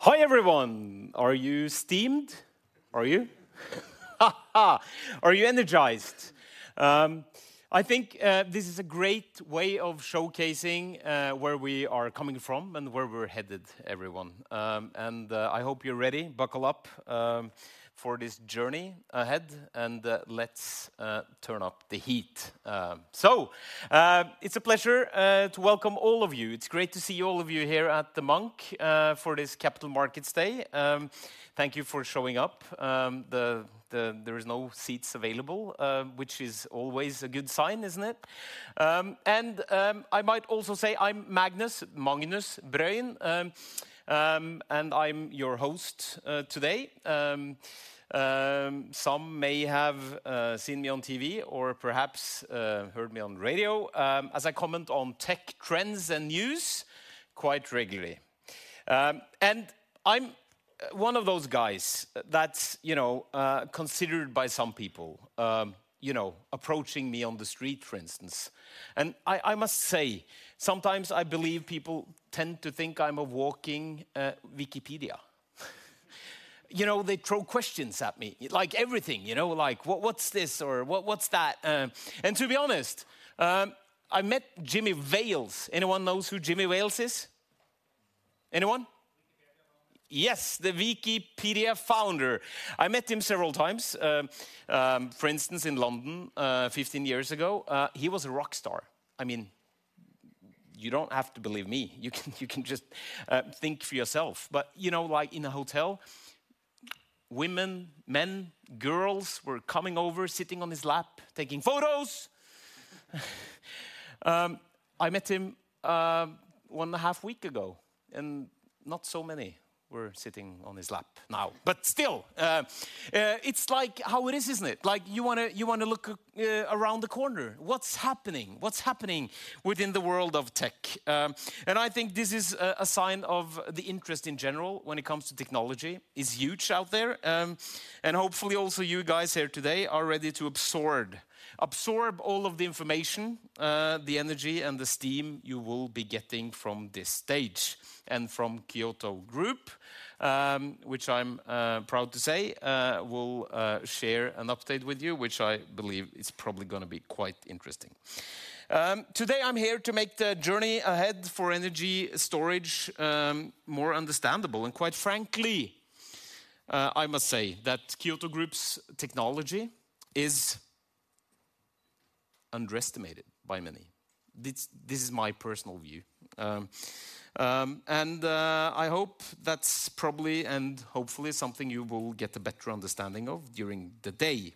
Hi, everyone. Are you steamed? Are you? Are you energized? I think this is a great way of showcasing where we are coming from and where we're headed, everyone. And I hope you're ready. Buckle up for this journey ahead, and let's turn up the heat. So it's a pleasure to welcome all of you. It's great to see all of you here at the Munch for this Capital Markets Day. Thank you for showing up. There is no seats available, which is always a good sign, isn't it? And I might also say I'm Magnus, Magnus Bruun. And I'm your host today. Some may have seen me on TV or perhaps heard me on the radio as I comment on tech trends and news quite regularly. And I'm one of those guys that's, you know, considered by some people, you know, approaching me on the street, for instance. And I must say, sometimes I believe people tend to think I'm a walking Wikipedia. You know, they throw questions at me, like everything, you know, like: What's this? Or what's that? And to be honest, I met Jimmy Wales. Anyone knows who Jimmy Wales is? Anyone? Wikipedia founder. Yes, the Wikipedia founder. I met him several times, for instance, in London, 15 years ago. He was a rock star. I mean, you don't have to believe me. You can, you can just, think for yourself. But, you know, like in a hotel, women, men, girls were coming over, sitting on his lap, taking photos. I met him, one and a half week ago, and not so many were sitting on his lap now. But still, it's like how it is, isn't it? Like, you wanna, you wanna look a, around the corner. What's happening? What's happening within the world of tech? And I think this is a, a sign of the interest in general when it comes to technology, is huge out there. And hopefully, also, you guys here today are ready to absorb. Absorb all of the information, the energy, and the steam you will be getting from this stage and from Kyoto Group, which I'm proud to say will share an update with you, which I believe is probably gonna be quite interesting. Today, I'm here to make the journey ahead for energy storage more understandable. And quite frankly, I must say that Kyoto Group's technology is underestimated by many. This is my personal view. I hope that's probably, and hopefully, something you will get a better understanding of during the day.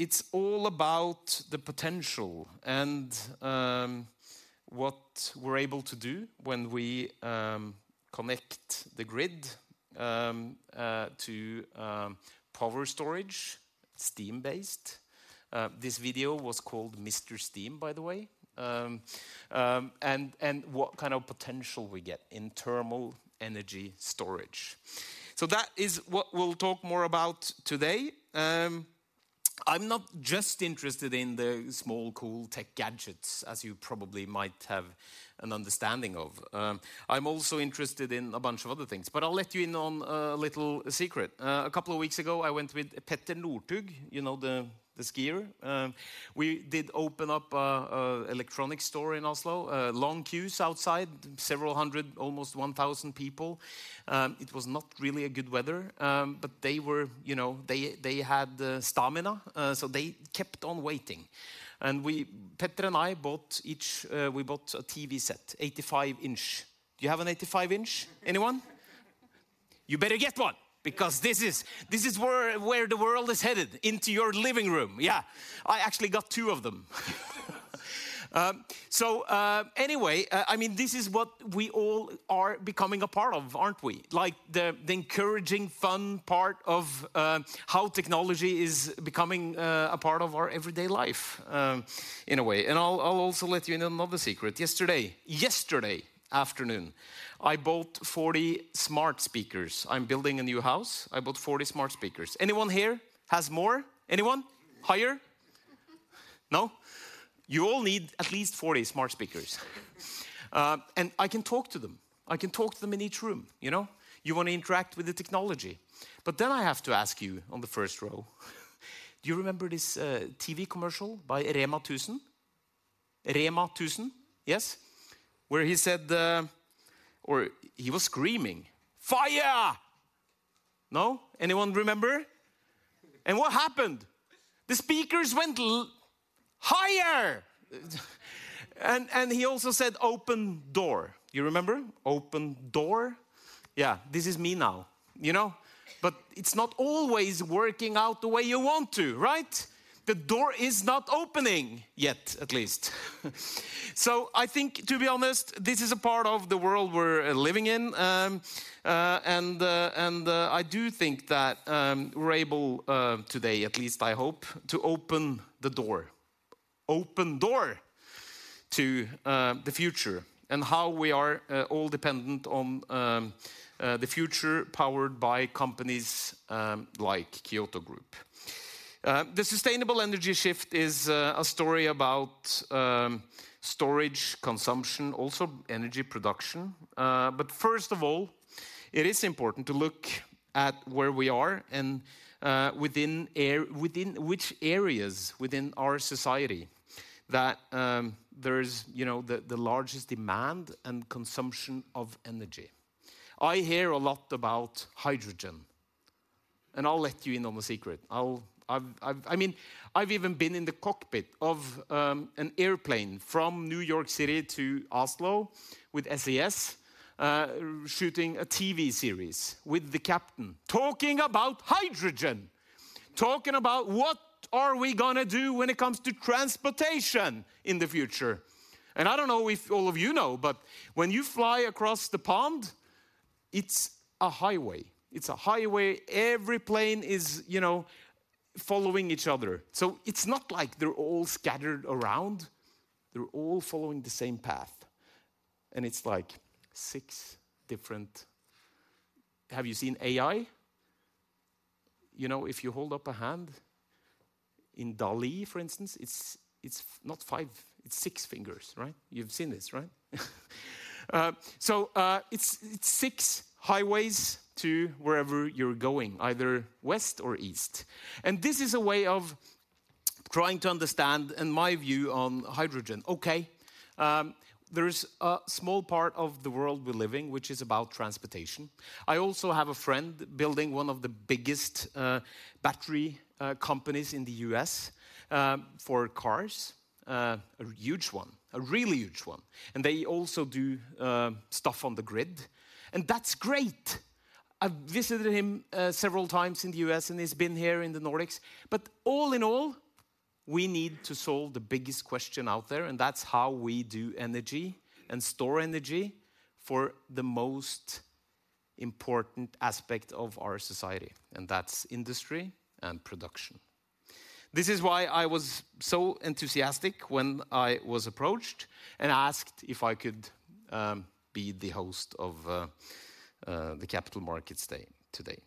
It's all about the potential and what we're able to do when we connect the grid to power storage, steam-based. This video was called Mr. Steam, by the way. What potential we get in thermal energy storage. So that is what we'll talk more about today. I'm not just interested in the small, cool tech gadgets, as you probably might have an understanding of. I'm also interested in a bunch of other things, but I'll let you in on a little secret. A couple of weeks ago, I went with Petter Northug, you know, the skier. We did open up an electronic store in Oslo, long queues outside, several hundred, almost 1,000 people. It was not really good weather, but they were, you know, they had the stamina, so they kept on waiting. And we, Petter and I, bought each, we bought a TV set, 85-inch. Do you have an 85-inch, anyone? You better get one, because this is, this is where, where the world is headed, into your living room. I actually got 2 of them. So, anyway, I mean, this is what we all are becoming a part of, aren't we? Like, the, the encouraging, fun part of, how technology is becoming, a part of our everyday life, in a way. And I'll, I'll also let you in on another secret. Yesterday, yesterday afternoon, I bought 40 smart speakers. I'm building a new house. I bought 40 smart speakers. Anyone here has more? Anyone higher? No? You all need at least 40 smart speakers. And I can talk to them. I can talk to them in each room, you know, you wanna interact with the technology. But then I have to ask you on the first row, do you remember this, TV commercial by Rema 1000? Rema 1000? Yes. Where he said, or he was screaming, "Fire!" No? Anyone remember? And what happened? The speakers went, "Higher!" And he also said, "Open door." You remember, open door? This is me now, you know, but it's not always working out the way you want to, right? The door is not opening, yet, at least. So I think, to be honest, this is a part of the world we're living in. And I do think that, we're able, today, at least I hope, to open the door. Open door to, the future and how we are, all dependent on, the future powered by companies, like Kyoto Group. The sustainable energy shift is a story about storage, consumption, also energy production. But first of all, it is important to look at where we are and within which areas within our society that there is, you know, the largest demand and consumption of energy. I hear a lot about hydrogen, and I'll let you in on a secret. I mean, I've even been in the cockpit of an airplane from New York City to Oslo with SAS, shooting a TV series with the captain, talking about hydrogen! Talking about what are we gonna do when it comes to transportation in the future. And I don't know if all of you know, but when you fly across the pond, it's a highway. It's a highway. Every plane is, you know, following each other. So it's not like they're all scattered around. They're all following the same path, and it's like 6 different. Have you seen AI? You know, if you hold up a hand in DALL-E, for instance, it's not 5, it's 6 fingers, right? You've seen this, right? So it's 6 highways to wherever you're going, either west or east. This is a way of trying to understand, in my view, on hydrogen. Okay, there is a small part of the world we're living, which is about transportation. I also have a friend building one of the biggest battery companies in the U.S. for cars. A huge one, a really huge one, and they also do stuff on the grid, and that's great. I've visited him several times in the U.S., and he's been here in the Nordics. But all in all, we need to solve the biggest question out there, and that's how we do energy and store energy for the most important aspect of our society, and that's industry and production. This is why I was so enthusiastic when I was approached and asked if I could be the host of the Capital Markets Day today.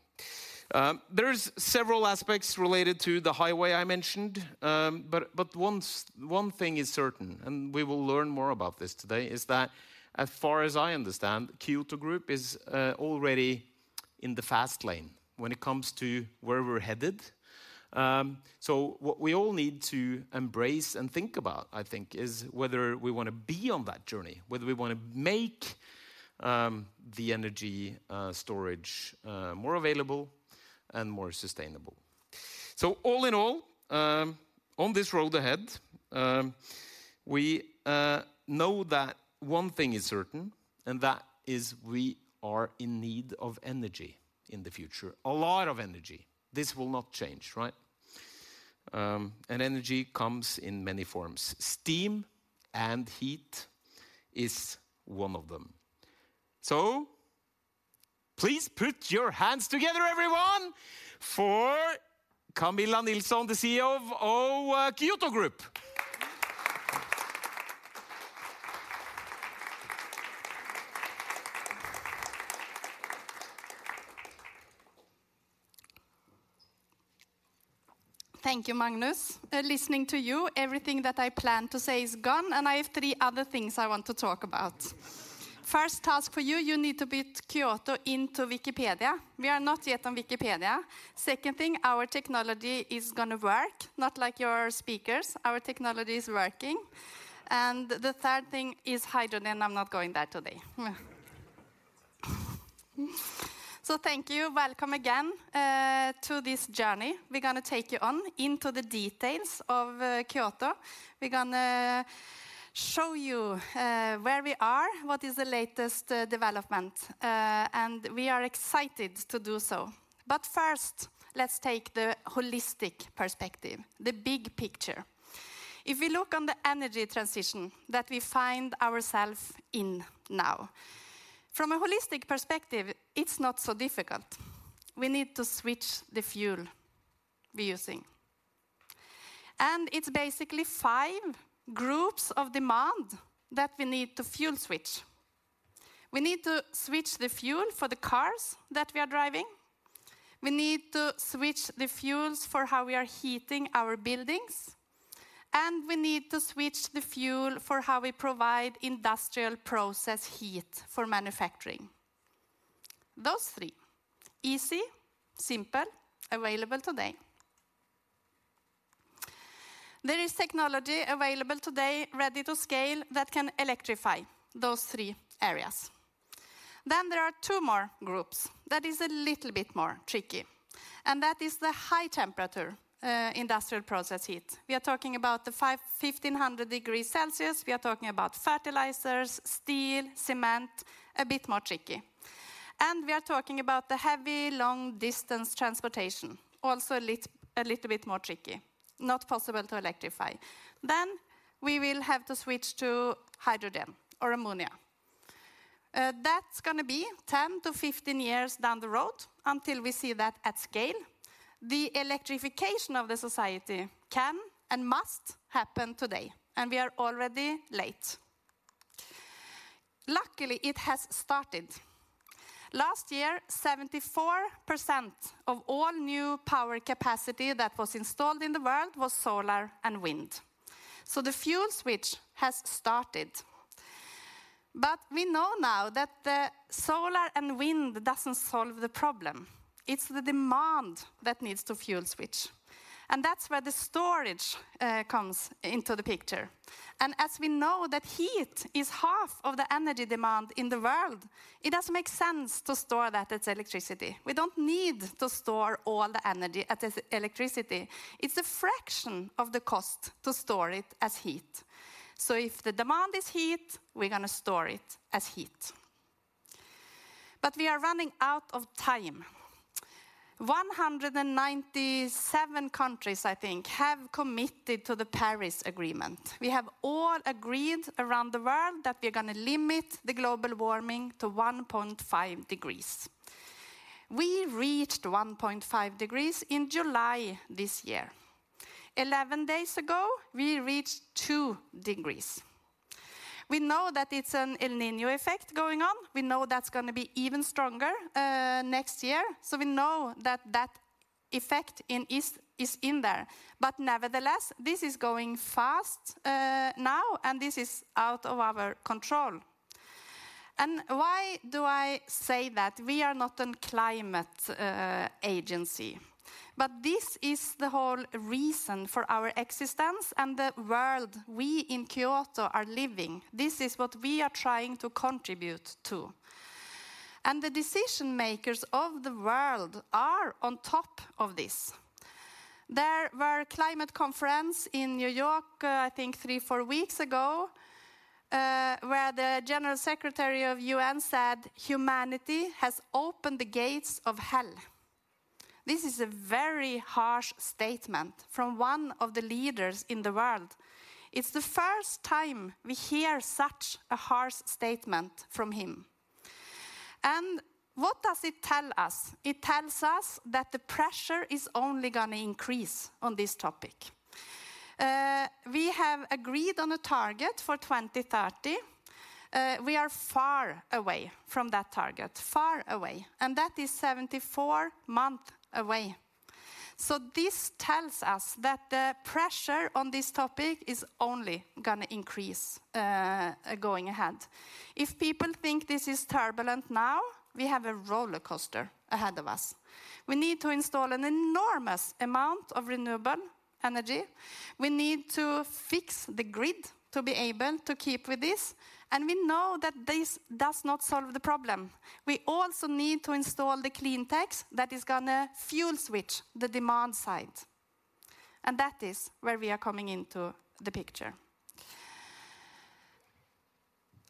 There's several aspects related to the highway I mentioned, but one thing is certain, and we will learn more about this today, is that as far as I understand, Kyoto Group is already in the fast lane when it comes to where we're headed. So what we all need to embrace and think about, I think, is whether we want to be on that journey, whether we want to make the energy storage more available and more sustainable. So all in all, on this road ahead, we know that one thing is certain, and that is we are in need of energy in the future. A lot of energy. This will not change, right? And energy comes in many forms. Steam and heat is one of them. So please put your hands together, everyone, for Camilla Nilsson, the CEO of, oh, Kyoto Group. Thank you, Magnus. Listening to you, everything that I planned to say is gone, and I have three other things I want to talk about. First task for you, you need to put Kyoto into Wikipedia. We are not yet on Wikipedia. Second thing, our technology is gonna work, not like your speakers. Our technology is working. And the third thing is hydrogen, I'm not going there today. So thank you. Welcome again, to this journey we're gonna take you on into the details of, Kyoto. We're gonna show you, where we are, what is the latest development, and we are excited to do so. But first, let's take the holistic perspective, the big picture. If we look on the energy transition that we find ourselves in now, from a holistic perspective, it's not so difficult. We need to switch the fuel we're using. It's basically five groups of demand that we need to fuel switch. We need to switch the fuel for the cars that we are driving, we need to switch the fuels for how we are heating our buildings, and we need to switch the fuel for how we provide industrial process heat for manufacturing. Those three, easy, simple, available today. There is technology available today ready to scale that can electrify those three areas. Then there are two more groups that is a little bit more tricky, and that is the high temperature, industrial process heat. We are talking about the 500-1500 degrees Celsius. We are talking about fertilizers, steel, cement, a bit more tricky. And we are talking about the heavy, long-distance transportation, also a little bit more tricky, not possible to electrify. Then we will have to switch to hydrogen or ammonia. That's gonna be 10-15 years down the road until we see that at scale. The electrification of the society can and must happen today, and we are already late. Luckily, it has started. Last year, 74% of all new power capacity that was installed in the world was solar and wind. So the fuel switch has started. But we know now that the solar and wind doesn't solve the problem, it's the demand that needs to fuel switch, and that's where the storage comes into the picture. And as we know that heat is half of the energy demand in the world, it doesn't make sense to store that as electricity. We don't need to store all the energy as electricity. It's a fraction of the cost to store it as heat. So if the demand is heat, we're gonna store it as heat. We are running out of time. 197 countries, I think, have committed to the Paris Agreement. We have all agreed around the world that we are gonna limit the global warming to 1.5 degrees. We reached 1.5 degrees in July this year. 11 days ago, we reached 2 degrees. We know that it's an El Niño effect going on, we know that's gonna be even stronger next year, so we know that that effect in East is in there. But nevertheless, this is going fast now, and this is out of our control. Why do I say that? We are not a climate agency, but this is the whole reason for our existence and the world we in Kyoto are living. This is what we are trying to contribute to, and the decision makers of the world are on top of this. There was a climate conference in New York, I think 3-4 weeks ago, where the General Secretary of UN said, "Humanity has opened the gates of hell." This is a very harsh statement from one of the leaders in the world. It's the first time we hear such a harsh statement from him. What does it tell us? It tells us that the pressure is only gonna increase on this topic. We have agreed on a target for 2030. We are far away from that target, far away, and that is 74 months away. So this tells us that the pressure on this topic is only gonna increase, going ahead. If people think this is turbulent now, we have a roller coaster ahead of us. We need to install an enormous amount of renewable energy. We need to fix the grid to be able to keep with this, and we know that this does not solve the problem. We also need to install the clean techs that is gonna fuel switch the demand side, and that is where we are coming into the picture.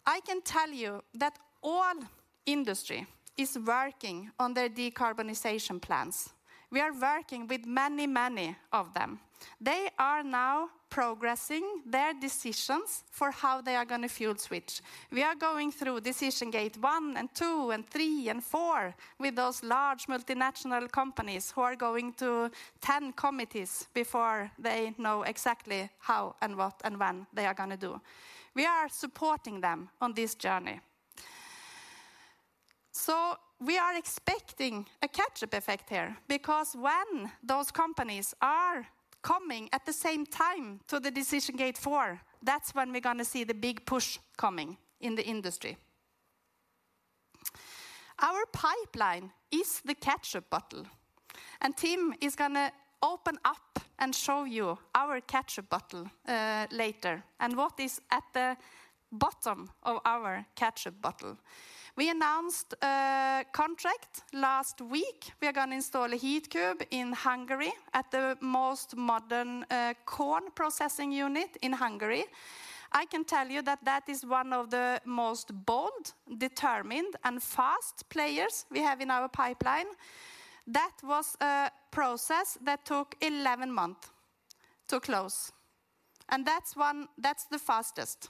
I can tell you that all industry is working on their decarbonization plans. We are working with many, many of them. They are now progressing their decisions for how they are gonna fuel switch. We are going through decision gate 1 and 2, and 3 and 4, with those large multinational companies who are going to 10 committees before they know exactly how and what, and when they are gonna do. We are supporting them on this journey. We are expecting a catch-up effect here, because when those companies are coming at the same time to the decision gate 4, that's when we're gonna see the big push coming in the industry. Our pipeline is the ketchup bottle, and Tim is gonna open up and show you our ketchup bottle later, and what is at the bottom of our ketchup bottle. We announced a contract last week. We are gonna install a Heatcube in Hungary at the most modern corn processing unit in Hungary. I can tell you that that is one of the most bold, determined, and fast players we have in our pipeline. That was a process that took 11 months to close, and that's one. That's the fastest,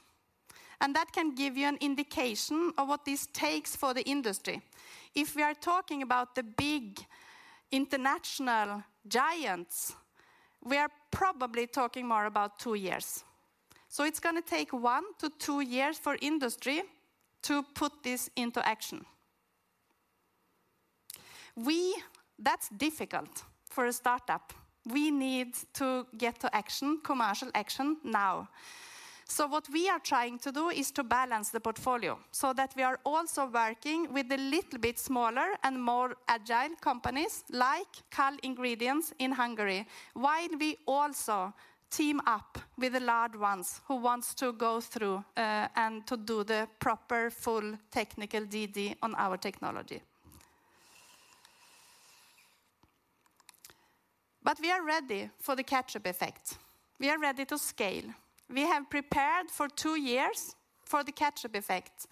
and that can give you an indication of what this takes for the industry. If we are talking about the big international giants, we are probably talking more about two years. So it's gonna take 1-2 years for industry to put this into action. That's difficult for a startup. We need to get to action, commercial action now. So what we are trying to do is to balance the portfolio, so that we are also working with the little bit smaller and more agile companies, like KALL Ingredients in Hungary, while we also team up with the large ones who wants to go through and to do the proper, full technical DD on our technology. But we are ready for the catch-up effect. We are ready to scale. We have prepared for two years for the catch-up effect,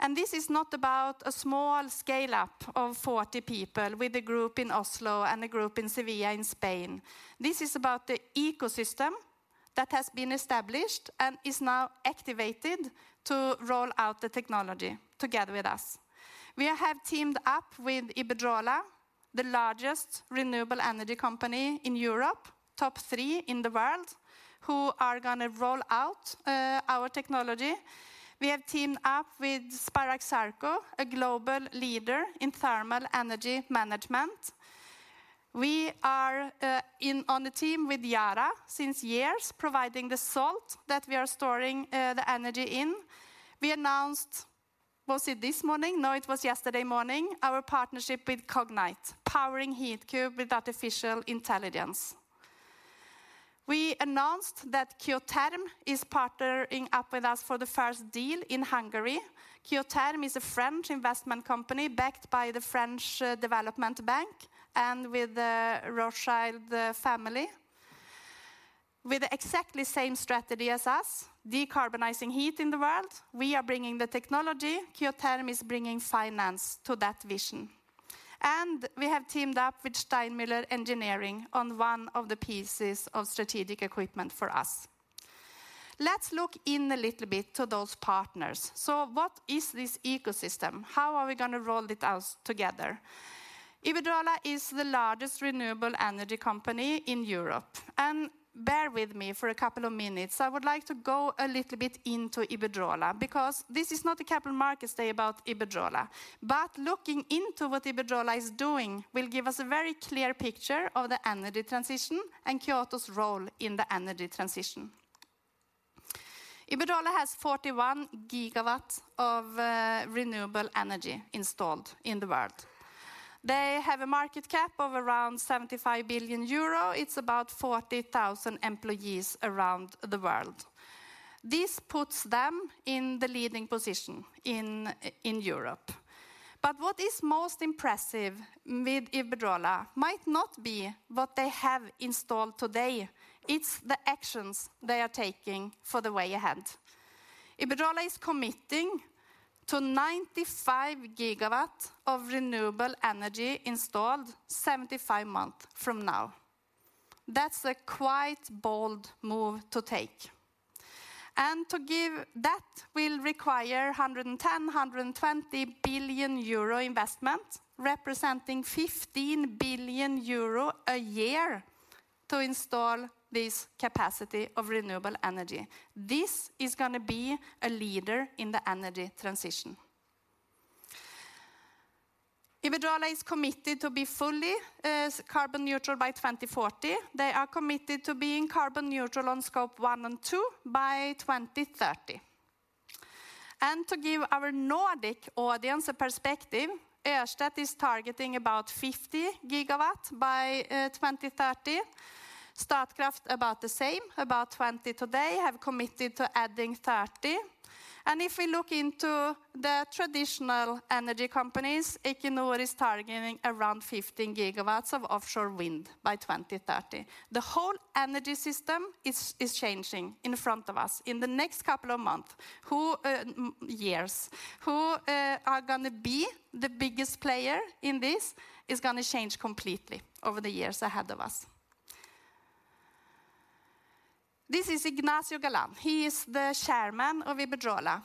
and this is not about a small scale-up of 40 people with a group in Oslo and a group in Sevilla, in Spain. This is about the ecosystem that has been established and is now activated to roll out the technology together with us. We have teamed up with Iberdrola, the largest renewable energy company in Europe, top 3 in the world, who are gonna roll out our technology. We have teamed up with Spirax Sarco, a global leader in thermal energy management. We are in on the team with Yara since years, providing the salt that we are storing the energy in. We announced, was it this morning? No, it was yesterday morning, our partnership with Cognite, powering Heatcube with artificial intelligence. We announced that Kyotherm is partnering up with us for the first deal in Hungary. Kyotherm is a French investment company backed by the French Development Bank and with the Rothschild family, with exactly the same strategy as us, decarbonizing heat in the world. We are bringing the technology, Kyotherm is bringing finance to that vision. We have teamed up with Steinmüller Engineering on one of the pieces of strategic equipment for us. Let's look in a little bit to those partners. So what is this ecosystem? How are we gonna roll it out together? Iberdrola is the largest renewable energy company in Europe, and bear with me for a couple of minutes. I would like to go a little bit into Iberdrola because this is not a capital markets day about Iberdrola, but looking into what Iberdrola is doing will give us a very clear picture of the energy transition and Kyoto's role in the energy transition. Iberdrola has 41 gigawatts of renewable energy installed in the world. They have a market cap of around 75 billion euro. It's about 40,000 employees around the world. This puts them in the leading position in Europe. But what is most impressive with Iberdrola might not be what they have installed today, it's the actions they are taking for the way ahead. Iberdrola is committing to 95 gigawatts of renewable energy installed 75 months from now. That's a quite bold move to take. And to give. That will require 110-120 billion euro investment, representing 15 billion euro a year to install this capacity of renewable energy. This is gonna be a leader in the energy transition. Iberdrola is committed to be fully carbon neutral by 2040. They are committed to being carbon neutral on Scope 1 and 2 by 2030. And to give our Nordic audience a perspective, Ørsted is targeting about 50 gigawatts by twenty thirty. Statkraft about the same, about 20 today, have committed to adding 30. And if we look into the traditional energy companies, Equinor is targeting around 15 gigawatts of offshore wind by twenty thirty. The whole energy system is, is changing in front of us. In the next couple of months, who are gonna be the biggest player in this is gonna change completely over the years ahead of us. This is Ignacio Galán. He is the Chairman of Iberdrola.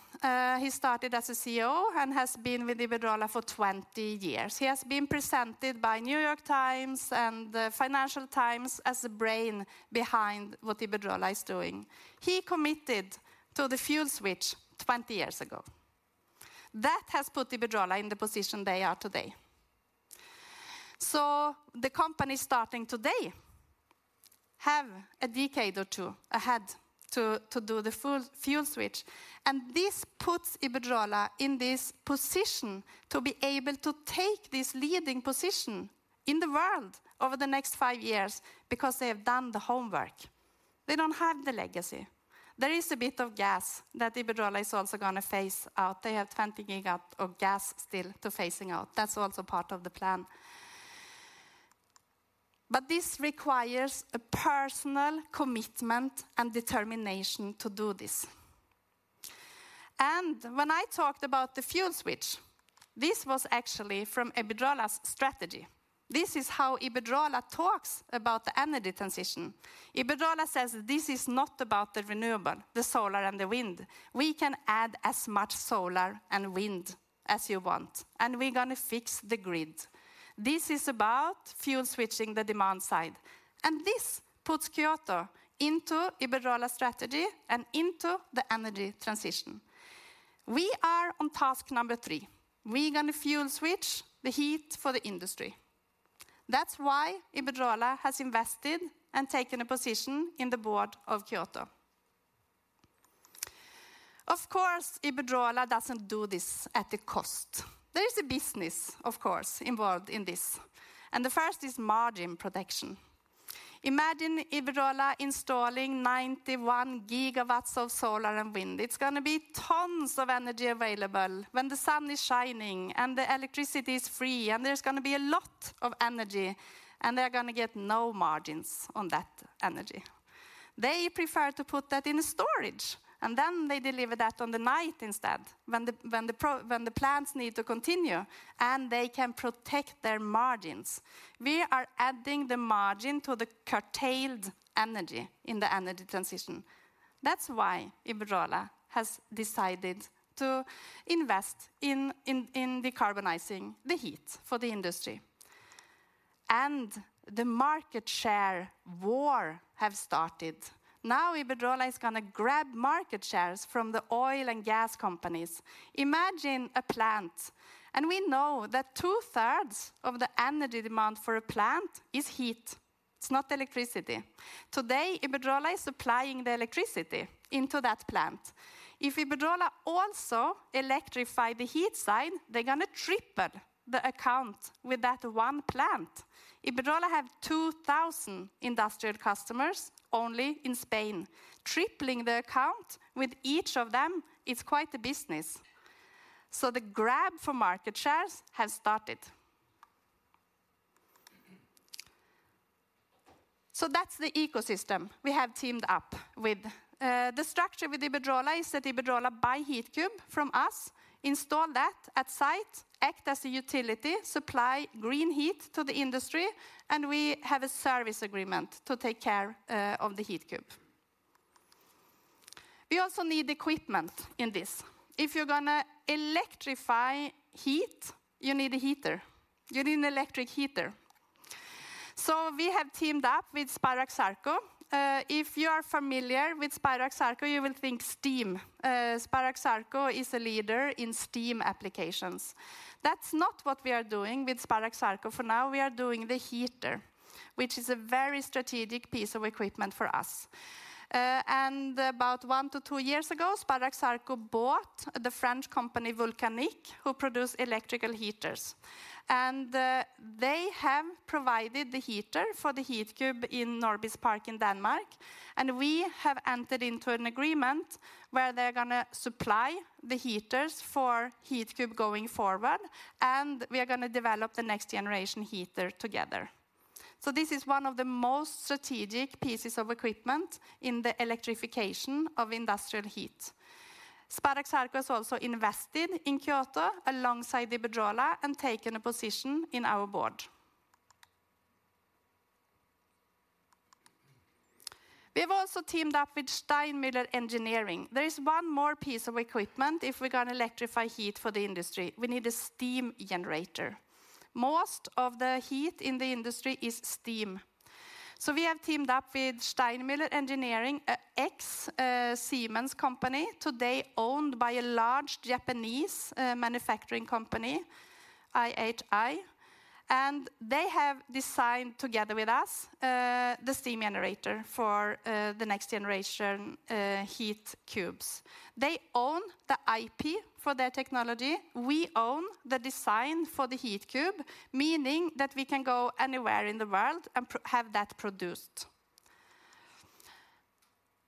He started as a CEO and has been with Iberdrola for 20 years. He has been presented by New York Times and the Financial Times as the brain behind what Iberdrola is doing. He committed to the fuel switch 20 years ago. That has put Iberdrola in the position they are today. So the company starting today have a decade or two ahead to do the full fuel switch, and this puts Iberdrola in this position to be able to take this leading position in the world over the next five years, because they have done the homework. They don't have the legacy. There is a bit of gas that Iberdrola is also gonna phase out. They have 20 gigawatts of gas still to phasing out. That's also part of the plan. But this requires a personal commitment and determination to do this. And when I talked about the fuel switch, this was actually from Iberdrola's strategy. This is how Iberdrola talks about the energy transition. Iberdrola says this is not about the renewable, the solar and the wind. We can add as much solar and wind as you want, and we're gonna fix the grid. This is about fuel switching the demand side, and this puts Kyoto into Iberdrola's strategy and into the energy transition. We are on task number three. We're gonna fuel switch the heat for the industry. That's why Iberdrola has invested and taken a position in the board of Kyoto. Of course, Iberdrola doesn't do this at a cost. There is a business, of course, involved in this, and the first is margin protection. Imagine Iberdrola installing 91 gigawatts of solar and wind. It's gonna be tons of energy available when the sun is shining and the electricity is free, and there's gonna be a lot of energy, and they're gonna get no margins on that energy. They prefer to put that in storage, and then they deliver that on the night instead, when the plants need to continue, and they can protect their margins. We are adding the margin to the curtailed energy in the energy transition. That's why Iberdrola has decided to invest in decarbonizing the heat for the industry. The market share war have started. Now, Iberdrola is gonna grab market shares from the oil and gas companies. Imagine a plant, and we know that two-thirds of the energy demand for a plant is heat. It's not electricity. Today, Iberdrola is supplying the electricity into that plant. If Iberdrola also electrify the heat side, they're gonna triple the account with that one plant. Iberdrola have 2,000 industrial customers only in Spain. Tripling the account with each of them is quite a business. So the grab for market shares has started. So that's the ecosystem we have teamed up with. The structure with Iberdrola is that Iberdrola buy Heatcube from us, install that at site, act as a utility, supply green heat to the industry, and we have a service agreement to take care of the Heatcube. We also need equipment in this. If you're gonna electrify heat, you need a heater. You need an electric heater. So we have teamed up with Spirax Sarco. If you are familiar with Spirax Sarco, you will think steam. Spirax Sarco is a leader in steam applications. That's not what we are doing with Spirax Sarco for now, we are doing the heater, which is a very strategic piece of equipment for us. And about 1-2 years ago, Spirax Sarco bought the French company, Vulcanic, who produce electrical heaters. And they have provided the heater for the Heatcube in Norbis Park in Denmark, and we have entered into an agreement where they're gonna supply the heaters for Heatcube going forward, and we are gonna develop the next generation heater together. So this is one of the most strategic pieces of equipment in the electrification of industrial heat. Spirax Sarco has also invested in Kyoto alongside Iberdrola, and taken a position on our board. We've also teamed up with Steinmüller Engineering. There is one more piece of equipment if we're gonna electrify heat for the industry, we need a steam generator. Most of the heat in the industry is steam, so we have teamed up with Steinmüller Engineering, an ex-Siemens company, today owned by a large Japanese manufacturing company, IHI, and they have designed together with us the steam generator for the next generation Heatcube. They own the IP for their technology. We own the design for the Heatcube, meaning that we can go anywhere in the world and have that produced.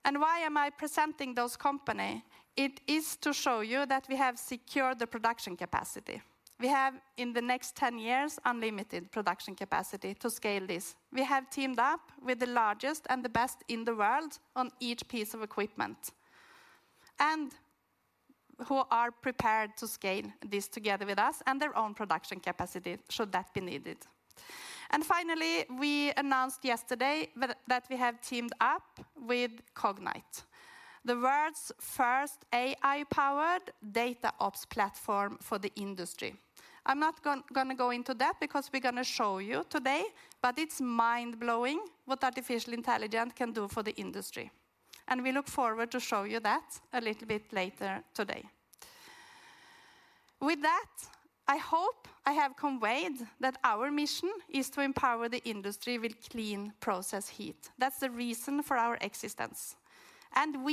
And why am I presenting those companies? It is to show you that we have secured the production capacity. We have, in the next 10 years, unlimited production capacity to scale this. We have teamed up with the largest and the best in the world on each piece of equipment, and who are prepared to scale this together with us and their own production capacity, should that be needed. And finally, we announced yesterday that, that we have teamed up with Cognite, the world's first AI-powered data ops platform for the industry. I'm not gonna go into that because we're gonna show you today, but it's mind-blowing what artificial intelligence can do for the industry, and we look forward to show you that a little bit later today. With that, I hope I have conveyed that our mission is to empower the industry with clean process heat. That's the reason for our existence. And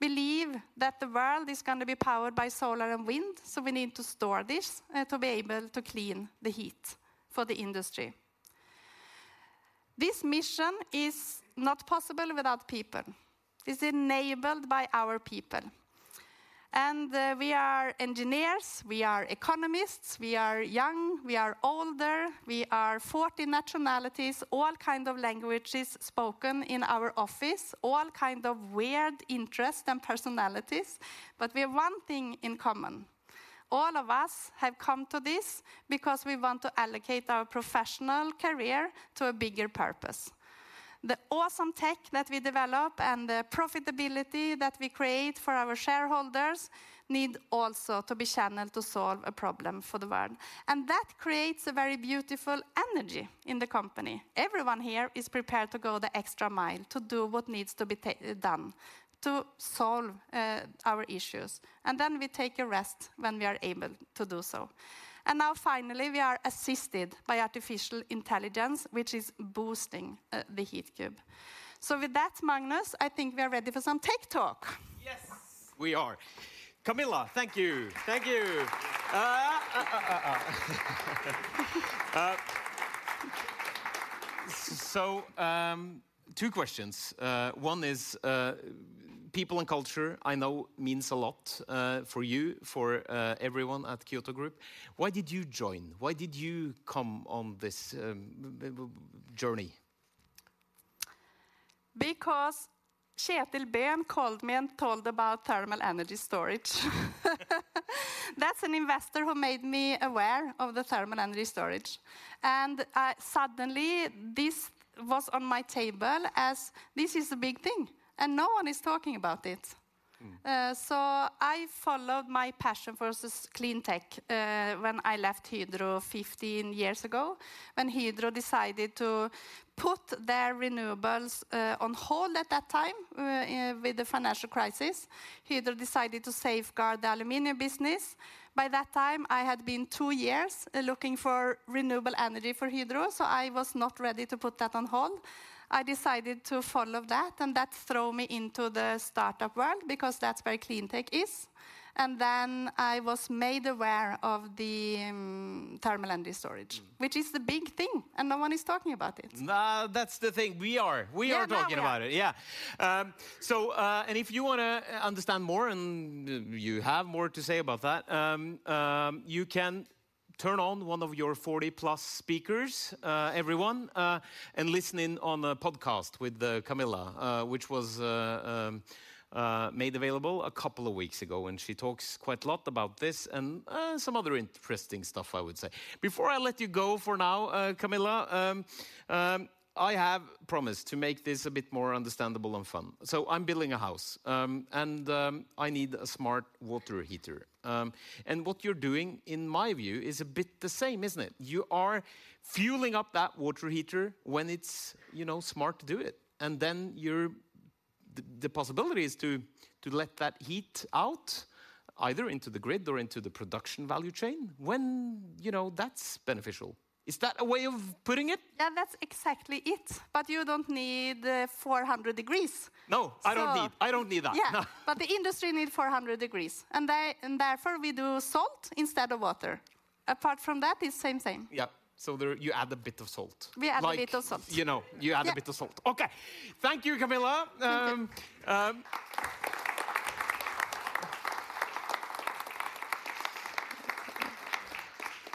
we believe that the world is gonna be powered by solar and wind, so we need to store this, to be able to clean the heat for the industry. This mission is not possible without people. It's enabled by our people, and we are engineers, we are economists, we are young, we are older, we are 40 nationalities, all languages spoken in our office, all weird interests and personalities, but we have one thing in common: all of us have come to this because we want to allocate our professional career to a bigger purpose. The awesome tech that we develop and the profitability that we create for our shareholders need also to be channeled to solve a problem for the world, and that creates a very beautiful energy in the company. Everyone here is prepared to go the extra mile, to do what needs to be done, to solve our issues, and then we take a rest when we are able to do so. And now, finally, we are assisted by artificial intelligence, which is boosting the Heatcube. So with that, Magnus, I think we are ready for some tech talk! Yes, we are. Camilla, thank you. Thank you. So, two questions. One is people and culture, I know means a lot for you, for everyone at Kyoto Group. Why did you join? Why did you come on this journey? Because Kjetil Bøhn called me and told me about thermal energy storage. That's an investor who made me aware of the thermal energy storage, and, suddenly this was on my table as this is a big thing, and no one is talking about it. So I followed my passion for this clean tech, when I left Hydro 15 years ago, when Hydro decided to put their renewables on hold at that time, with the financial crisis. Hydro decided to safeguard the aluminum business. By that time, I had been 2 years looking for renewable energy for Hydro, so I was not ready to put that on hold. I decided to follow that, and that throw me into the startup world, because that's where clean tech is. Then I was made aware of the Thermal Energy Storage, which is the big thing, and no one is talking about it. Nah, that's the thing. We are talking about it. Now we are. So if you want to understand more, and you have more to say about that, you can turn on one of your 40+ speakers, everyone, and listen in on a podcast with Camilla, which was made available a couple of weeks ago, and she talks quite a lot about this and some other interesting stuff, I would say. Before I let you go for now, Camilla, I have promised to make this a bit more understandable and fun. So I'm building a house, and I need a smart water heater. And what you're doing, in my view, is a bit the same, isn't it? You are fueling up that water heater when it's, you know, smart to do it, and then you're. The possibility is to let that heat out, either into the grid or into the production value chain, when, you know, that's beneficial. Is that a way of putting it? That's exactly it. But you don't need 400 degrees. No, I don't need. So- I don't need that. But the industry need 400 degrees, and therefore we do salt instead of water. Apart from that, it's same, same. So there you add a bit of salt. We add a bit of salt. Like, you know, you add a bit of salt. Yeah. Okay. Thank you, Camilla.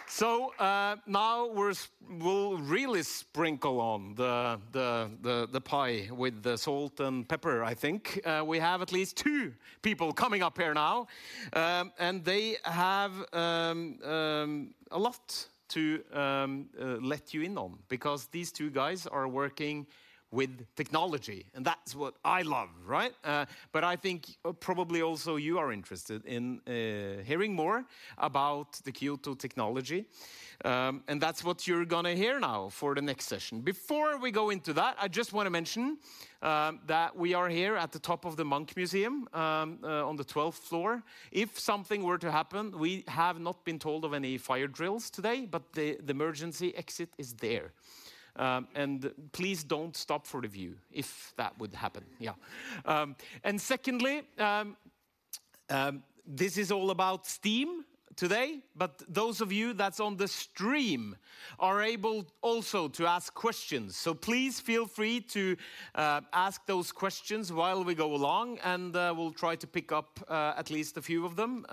So, now we'll really sprinkle on the pie with the salt and pepper, I think. We have at least two people coming up here now, and they have a lot to let you in on, because these two guys are working with technology, and that's what I love, right? But I think probably also you are interested in hearing more about the Q2 technology. And that's what you're gonna hear now for the next session. Before we go into that, I just want to mention that we are here at the top of the Munch Museum on the 12th floor. If something were to happen, we have not been told of any fire drills today, but the emergency exit is there. And please don't stop for the view if that would happen. And secondly, this is all about steam today, but those of you that's on the stream are able also to ask questions. So please feel free to ask those questions while we go along, and we'll try to pick up at least a few of them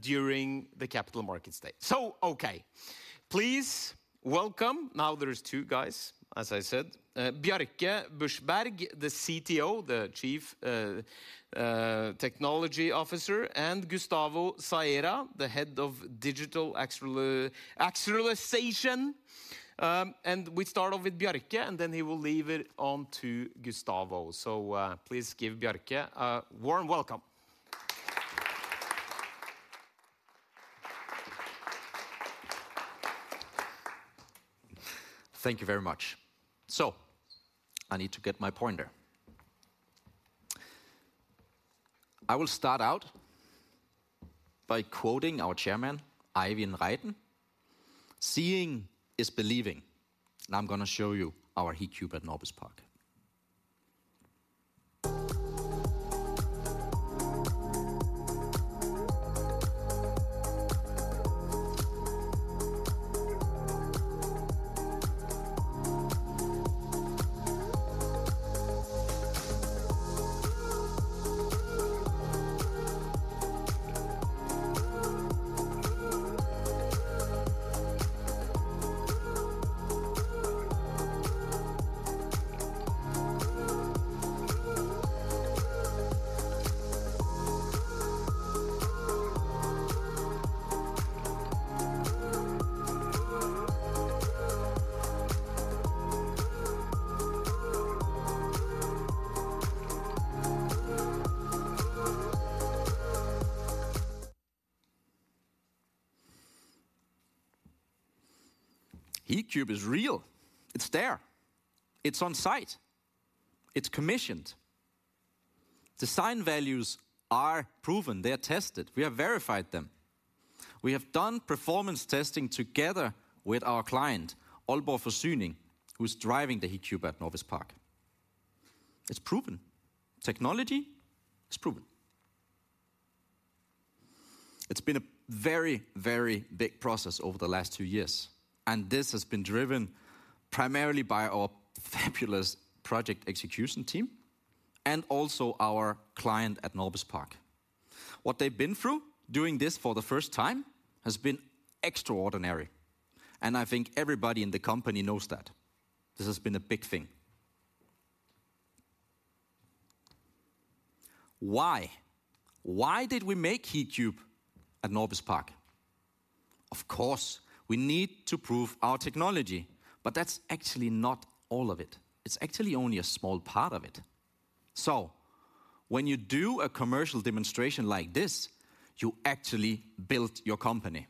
during the capital markets day. So okay, please welcome. Now, there's two guys, as I said, Bjarke Buchbjerg, the CTO, the Chief Technology Officer, and Gustavo Zaera, the head of digital actualization. And we start off with Bjarke, and then he will leave it on to Gustavo. So, please give Bjarke a warm welcome. Thank you very much. So I need to get my pointer. I will start out by quoting our chairman, Eivind Reiten: "Seeing is believing." Now, I'm gonna show you our Heatcube at Norbis Park. Heatcube is real. It's there. It's on site. It's commissioned. Design values are proven. They're tested. We have verified them. We have done performance testing together with our client, Aalborg Forsyning, who's driving the Heatcube at Norbis Park. It's proven. Technology is proven. It's been a very, very big process over the last two years, and this has been driven primarily by our fabulous project execution team and also our client at Norbis Park. What they've been through, doing this for the first time, has been extraordinary, and I think everybody in the company knows that. This has been a big thing. Why? Why did we make Heatcube at Norbis Park? Of course, we need to prove our technology, but that's actually not all of it. It's actually only a small part of it. So when you do a commercial demonstration like this, you actually build your company.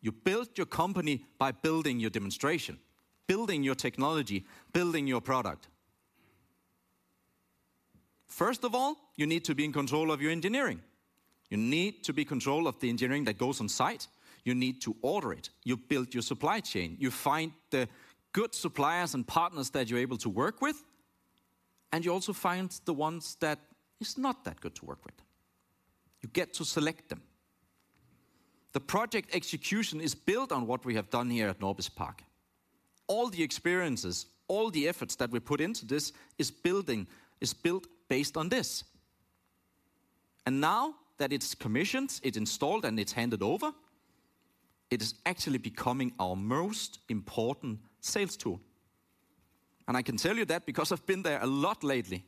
You build your company by building your demonstration, building your technology, building your product. First of all, you need to be in control of your engineering. You need to be in control of the engineering that goes on site. You need to order it. You build your supply chain. You find the good suppliers and partners that you're able to work with, and you also find the ones that is not that good to work with. You get to select them. The project execution is built on what we have done here at Norbis Park. All the experiences, all the efforts that we put into this, is built based on this. And now that it's commissioned, it's installed, and it's handed over, it is actually becoming our most important sales tool. I can tell you that because I've been there a lot lately.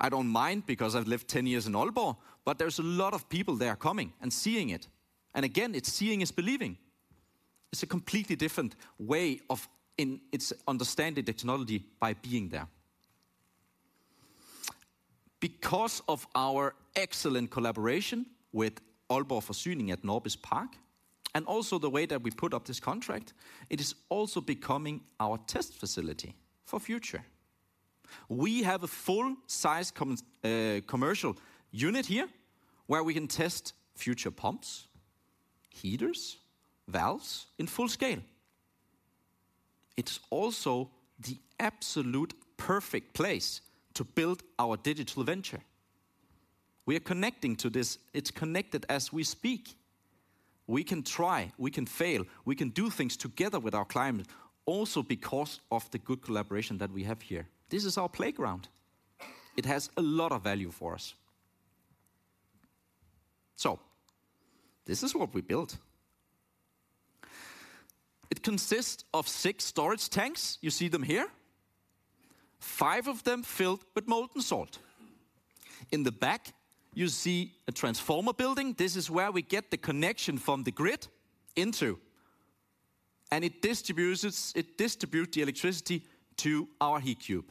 I don't mind because I've lived 10 years in Aalborg, but there's a lot of people there coming and seeing it. And again, it's seeing is believing. It's a completely different way of it's understanding the technology by being there. Because of our excellent collaboration with Aalborg Forsyning at Norbis Park, and also the way that we put up this contract, it is also becoming our test facility for future. We have a full size commercial unit here, where we can test future pumps, heaters, valves in full scale. It's also the absolute perfect place to build our digital venture. We are connecting to this. It's connected as we speak. We can try, we can fail, we can do things together with our client, also because of the good collaboration that we have here. This is our playground. It has a lot of value for us. So this is what we built. It consists of six storage tanks. You see them here, five of them filled with molten salt. In the back, you see a transformer building. This is where we get the connection from the grid into, and it distributes, it distribute the electricity to our Heatcube.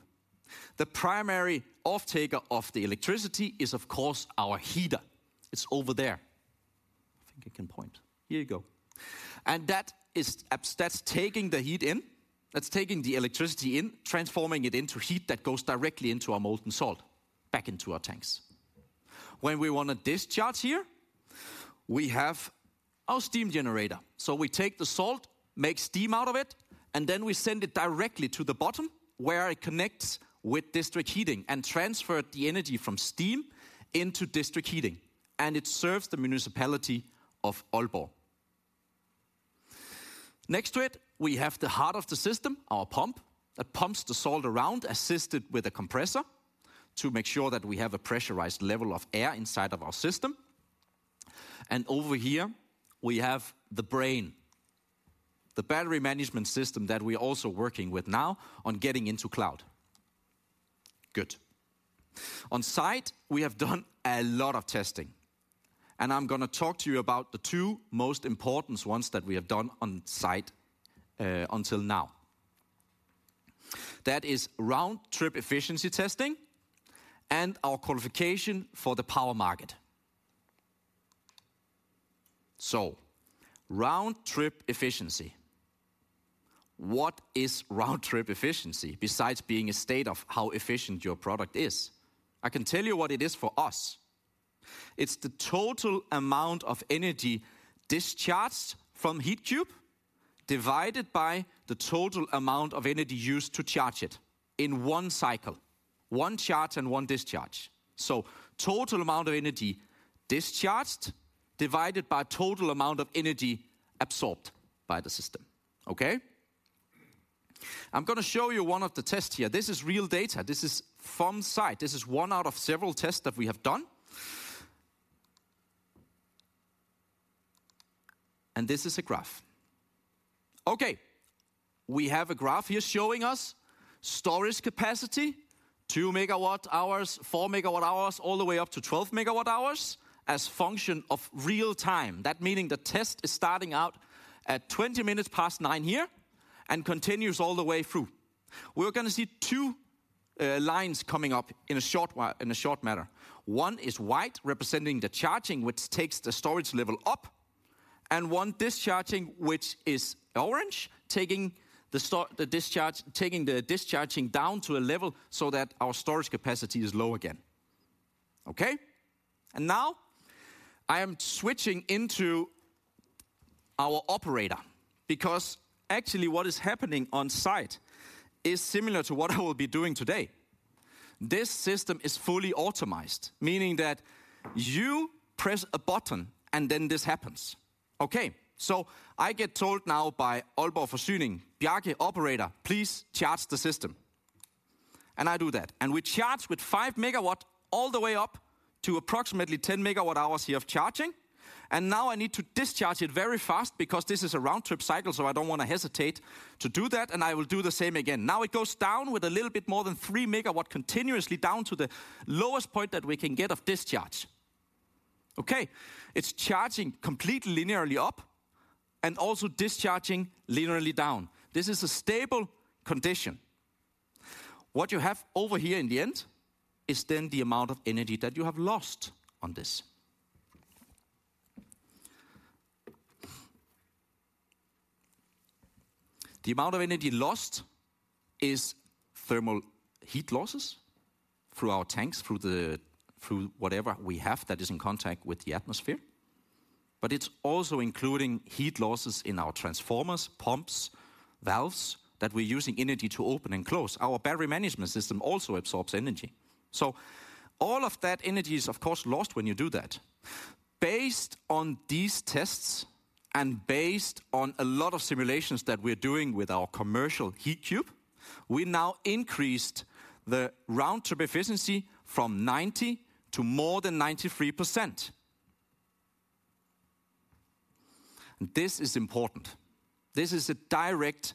The primary off-taker of the electricity is, of course, our heater. It's over there. I think I can point. Here you go. And that's taking the heat in, that's taking the electricity in, transforming it into heat that goes directly into our molten salt, back into our tanks. When we wanna discharge here, we have our steam generator. So we take the salt, make steam out of it, and then we send it directly to the bottom, where it connects with district heating and transfer the energy from steam into district heating, and it serves the municipality of Aalborg. Next to it, we have the heart of the system, our pump, that pumps the salt around, assisted with a compressor to make sure that we have a pressurized level of air inside of our system. And over here, we have the brain, the Battery Management System that we are also working with now on getting into cloud. Good. On site, we have done a lot of testing, and I'm gonna talk to you about the two most important ones that we have done on site until now. That is round-trip efficiency testing and our qualification for the power market. So round-trip efficiency. What is round-trip efficiency, besides being a state of how efficient your product is? I can tell you what it is for us. It's the total amount of energy discharged from Heatcube, divided by the total amount of energy used to charge it in one cycle, one charge and one discharge. So total amount of energy discharged, divided by total amount of energy absorbed by the system. Okay? I'm gonna show you one of the tests here. This is real data. This is from site. This is one out of several tests that we have done. And this is a graph. Okay, we have a graph here showing us storage capacity, 2 MWh, 4 MWh, all the way up to 12 MWh, as function of real time. That meaning the test is starting out at 9:20 here and continues all the way through. We're gonna see two lines coming up in a short matter. One is white, representing the charging, which takes the storage level up, and one discharging, which is orange, taking the discharge, taking the discharging down to a level so that our storage capacity is low again. Okay? Now I am switching into our operator because actually, what is happening on site is similar to what I will be doing today. This system is fully automated, meaning that you press a button, and then this happens. Okay, so I get told now by Aalborg Forsyning, "Bjarke, operator, please charge the system." And I do that, and we charge with 5 MW, all the way up to approximately 10 MWh here of charging. And now I need to discharge it very fast because this is a round-trip cycle, so I don't wanna hesitate to do that, and I will do the same again. Now, it goes down with a little bit more than 3 MW, continuously down to the lowest point that we can get of discharge. Okay, it's charging completely linearly up and also discharging linearly down. This is a stable condition. What you have over here in the end is then the amount of energy that you have lost on this. The amount of energy lost is thermal heat losses through our tanks, through whatever we have that is in contact with the atmosphere, but it's also including heat losses in our transformers, pumps, valves, that we're using energy to open and close. Our battery management system also absorbs energy. So all of that energy is, of course, lost when you do that. Based on these tests, and based on a lot of simulations that we're doing with our commercial Heatcube, we now increased the round-trip efficiency from 90 to more than 93%. This is important. This is a direct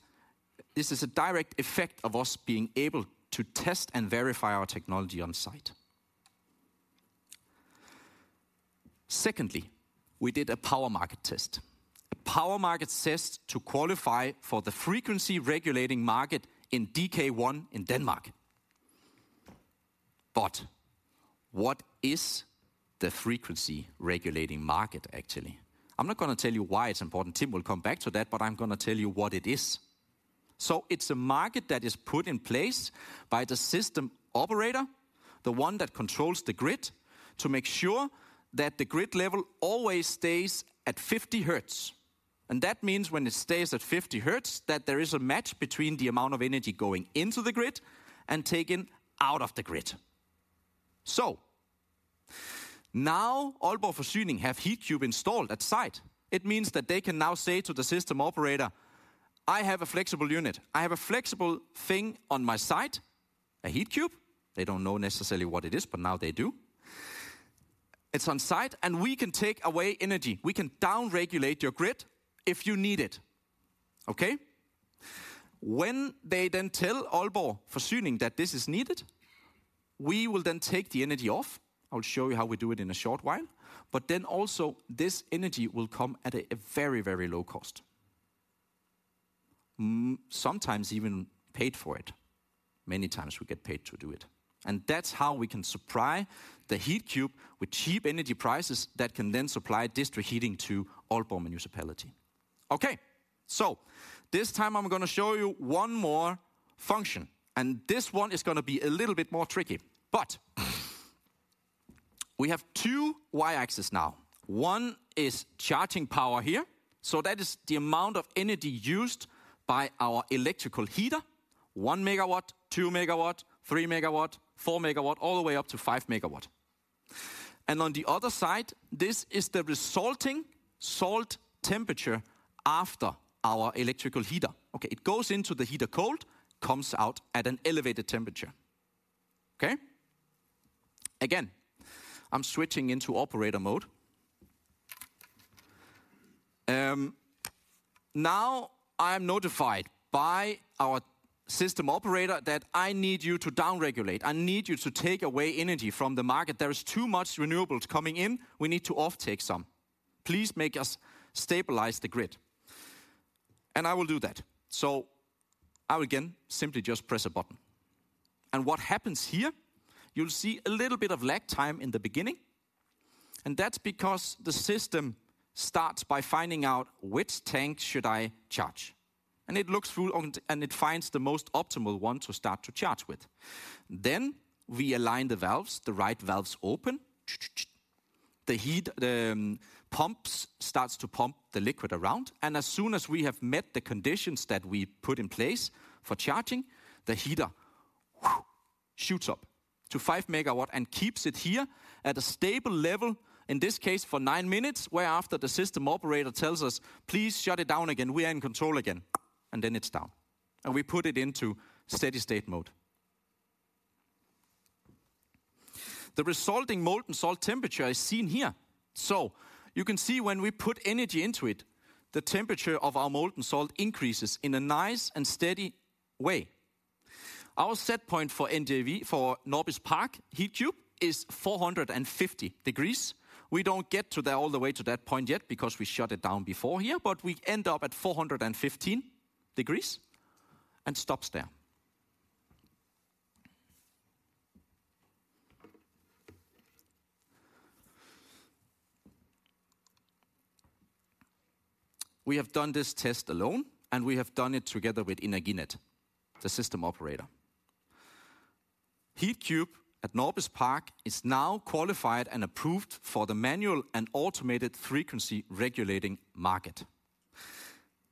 effect of us being able to test and verify our technology on site. Secondly, we did a power market test. A power market test to qualify for the frequency regulating market in DK1 in Denmark. But what is the frequency regulating market, actually? I'm not gonna tell you why it's important, Tim will come back to that, but I'm gonna tell you what it is. So it's a market that is put in place by the system operator, the one that controls the grid, to make sure that the grid level always stays at 50 Hz. And that means when it stays at 50 Hz, that there is a match between the amount of energy going into the grid and taken out of the grid. So, now, Aalborg Forsyning have Heatcube installed at site. It means that they can now say to the system operator, "I have a flexible unit. I have a flexible thing on my site, a Heatcube." They don't know necessarily what it is, but now they do. "It's on site, and we can take away energy. We can down-regulate your grid if you need it." Okay? When they then tell Aalborg Forsyning that this is needed, we will then take the energy off. I'll show you how we do it in a short while, but then also this energy will come at a very, very low cost. Sometimes even paid for it. Many times we get paid to do it. And that's how we can supply the Heatcube with cheap energy prices that can then supply district heating to Aalborg Municipality. Okay, so this time I'm gonna show you one more function, and this one is gonna be a little bit more tricky, but. We have two y-axis now. One is charging power here, so that is the amount of energy used by our electrical heater, 1 MW, 2 MW, 3 MW, 4 MW, all the way up to 5 MW. And on the other side, this is the resulting salt temperature after our electrical heater. Okay, it goes into the heater cold, comes out at an elevated temperature. Okay? Again, I'm switching into operator mode. Now, I am notified by our system operator that I need you to down-regulate. I need you to take away energy from the market. There is too much renewables coming in, we need to offtake some. Please make us stabilize the grid. And I will do that. So I will, again, simply just press a button. And what happens here, you'll see a little bit of lag time in the beginning, and that's because the system starts by finding out which tank should I charge. And it looks through and it finds the most optimal one to start to charge with. Then we align the valves, the right valves open, tch, tch, tch. The heat pumps starts to pump the liquid around, and as soon as we have met the conditions that we put in place for charging, the heater, whew, shoots up to 5 MW and keeps it here at a stable level, in this case, for 9 minutes, whereafter the system operator tells us, "Please shut it down again. We are in control again," and then it's down, and we put it into steady state mode. The resulting molten salt temperature is seen here. So you can see when we put energy into it, the temperature of our molten salt increases in a nice and steady way. Our set point for NJV, for Norbis Park Heatcube, is 450 degrees. We don't get to that all the way to that point yet because we shut it down before here, but we end up at 415 degrees and stops there. We have done this test alone, and we have done it together with Energinet, the system operator. Heatcube at Norbis Park is now qualified and approved for the manual and automated frequency regulating market.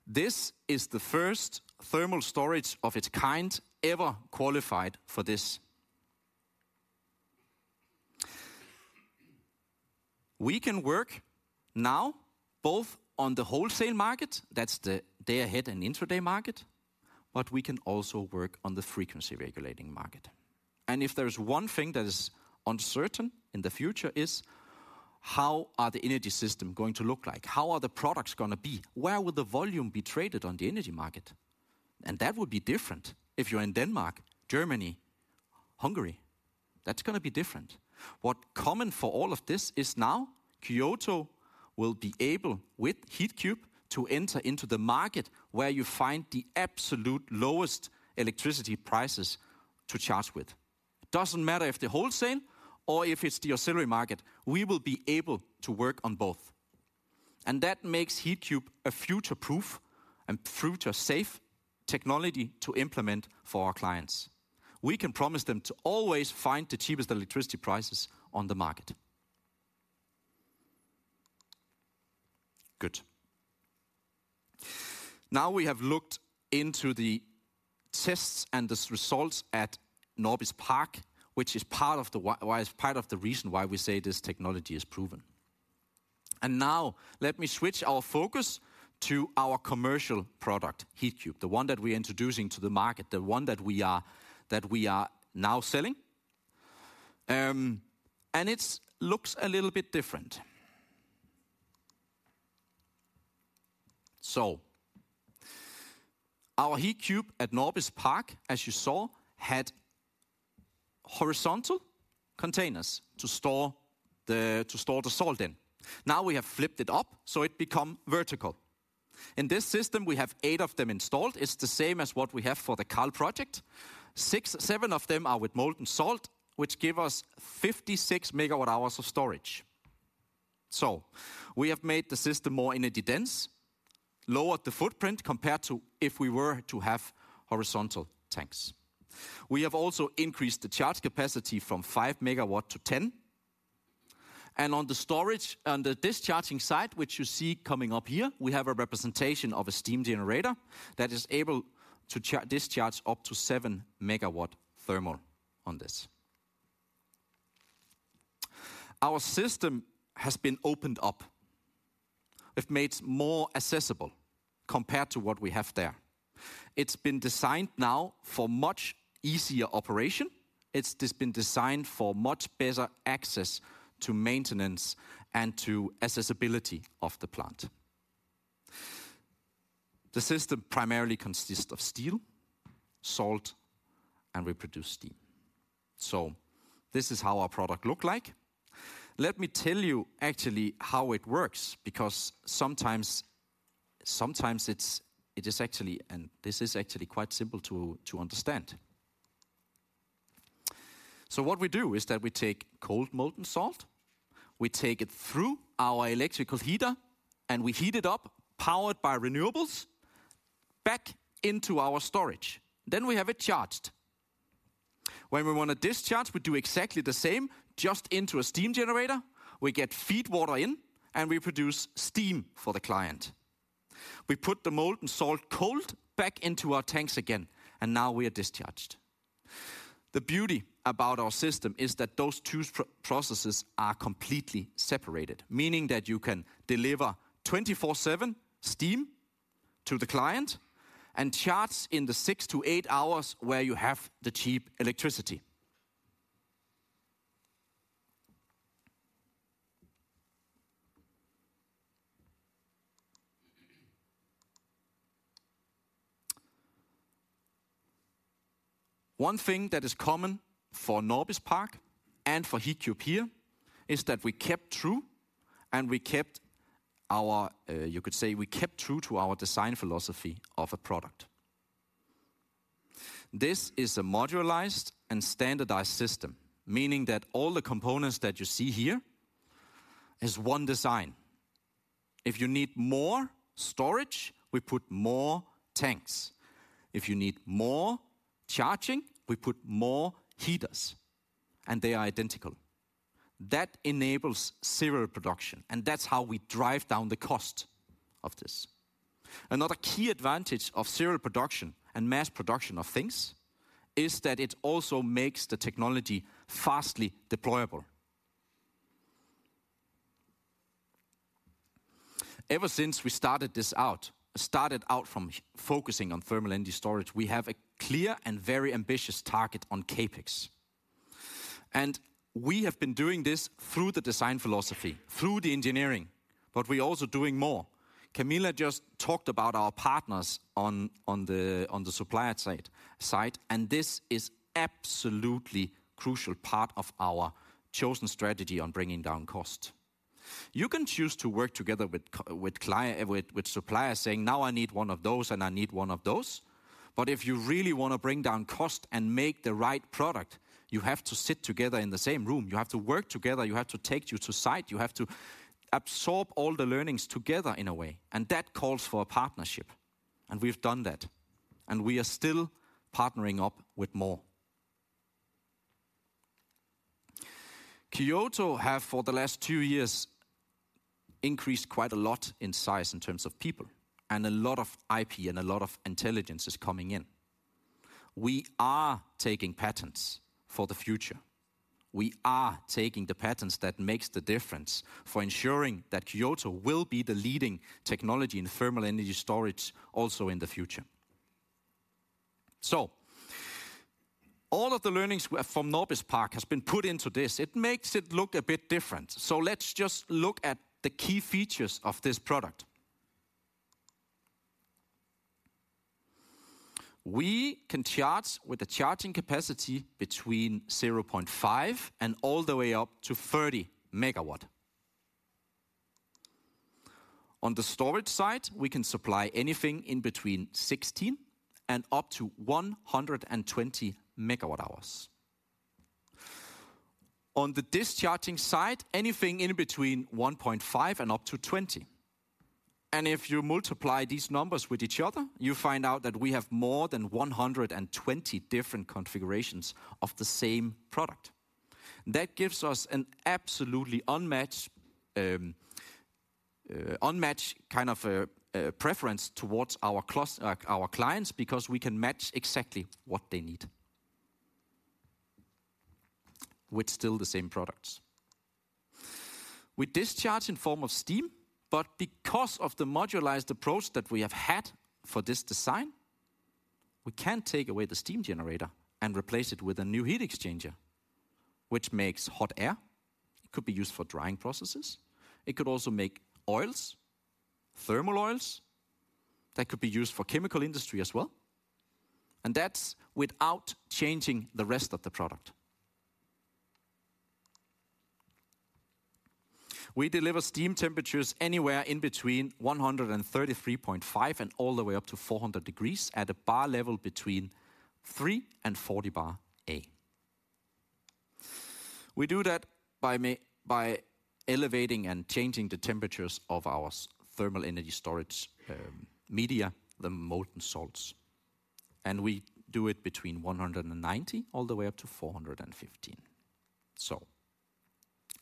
This is the first thermal storage of its kind ever qualified for this. We can work now both on the wholesale market, that's the day ahead and intraday market, but we can also work on the frequency regulating market. And if there is one thing that is uncertain in the future is, how are the energy system going to look like? How are the products gonna be? Where will the volume be traded on the energy market? And that would be different if you're in Denmark, Germany, Hungary, that's gonna be different. What's common for all of this is now, Kyoto will be able, with Heatcube, to enter into the market where you find the absolute lowest electricity prices to charge with. Doesn't matter if they're wholesale or if it's the auxiliary market, we will be able to work on both. And that makes Heatcube a future-proof and future-safe technology to implement for our clients. We can promise them to always find the cheapest electricity prices on the market. Good. Now, we have looked into the tests and the results at Norbis Park, which is part of the reason why we say this technology is proven. And now, let me switch our focus to our commercial product, Heatcube, the one that we're introducing to the market, the one that we are, that we are now selling. It looks a little bit different. So our Heatcube at Norbis Park, as you saw, had horizontal containers to store the salt in. Now, we have flipped it up, so it becomes vertical. In this system, we have 8 of them installed. It's the same as what we have for the KALL project. Six-seven of them are with molten salt, which give us 56 MWh of storage. So we have made the system more energy dense, lowered the footprint compared to if we were to have horizontal tanks. We have also increased the charge capacity from 5 MW to 10 MW, and on the storage—on the discharging side, which you see coming up here, we have a representation of a steam generator that is able to discharge up to 7 MW thermal on this. Our system has been opened up. It makes more accessible compared to what we have there. It's been designed now for much easier operation. It's just been designed for much better access to maintenance and to accessibility of the plant. The system primarily consists of steel, salt, and we produce steam. So this is how our product look like. Let me tell you actually how it works, because sometimes it's actually quite simple to understand. So what we do is that we take cold, molten salt, we take it through our electrical heater, and we heat it up, powered by renewables, back into our storage. Then we have it charged. When we wanna discharge, we do exactly the same, just into a steam generator. We get feed water in, and we produce steam for the client. We put the molten salt cold back into our tanks again, and now we are discharged. The beauty about our system is that those two processes are completely separated, meaning that you can deliver 24/7 steam to the client and charge in the 6-8 hours where you have the cheap electricity. Good. One thing that is common for Norbis Park and for Heatcube here is that we kept true, and we kept our, You could say we kept true to our design philosophy of a product. This is a modularized and standardized system, meaning that all the components that you see here is one design. If you need more storage, we put more tanks. If you need more charging, we put more heaters, and they are identical. That enables serial production, and that's how we drive down the cost of this. Another key advantage of serial production and mass production of things is that it also makes the technology fastly deployable. Ever since we started this out, started out from focusing on thermal energy storage, we have a clear and very ambitious target on CapEx. We have been doing this through the design philosophy, through the engineering, but we're also doing more. Camilla just talked about our partners on the supplier side, and this is absolutely crucial part of our chosen strategy on bringing down cost. You can choose to work together with clients, with suppliers, saying, "Now, I need one of those, and I need one of those." But if you really wanna bring down cost and make the right product, you have to sit together in the same room. You have to work together, you have to take you to site, you have to absorb all the learnings together in a way, and that calls for a partnership, and we've done that, and we are still partnering up with more. Kyoto have, for the last two years, increased quite a lot in size in terms of people, and a lot of IP and a lot of intelligence is coming in. We are taking patents for the future. We are taking the patents that makes the difference for ensuring that Kyoto will be the leading technology in thermal energy storage also in the future. So all of the learnings from Norbis Park has been put into this. It makes it look a bit different. So let's just look at the key features of this product. We can charge with a charging capacity between 0.5 and all the way up to 30 MW. On the storage side, we can supply anything in between 16 and up to 120 MWh. On the discharging side, anything in between 1.5 and up to 20. And if you multiply these numbers with each other, you find out that we have more than 120 different configurations of the same product. That gives us an absolutely unmatched a preference towards our clients, because we can match exactly what they need, with still the same products. We discharge in form of steam, but because of the modularized approach that we have had for this design, we can take away the steam generator and replace it with a new heat exchanger, which makes hot air. It could be used for drying processes. It could also make oils, thermal oils, that could be used for chemical industry and that's without changing the rest of the product. We deliver steam temperatures anywhere in between 133.5, and all the way up to 400 degrees, at a bar level between 3-40 bar A. We do that by elevating and changing the temperatures of our thermal energy storage media, the molten salts, and we do it between 190, all the way up to 415. So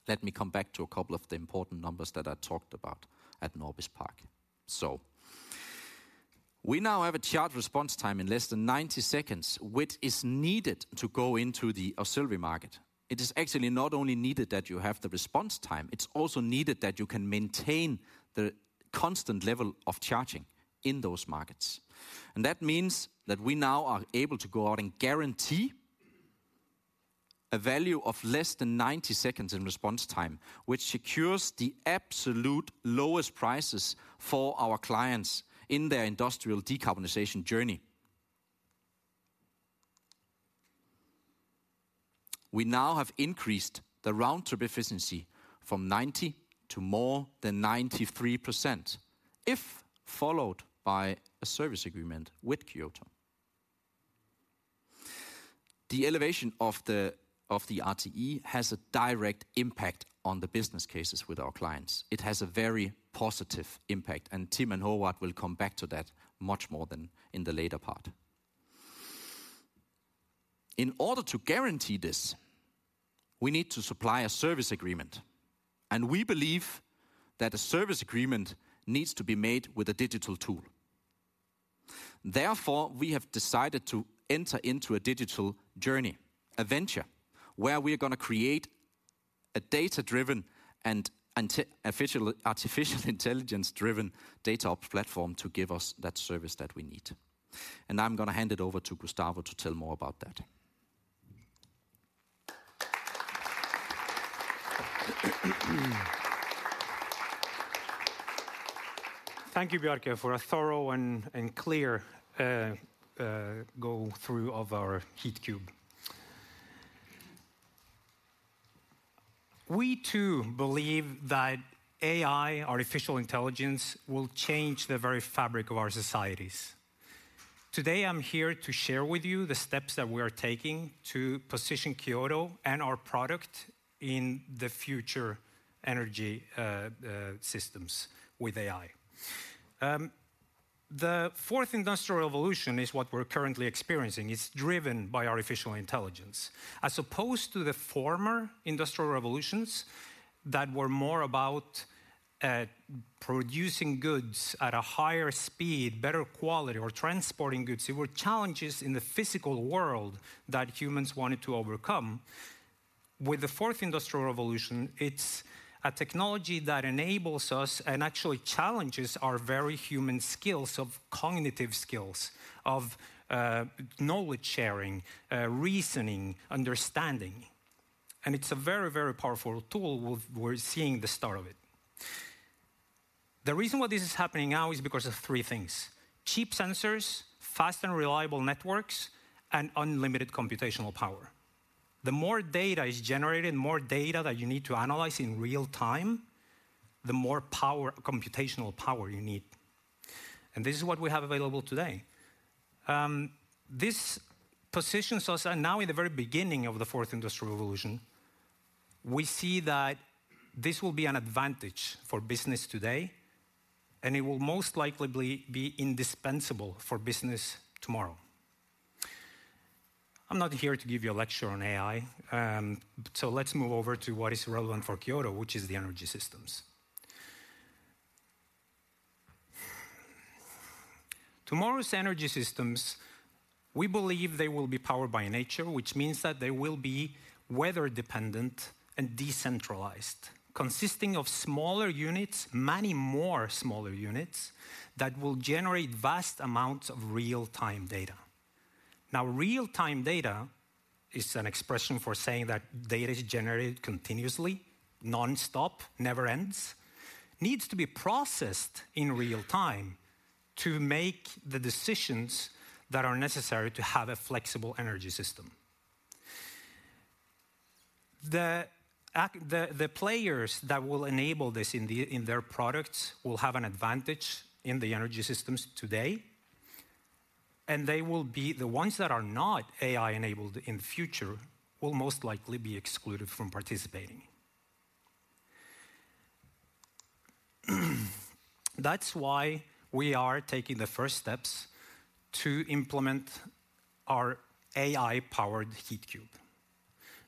let me come back to a couple of the important numbers that I talked about at Norbis Park. So, we now have a charge response time in less than 90 seconds, which is needed to go into the auxiliary market. It is actually not only needed that you have the response time, it's also needed that you can maintain the constant level of charging in those markets. And that means that we now are able to go out and guarantee a value of less than 90 seconds in response time, which secures the absolute lowest prices for our clients in their industrial decarbonization journey. We now have increased the round-trip efficiency from 90 to more than 93%, if followed by a service agreement with Kyoto. The elevation of the RTE has a direct impact on the business cases with our clients. It has a very positive impact, and Tim and Håvard will come back to that much more than in the later part. In order to guarantee this, we need to supply a service agreement, and we believe that a service agreement needs to be made with a digital tool. Therefore, we have decided to enter into a digital journey, a venture, where we're gonna create a data-driven and artificial intelligence-driven DataOps platform to give us that service that we need. Now I'm gonna hand it over to Gustavo to tell more about that. Thank you, Bjarke, for a thorough and clear go through of our Heatcube. We, too, believe that AI, artificial intelligence, will change the very fabric of our societies. Today, I'm here to share with you the steps that we are taking to position Kyoto and our product in the future energy systems with AI. The fourth industrial revolution is what we're currently experiencing. It's driven by artificial intelligence. As opposed to the former industrial revolutions that were more about producing goods at a higher speed, better quality, or transporting goods, there were challenges in the physical world that humans wanted to overcome. With the fourth industrial revolution, it's a technology that enables us and actually challenges our very human skills of cognitive skills, of knowledge sharing, reasoning, understanding, and it's a very, very powerful tool. We're seeing the start of it. The reason why this is happening now is because of three things: cheap sensors, fast and reliable networks, and unlimited computational power. The more data is generated, the more data that you need to analyze in real time, the more power, computational power you need, and this is what we have available today. This positions us, and now in the very beginning of the fourth industrial revolution, we see that this will be an advantage for business today, and it will most likely be, be indispensable for business tomorrow. I'm not here to give you a lecture on AI, so let's move over to what is relevant for Kyoto, which is the energy systems. Tomorrow's energy systems, we believe they will be powered by nature, which means that they will be weather-dependent and decentralized, consisting of smaller units, many more smaller units, that will generate vast amounts of real-time data. Now, real-time data is an expression for saying that data is generated continuously, nonstop, never ends, needs to be processed in real time to make the decisions that are necessary to have a flexible energy system. The players that will enable this in their products will have an advantage in the energy systems today, and they will be the ones that are not AI-enabled in the future, will most likely be excluded from participating. That's why we are taking the first steps to implement our AI-powered Heatcube.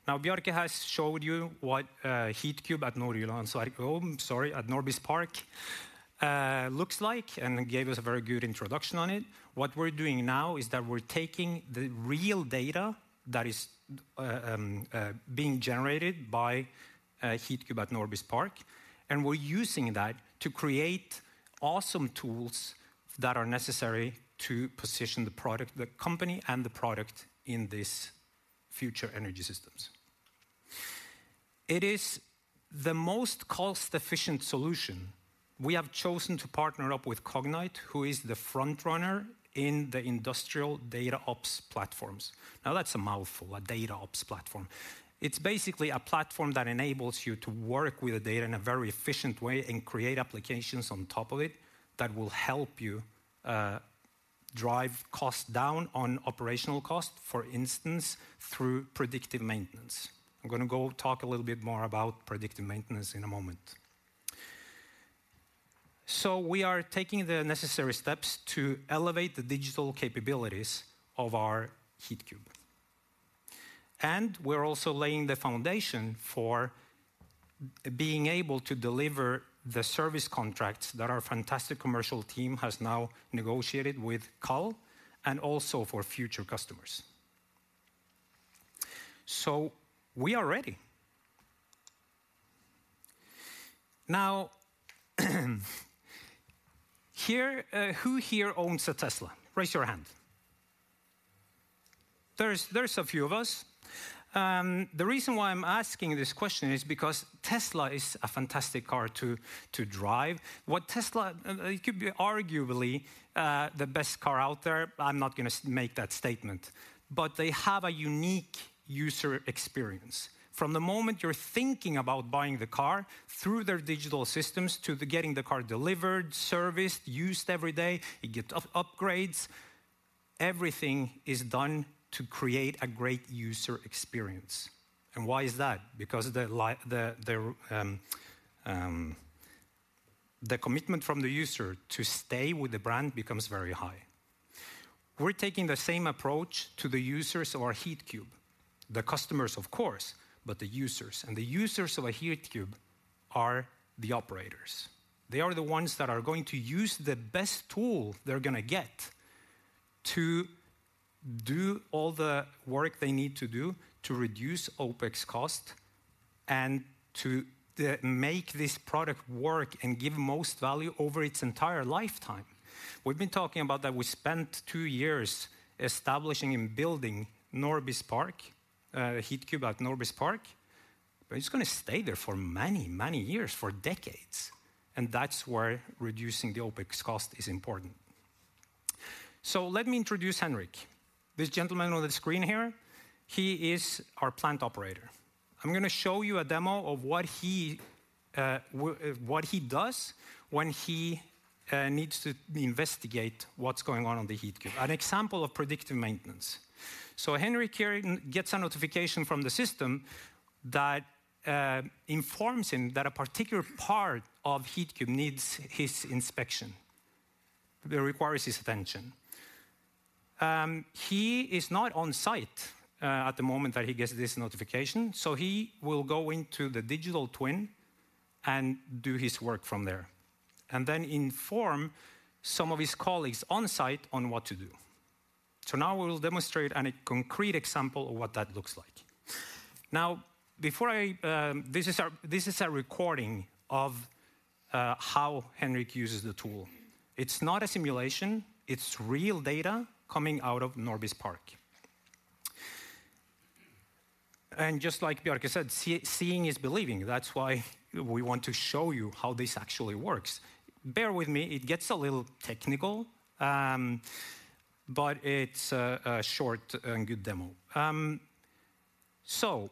Now, Bjarke has showed you what Heatcube at Norbis Park looks like, and gave us a very good introduction on it. What we're doing now is that we're taking the real data that is being generated by Heatcube at Norbis Park, and we're using that to create awesome tools that are necessary to position the product, the company, and the product in this future energy systems. It is the most cost-efficient solution. We have chosen to partner up with Cognite, who is the front runner in the industrial DataOps platforms. Now, that's a mouthful, a DataOps platform. It's basically a platform that enables you to work with the data in a very efficient way and create applications on top of it that will help you drive costs down on operational costs, for instance, through predictive maintenance. I'm gonna go talk a little bit more about predictive maintenance in a moment. So we are taking the necessary steps to elevate the digital capabilities of our Heatcube. And we're also laying the foundation for being able to deliver the service contracts that our fantastic commercial team has now negotiated with KALL, and also for future customers. So we are ready. Now, here, who here owns a Tesla? Raise your hand. There's a few of us. The reason why I'm asking this question is because Tesla is a fantastic car to drive. What Tesla, it could be arguably the best car out there. I'm not gonna make that statement. But they have a unique user experience. From the moment you're thinking about buying the car, through their digital systems, to the getting the car delivered, serviced, used every day, you get upgrades, everything is done to create a great user experience. And why is that? Because the commitment from the user to stay with the brand becomes very high. We're taking the same approach to the users of our Heatcube. The customers, of course, but the users. And the users of a Heatcube are the operators. They are the ones that are going to use the best tool they're gonna get to do all the work they need to do to reduce OpEx cost and to make this product work and give most value over its entire lifetime. We've been talking about that we spent two years establishing and building Norbis Park, Heatcube at Norbis Park, but it's gonna stay there for many, many years, for decades, and that's where reducing the OpEx cost is important. So let me introduce Henrik. This gentleman on the screen here, he is our plant operator. I'm gonna show you a demo of what he does when he needs to investigate what's going on on the Heatcube. An example of predictive maintenance. So Henrik here gets a notification from the system that informs him that a particular part of Heatcube needs his inspection, it requires his attention. He is not on site at the moment that he gets this notification, so he will go into the Digital Twin and do his work from there, and then inform some of his colleagues on-site on what to do. So now we will demonstrate a concrete example of what that looks like. Now, before I. This is our, this is a recording of how Henrik uses the tool. It's not a simulation, it's real data coming out of Norbis Park. And just like Bjarke said, seeing is believing. That's why we want to show you how this actually works. Bear with me, it gets a little technical, but it's a short and good demo. So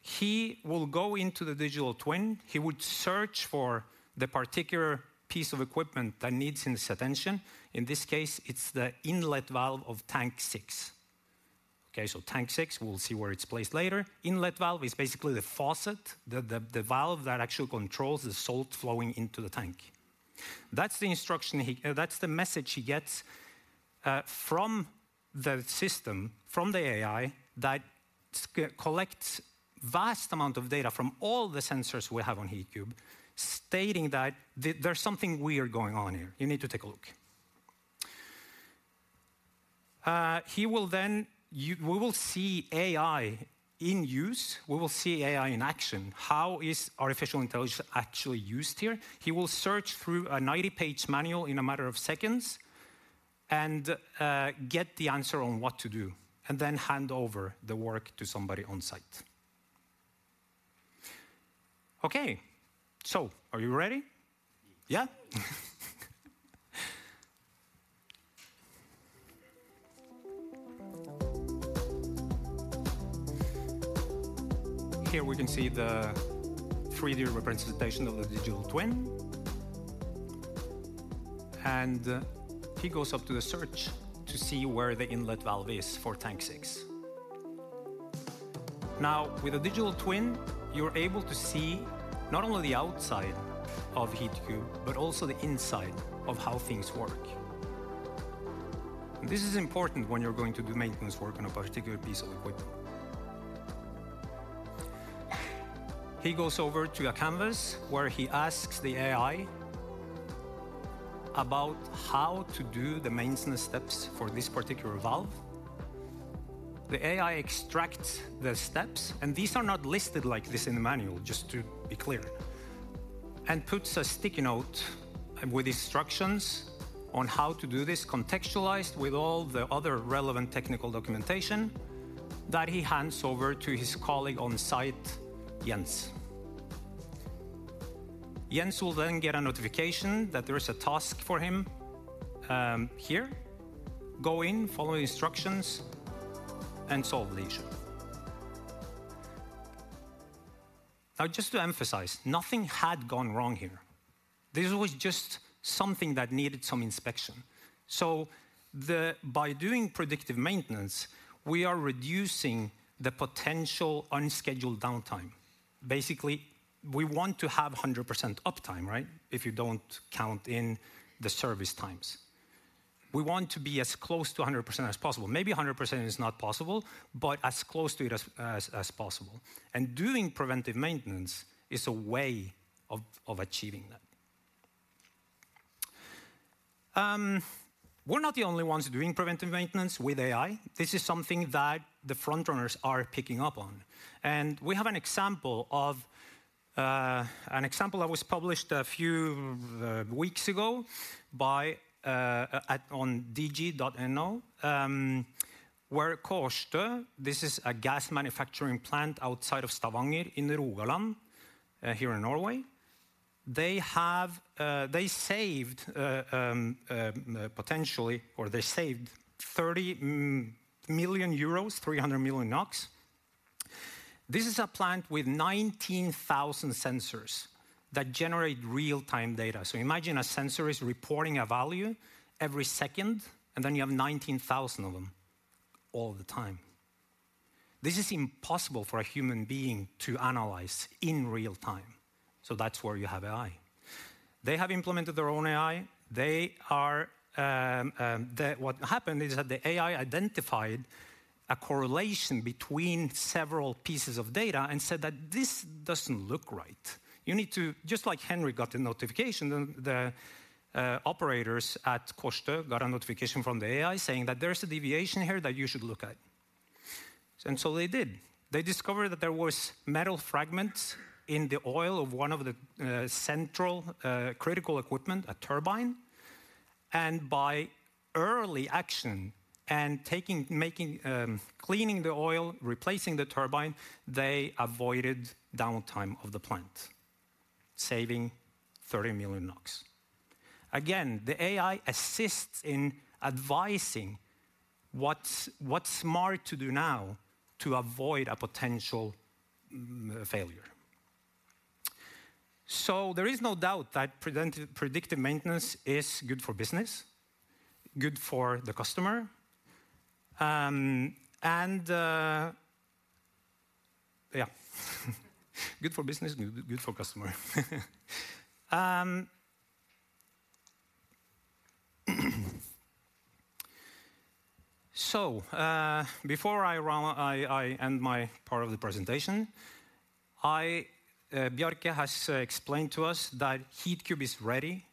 he will go into the Digital Twin. He would search for the particular piece of equipment that needs his attention. In this case, it's the inlet valve of tank six. Okay, so tank six, we'll see where it's placed later. Inlet valve is basically the faucet, the valve that actually controls the salt flowing into the tank. That's the instruction he that's the message he gets from the system, from the AI, that collects vast amount of data from all the sensors we have on Heatcube, stating that there's something weird going on here. You need to take a look. He will then. We will see AI in use, we will see AI in action. How is artificial intelligence actually used here? He will search through a 90-page manual in a matter of seconds and get the answer on what to do, and then hand over the work to somebody on site. Okay, so are you ready? Here we can see the three-day representation of the Digital Twin. He goes up to the search to see where the inlet valve is for tank six. Now, with a Digital Twin, you're able to see not only the outside of Heatcube, but also the inside of how things work. This is important when you're going to do maintenance work on a particular piece of equipment. He goes over to a canvas, where he asks the AI about how to do the maintenance steps for this particular valve. The AI extracts the steps, and these are not listed like this in the manual, just to be clear. And puts a sticky note with instructions on how to do this, contextualized with all the other relevant technical documentation, that he hands over to his colleague on site, Jens. Jens will then get a notification that there is a task for him here. Go in, follow the instructions, and solve the issue. Now, just to emphasize, nothing had gone wrong here. This was just something that needed some inspection. So by doing predictive maintenance, we are reducing the potential unscheduled downtime. Basically, we want to have 100% uptime, right? If you don't count in the service times. We want to be as close to 100% as possible. Maybe 100% is not possible, but as close to it as possible. And doing preventive maintenance is a way of achieving that. We're not the only ones doing preventive maintenance with AI. This is something that the front runners are picking up on. And we have an example that was published a few weeks ago on Digi.no, where Kårstø, this is a gas manufacturing plant outside of Stavanger in Rogaland, here in Norway. They saved potentially 30 million euros, 300 million NOK. This is a plant with 19,000 sensors that generate real-time data. So imagine a sensor is reporting a value every second, and then you have 19,000 of them all the time. This is impossible for a human being to analyze in real time, so that's where you have AI. They have implemented their own AI. They are. What happened is that the AI identified a correlation between several pieces of data and said that, "This doesn't look right." Just like Henry got a notification, the operators at Kårstø got a notification from the AI, saying that, "There's a deviation here that you should look at." And so they did. They discovered that there was metal fragments in the oil of one of the central critical equipment, a turbine. And by early action and taking, making, cleaning the oil, replacing the turbine, they avoided downtime of the plant, saving 30 million NOK. Again, the AI assists in advising what's smart to do now to avoid a potential failure. So there is no doubt that predictive maintenance is good for business, good for the customer, and good for business, good for customer. So, before I round, I end my part of the presentation. Bjarke has explained to us that Heatcube is ready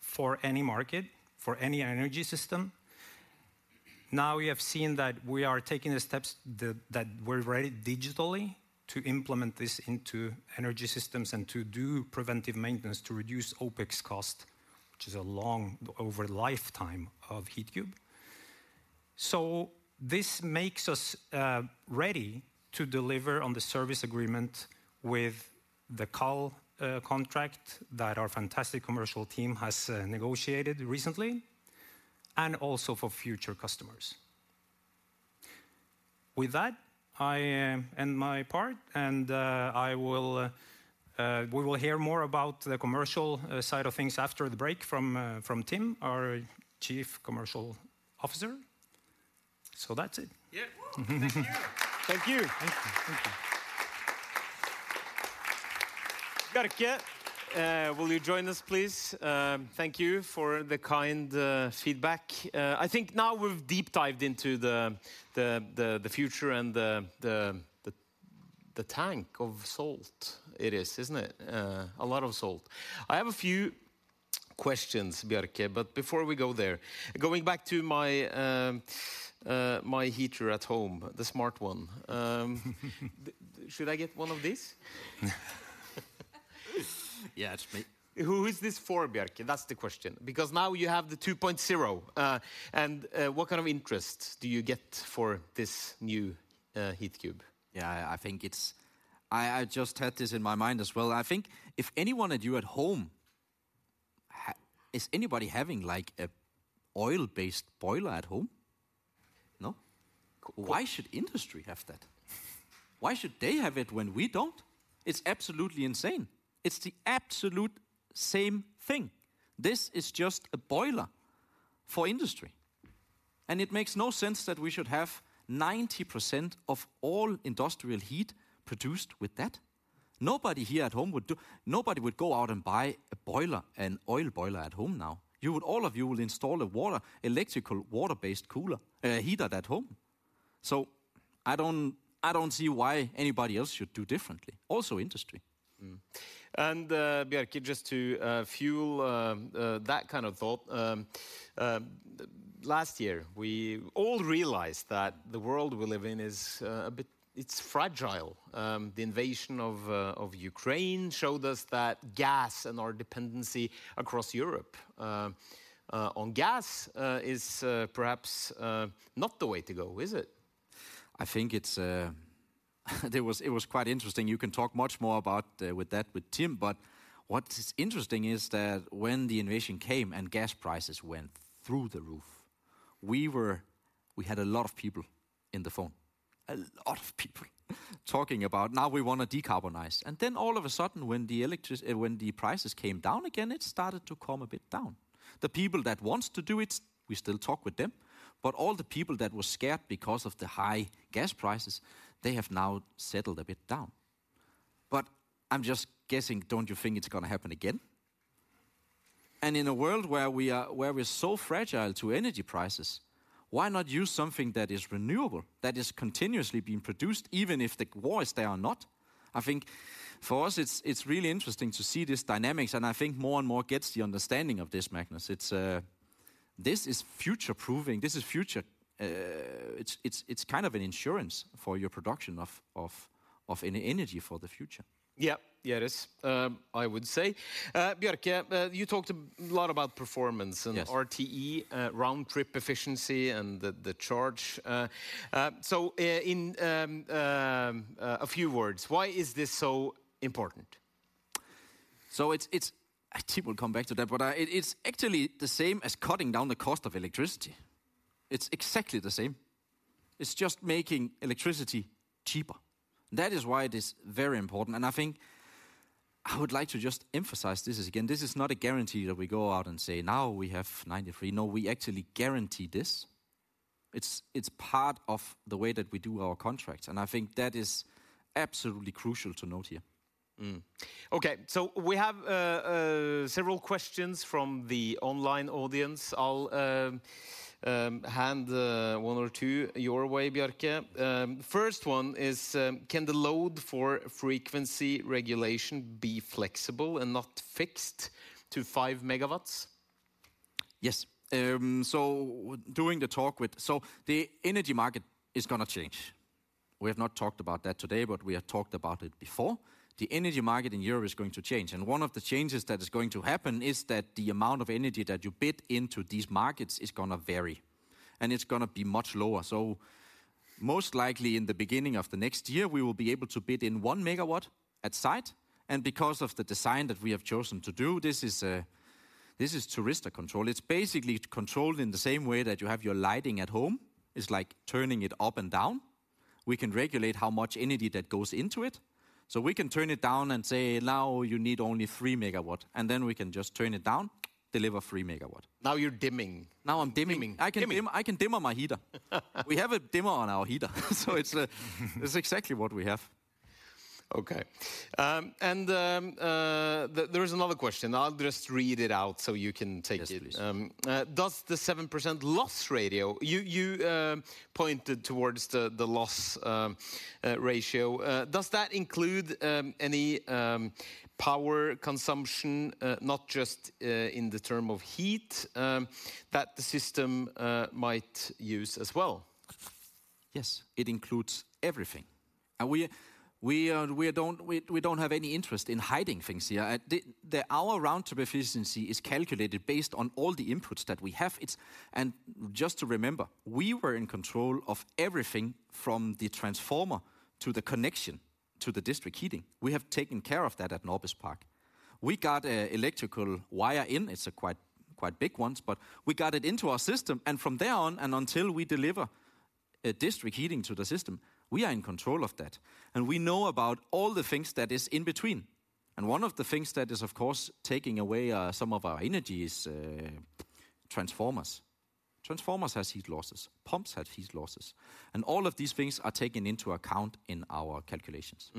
for any market, for any energy system. Now, we have seen that we are taking the steps that we're ready digitally to implement this into energy systems and to do preventive maintenance to reduce OpEx cost, which is a long over lifetime of Heatcube. So this makes us ready to deliver on the service agreement with the KALL contract that our fantastic commercial team has negotiated recently, and also for future customers. With that, I end my part, and we will hear more about the commercial side of things after the break from Tim, our Chief Commercial Officer. So that's it. Thank you. Thank you. Thank you. Thank you. Bjarke, will you join us, please? Thank you for the kind feedback. I think now we've deep dived into the future and the tank of salt. It is, isn't it? A lot of salt. I have a few questions, Bjarke, but before we go there, going back to my heater at home, the smart one—Should I get one of these? It's me. Who is this for, Bjarke? That's the question, because now you have the 2.0. And what interest do you get for this new Heatcube? I think it's. I just had this in my mind a. I think if anyone of you at home has. Is anybody having, like, an oil-based boiler at home? No? Why should industry have that? Why should they have it when we don't? It's absolutely insane. It's the absolute same thing. This is just a boiler for industry, and it makes no sense that we should have 90% of all industrial heat produced with that. Nobody here at home would do. Nobody would go out and buy a boiler, an oil boiler at home now. You would. All of you will install a water electrical water-based cooler, heater at home. So I don't see why anybody else should do differently, also industry. And, Bjarke, just to fuel that thought, last year, we all realized that the world we live in is a bit—it's fragile. The invasion of Ukraine showed us that gas and our dependency across Europe on gas is perhaps not the way to go, is it? I think it's. It was, it was quite interesting. You can talk much more about, with that with Tim, but what is interesting is that when the invasion came and gas prices went through the roof, we were we had a lot of people in the phone, a lot of people talking about, "Now we wanna decarbonize." And then all of a sudden, when the electric, when the prices came down again, it started to calm a bit down. The people that wants to do it, we still talk with them, but all the people that were scared because of the high gas prices, they have now settled a bit down. But I'm just guessing, don't you think it's gonna happen again? In a world where we are, where we're so fragile to energy prices, why not use something that is renewable, that is continuously being produced, even if the war is there or not? I think for us, it's really interesting to see these dynamics, and I think more and more gets the understanding of this, Magnus. It's, this is future-proofing. This is future. It's an insurance for your production of energy for the future. It is, I would say. Bjarke, you talked a lot about performance- Yes And RTE, roundtrip efficiency, and the charge. So, in a few words, why is this so important? So it's. I think we'll come back to that, but it's actually the same as cutting down the cost of electricity. It's exactly the same. It's just making electricity cheaper. That is why it is very important, and I think I would like to just emphasize this again. This is not a guarantee that we go out and say, "Now we have 93." No, we actually guarantee this. It's part of the way that we do our contracts, and I think that is absolutely crucial to note here. Okay, so we have several questions from the online audience. I'll hand one or two your way, Bjarke. First one is: "Can the load for frequency regulation be flexible and not fixed to 5 MW? Yes. So the energy market is gonna change. We have not talked about that today, but we have talked about it before. The energy market in Europe is going to change, and one of the changes that is going to happen is that the amount of energy that you bid into these markets is gonna vary, and it's gonna be much lower. So most likely, in the beginning of the next year, we will be able to bid in 1 megawatt at site, and because of the design that we have chosen to do, this is thyristor control. It's basically controlled in the same way that you have your lighting at home. It's like turning it up and down. We can regulate how much energy that goes into it. We can turn it down and say, "Now you need only 3 MW," and then we can just turn it down, deliver 3 MW. Now you're dimming. Now I'm dimming. Dimming. Dimming. I can dim, I can dimmer my heater. We have a dimmer on our heater, so it's exactly what we have. Okay. And there is another question. I'll just read it out so you can take it. Yes, please. Does the 7% loss ratio " You pointed towards the loss ratio. Does that include any power consumption, not just in the term of heat, that the system might use? Yes, it includes everything. We don't have any interest in hiding things here. Our roundtrip efficiency is calculated based on all the inputs that we have. Just to remember, we were in control of everything from the transformer to the connection to the district heating. We have taken care of that at Norbis Park. We got a electrical wire in. It's quite big ones, but we got it into our system, and from there on until we deliver a district heating to the system, we are in control of that, and we know about all the things that is in between. One of the things that is, of course, taking away some of our energy is transformers. Transformers has heat losses, pumps have heat losses, and all of these things are taken into account in our calculations.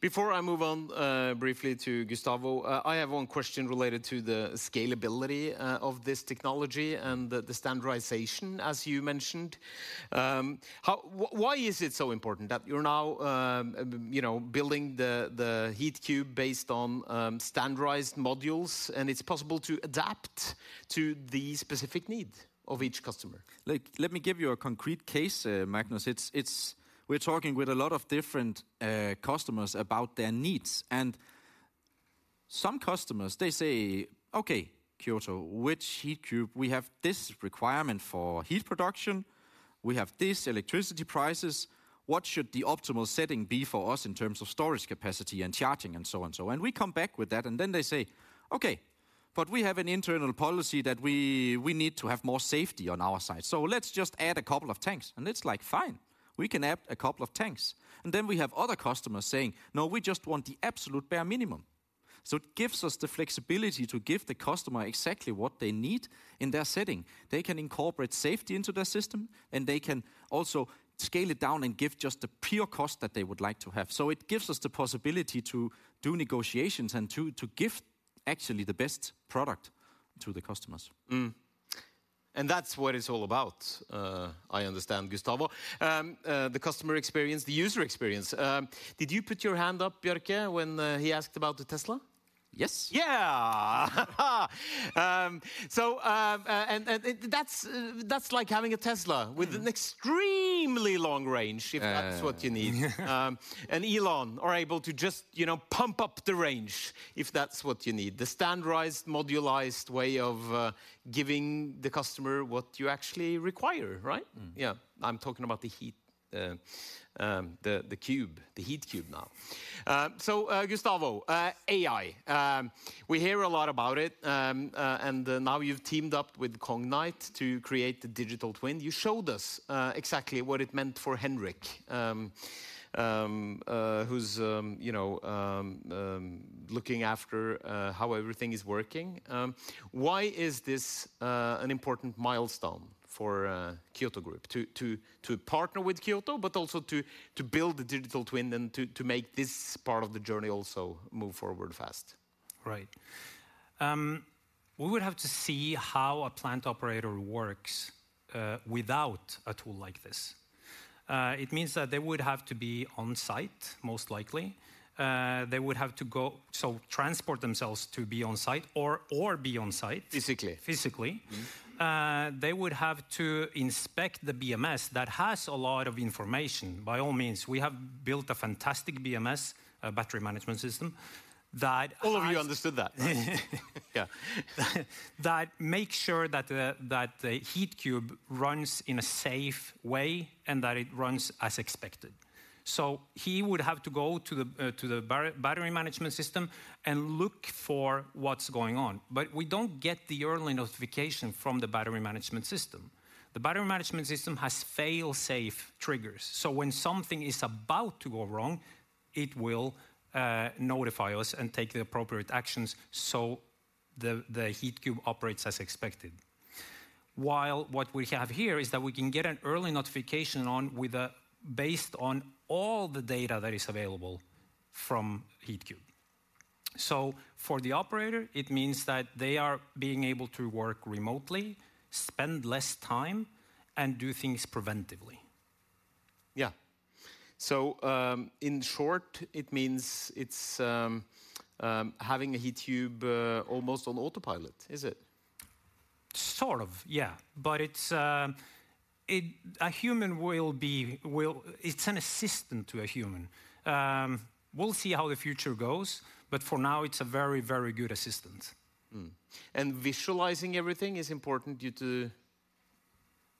Before I move on, briefly to Gustavo, I have one question related to the scalability of this technology and the standardization, as you mentioned. Why is it so important that you're now, you know, building the Heatcube based on standardized modules, and it's possible to adapt to the specific need of each customer? Let me give you a concrete case, Magnus. It's— We're talking with a lot of different customers about their needs, and— Some customers, they say, "Okay, Kyoto, which Heatcube? We have this requirement for heat production, we have this electricity prices, what should the optimal setting be for us in terms of storage capacity and charging?" And so on and so on. And we come back with that, and then they say, "Okay, but we have an internal policy that we, we need to have more safety on our side, so let's just add a couple of tanks." And it's like, "Fine, we can add a couple of tanks." And then we have other customers saying, "No, we just want the absolute bare minimum." So it gives us the flexibility to give the customer exactly what they need in their setting. They can incorporate safety into their system, and they can also scale it down and give just the pure cost that they would like to have. So it gives us the possibility to do negotiations and to give actually the best product to the customers. That's what it's all about, I understand, Gustavo. The customer experience, the user experience. Did you put your hand up, Bjarke, when he asked about the Tesla? Yes. So, that's like having a Tesla- Mm. with an extremely long range Yeah. If that's what you need. And Elon are able to just, you know, pump up the range if that's what you need. The standardized, modularized way of giving the customer what you actually require, right? Mm. I'm talking about the heat, the cube, the Heatcube now. So, Gustavo, AI, we hear a lot about it, and now you've teamed up with Cognite to create the digital twin. You showed us exactly what it meant for Henrik, who's, you know, looking after how everything is working. Why is this an important milestone for Kyoto Group? To partner with Kyoto, but also to build the digital twin and to make this part of the journey also move forward fast? Right. We would have to see how a plant operator works without a tool like this. It means that they would have to be on site, most likely. They would have to go—so transport themselves to be on site or, or be on site. Physically. Physically. Mm-hmm. They would have to inspect the BMS, that has a lot of information. By all means, we have built a fantastic BMS, a battery management system, that has- All of you understood that, right? That makes sure that the Heatcube runs in a safe way and that it runs as expected. So he would have to go to the battery management system and look for what's going on. But we don't get the early notification from the battery management system. The battery management system has fail-safe triggers, so when something is about to go wrong, it will notify us and take the appropriate actions so the Heatcube operates as expected. While what we have here is that we can get an early notification based on all the data that is available from Heatcube. So for the operator, it means that they are being able to work remotely, spend less time, and do things preventively. So, in short, it means it's having a Heatcube almost on autopilot, is it? But it's, it. A human will be, it's an assistant to a human. We'll see how the future goes, but for now, it's a very, very good assistant. Visualizing everything is important due to.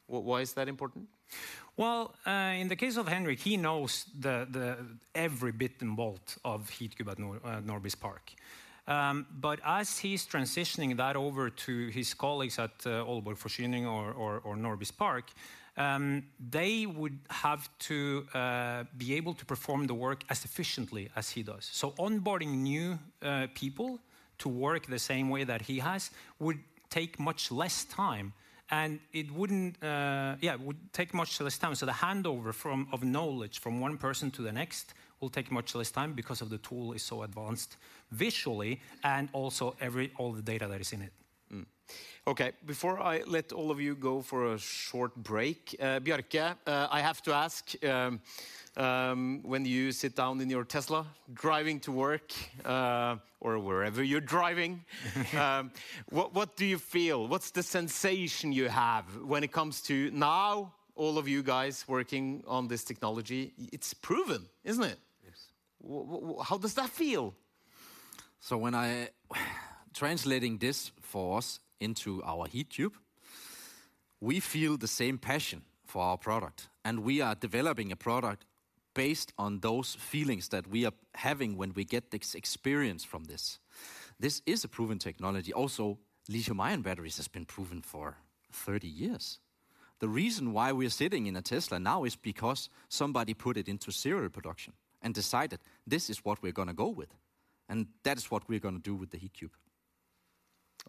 Why is that important? In the case of Henrik, he knows the every bit and bolt of Heatcube at Norbis Park. But as he's transitioning that over to his colleagues at Aalborg Forsyning or Norbis Park, they would have to be able to perform the work as efficiently as he does. So onboarding new people to work the same way that he has would take much less time, and it wouldn't. It would take much less time. So the handover of knowledge from one person to the next will take much less time because the tool is so advanced visually, and also every—all the data that is in it. Mm. Okay, before I let all of you go for a short break, Bjarke, I have to ask, when you sit down in your Tesla, driving to work, or wherever you're driving, what do you feel? What's the sensation you have when it comes to now, all of you guys working on this technology; it's proven, isn't it? Yes. How does that feel? Translating this for us into our Heatcube, we feel the same passion for our product, and we are developing a product based on those feelings that we are having when we get the experience from this. This is a proven technology. Also, lithium-ion batteries has been proven for 30 years. The reason why we are sitting in a Tesla now is because somebody put it into serial production and decided, "This is what we're gonna go with." That is what we're gonna do with the Heatcube.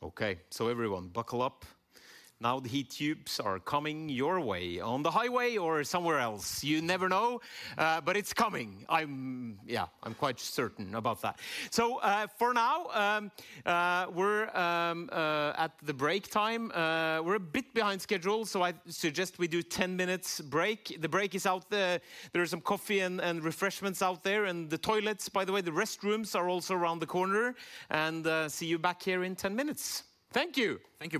Okay, so everyone, buckle up. Now, the Heat Cubes are coming your way, on the highway or somewhere else. You never know, but it's coming. I'm quite certain about that. So, for now, we're at the break time, we're a bit behind schedule, so I suggest we do 10 minutes break. The break is out there. There is some coffee and, and refreshments out there, and the toilets, by the way, the restrooms are also around the corner. And, see you back here in 10 minutes. Thank you. Thank you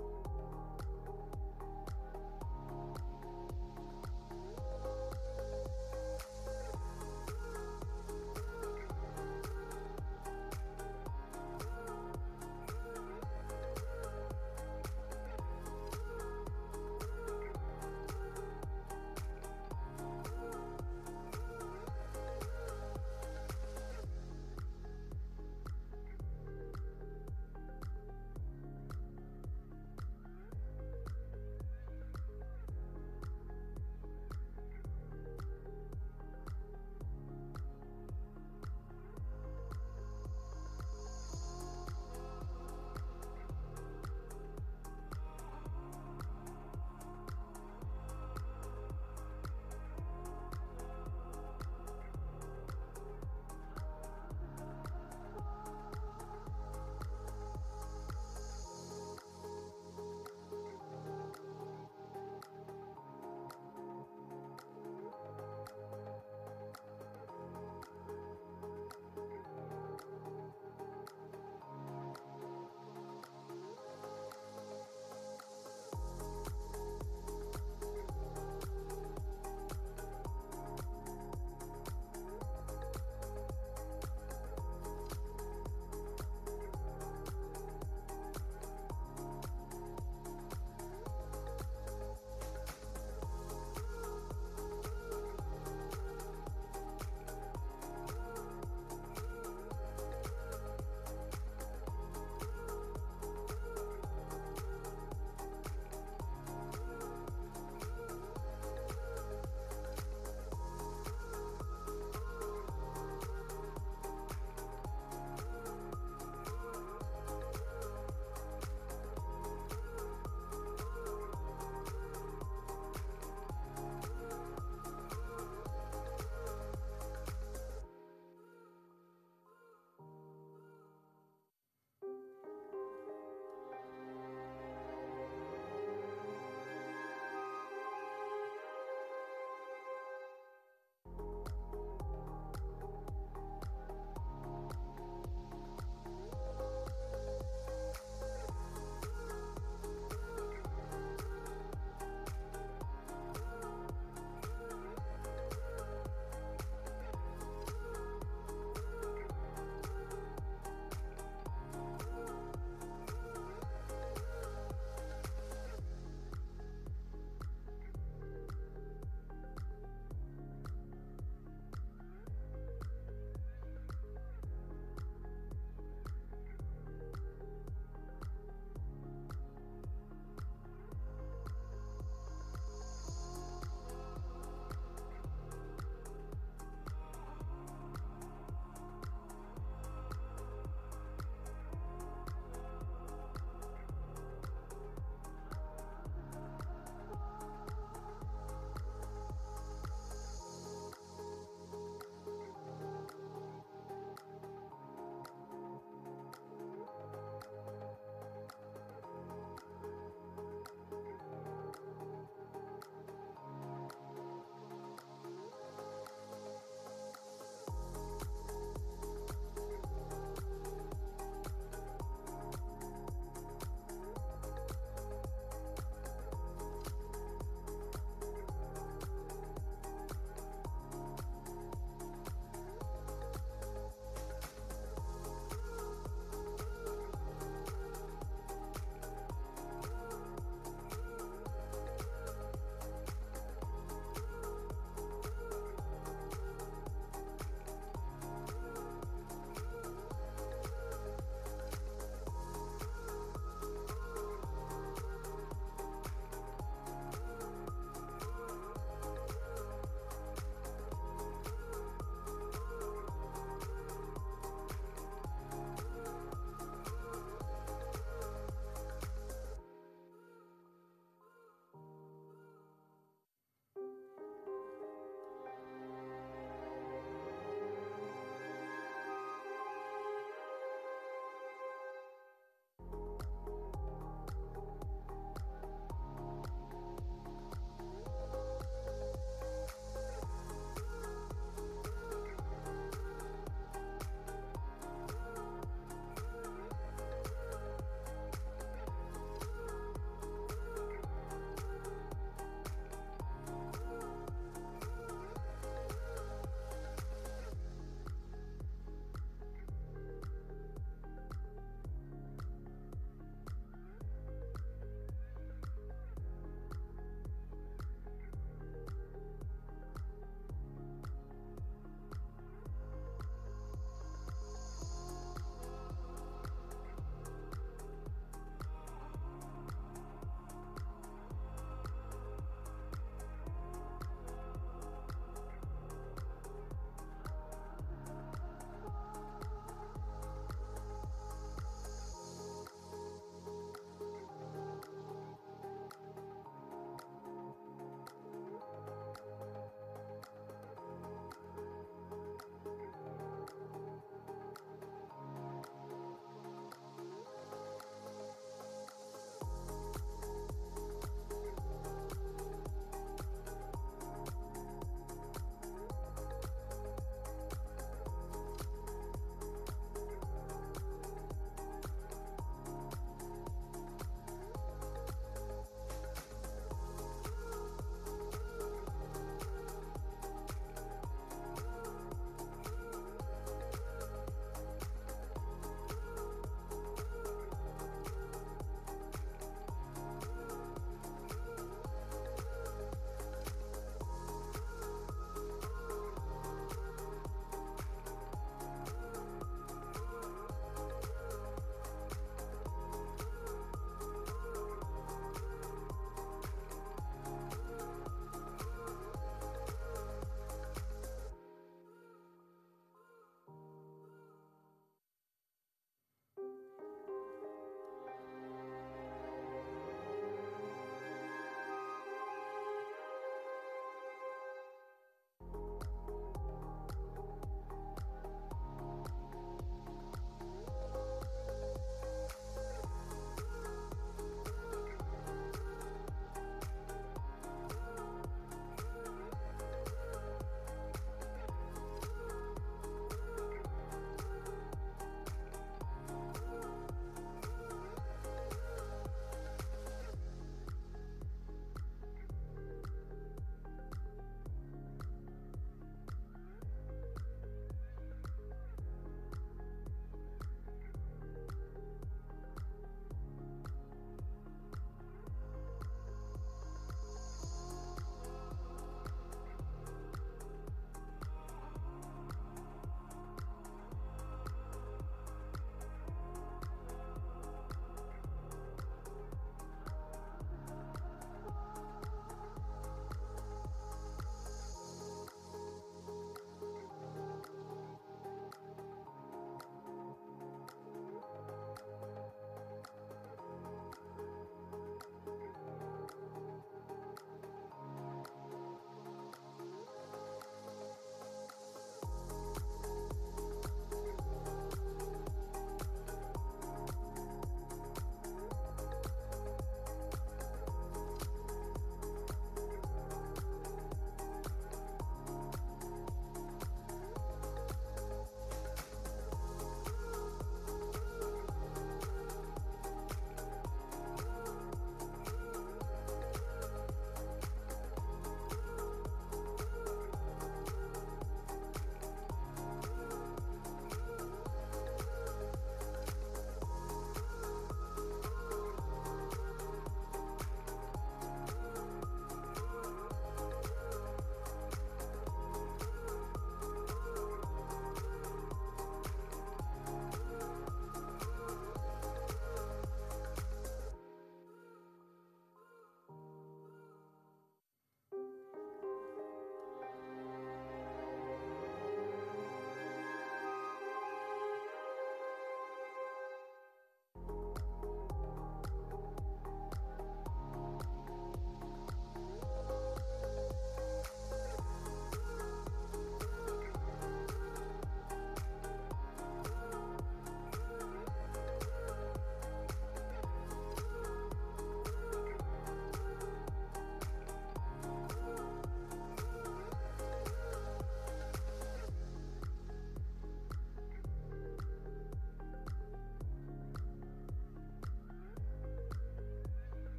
very much.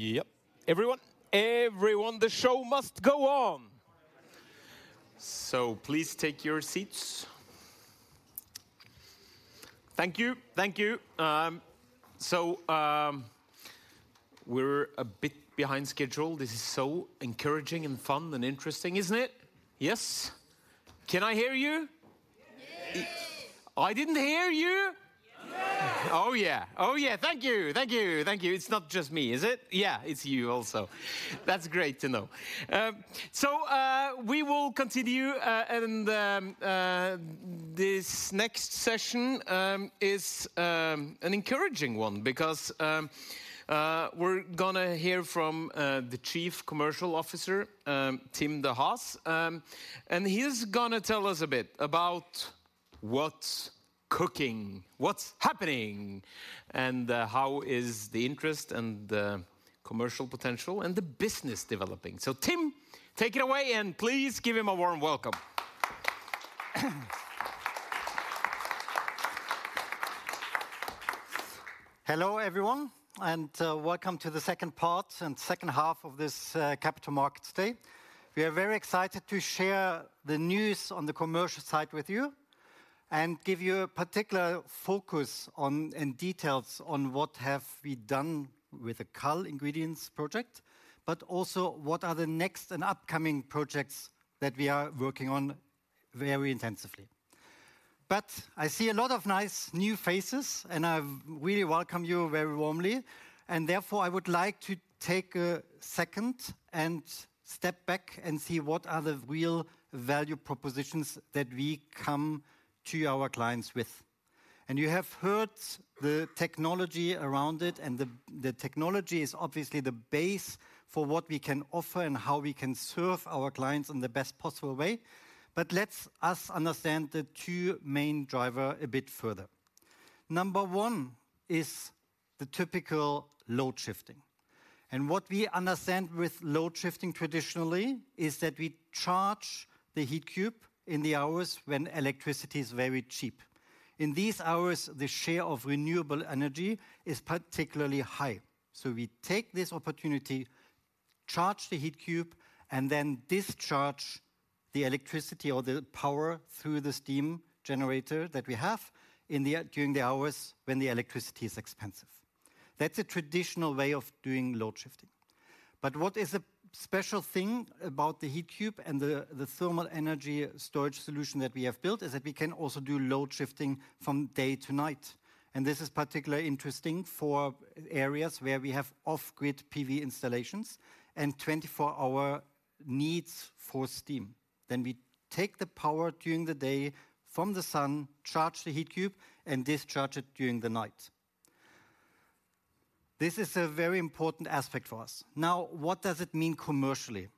Yep. Everyone, everyone, the show must go on! So please take your seats. Thank you. Thank you. We're a bit behind schedule. This is so encouraging, and fun, and interesting, isn't it? Yes. Can I hear you? Yes. I didn't hear you. Yes! Thank you. Thank you. Thank you. It's not just me, is it? It's you also. That's great to know. So, we will continue, and this next session is an encouraging one because we're gonna hear from the Chief Commercial Officer, Tim de Haas. And he's gonna tell us a bit about what's cooking, what's happening, and how is the interest and the commercial potential and the business developing. So, Tim, take it away, and please give him a warm welcome. Hello, everyone, and welcome to the second part and H2 of this Capital Markets Day. We are very excited to share the news on the commercial side with you and give you a particular focus on, and details on what have we done with the KALL Ingredients project, but also what are the next and upcoming projects that we are working on very intensively. But I see a lot of nice new faces, and I really welcome you very warmly, and therefore, I would like to take a second and step back and see what are the real value propositions that we come to our clients with and you have heard the technology around it, and the technology is obviously the base for what we can offer and how we can serve our clients in the best possible way. Let us understand the two main driver a bit further. Number 1 is the typical load shifting, and what we understand with load shifting traditionally, is that we charge the Heatcube in the hours when electricity is very cheap. In these hours, the share of renewable energy is particularly high. So we take this opportunity, charge the Heatcube, and then discharge the electricity or the power through the steam generator that we have in the, during the hours when the electricity is expensive. That's a traditional way of doing load shifting. But what is a special thing about the Heatcube and the, the thermal energy storage solution that we have built, is that we can also do load shifting from day to night. And this is particularly interesting for areas where we have off-grid PV installations and 24-hour needs for steam. Then we take the power during the day from the sun, charge the Heatcube, and discharge it during the night. This is a very important aspect for us. Now, what does it mean commercially?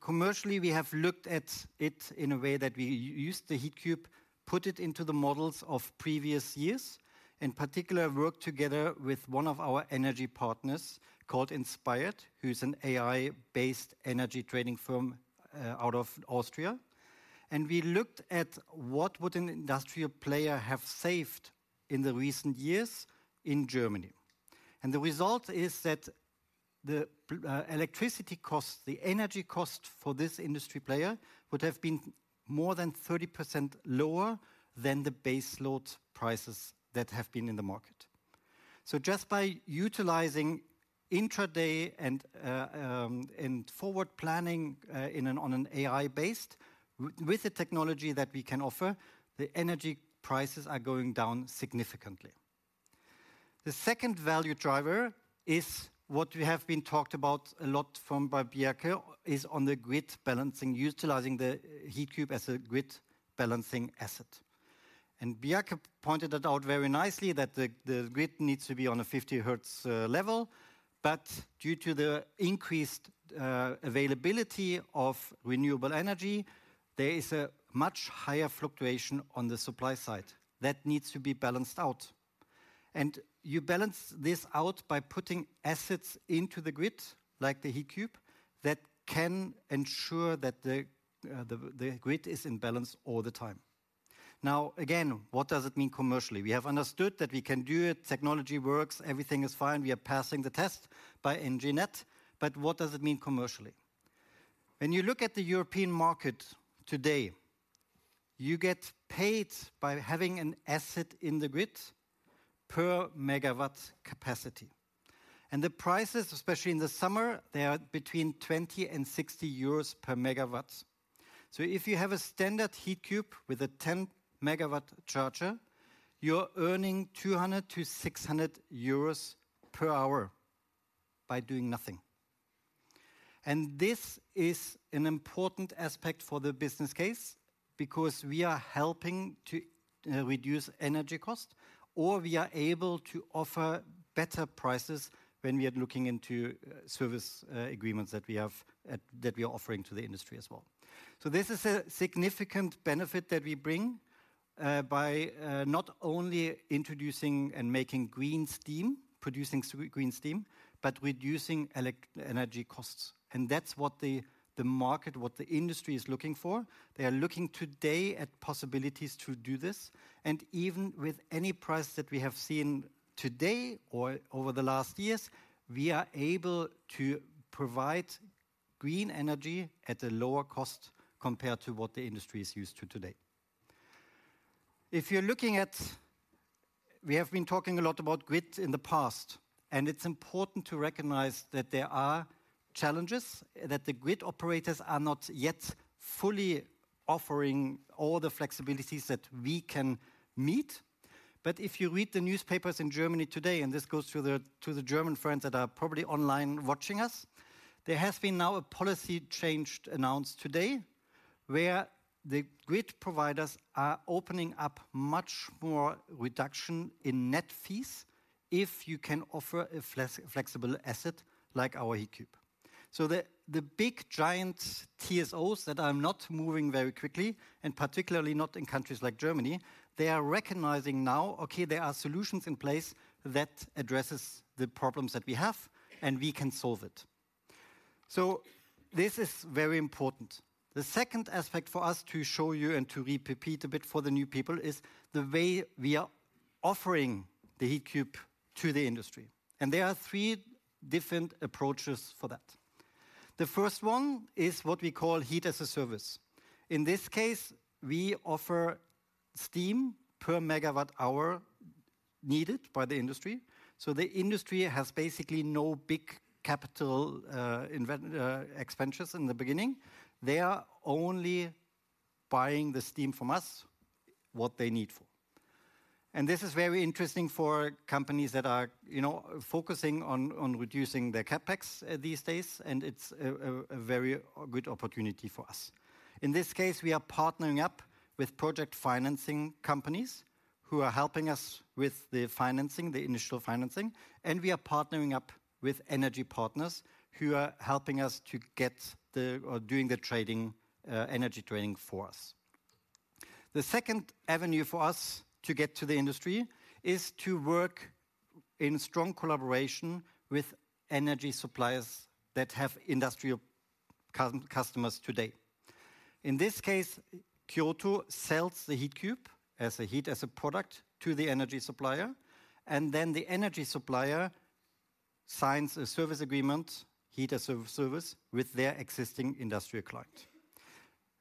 Commercially, we have looked at it in a way that we used the Heatcube, put it into the models of previous years, in particular, worked together with one of our energy partners called Inspired, who's an AI-based energy trading firm, out of Austria. And we looked at what would an industrial player have saved in the recent years in Germany. And the result is that the electricity cost, the energy cost for this industry player, would have been more than 30% lower than the base load prices that have been in the market. So just by utilizing intraday and forward planning on an AI-based with the technology that we can offer, the energy prices are going down significantly. The second value driver is what we have been talked about a lot from by Bjarke, is on the grid balancing, utilizing the Heatcube as a grid balancing asset. And Bjarke pointed that out very nicely, that the grid needs to be on a 50 hertz level, but due to the increased availability of renewable energy, there is a much higher fluctuation on the supply side. That needs to be balanced out. And you balance this out by putting assets into the grid, like the Heatcube, that can ensure that the grid is in balance all the time. Now, again, what does it mean commercially? We have understood that we can do it, technology works, everything is fine, we are passing the test by Enginet, but what does it mean commercially? When you look at the European market today, you get paid by having an asset in the grid per MW capacity, and the prices, especially in the summer, they are between 20 and 60 euros per MW. So if you have a standard Heatcube with a 10-MW charger, you're earning 200-600 euros per hour by doing nothing. And this is an important aspect for the business case because we are helping to reduce energy cost, or we are able to offer better prices when we are looking into service agreements that we have that we are offering to the industry. So this is a significant benefit that we bring by not only introducing and making green steam, producing green steam, but reducing energy costs. And that's what the market, what the industry is looking for. They are looking today at possibilities to do this, and even with any price that we have seen today or over the last years, we are able to provide green energy at a lower cost compared to what the industry is used to today. If you're looking at. We have been talking a lot about grid in the past, and it's important to recognize that there are challenges, that the grid operators are not yet fully offering all the flexibilities that we can meet. But if you read the newspapers in Germany today, and this goes to the, to the German friends that are probably online watching us, there has been now a policy change announced today, where the grid providers are opening up much more reduction in net fees if you can offer a flexible asset like our Heatcube. So the, the big giant TSOs that are not moving very quickly, and particularly not in countries like Germany, they are recognizing now, okay, there are solutions in place that addresses the problems that we have, and we can solve it. So this is very important. The second aspect for us to show you and to repeat a bit for the new people, is the way we are offering the Heatcube to the industry. And there are three different approaches for that. The first one is what we call heat as a service. In this case, we offer steam per megawatt hour needed by the industry. So the industry has basically no big capital investment expenditures in the beginning. They are only buying the steam from us, what they need for. And this is very interesting for companies that are, you know, focusing on reducing their CapEx these days, and it's a very good opportunity for us. In this case, we are partnering with project financing companies, who are helping us with the financing, the initial financing. And we are partnering up with energy partners, who are helping us to get the doing the trading, energy trading for us. The second avenue for us to get to the industry is to work in strong collaboration with energy suppliers that have industrial customers today. In this case, Kyoto sells the Heatcube as a heat, as a product to the energy supplier, and then the energy supplier signs a service agreement, heat as service, with their existing industrial client.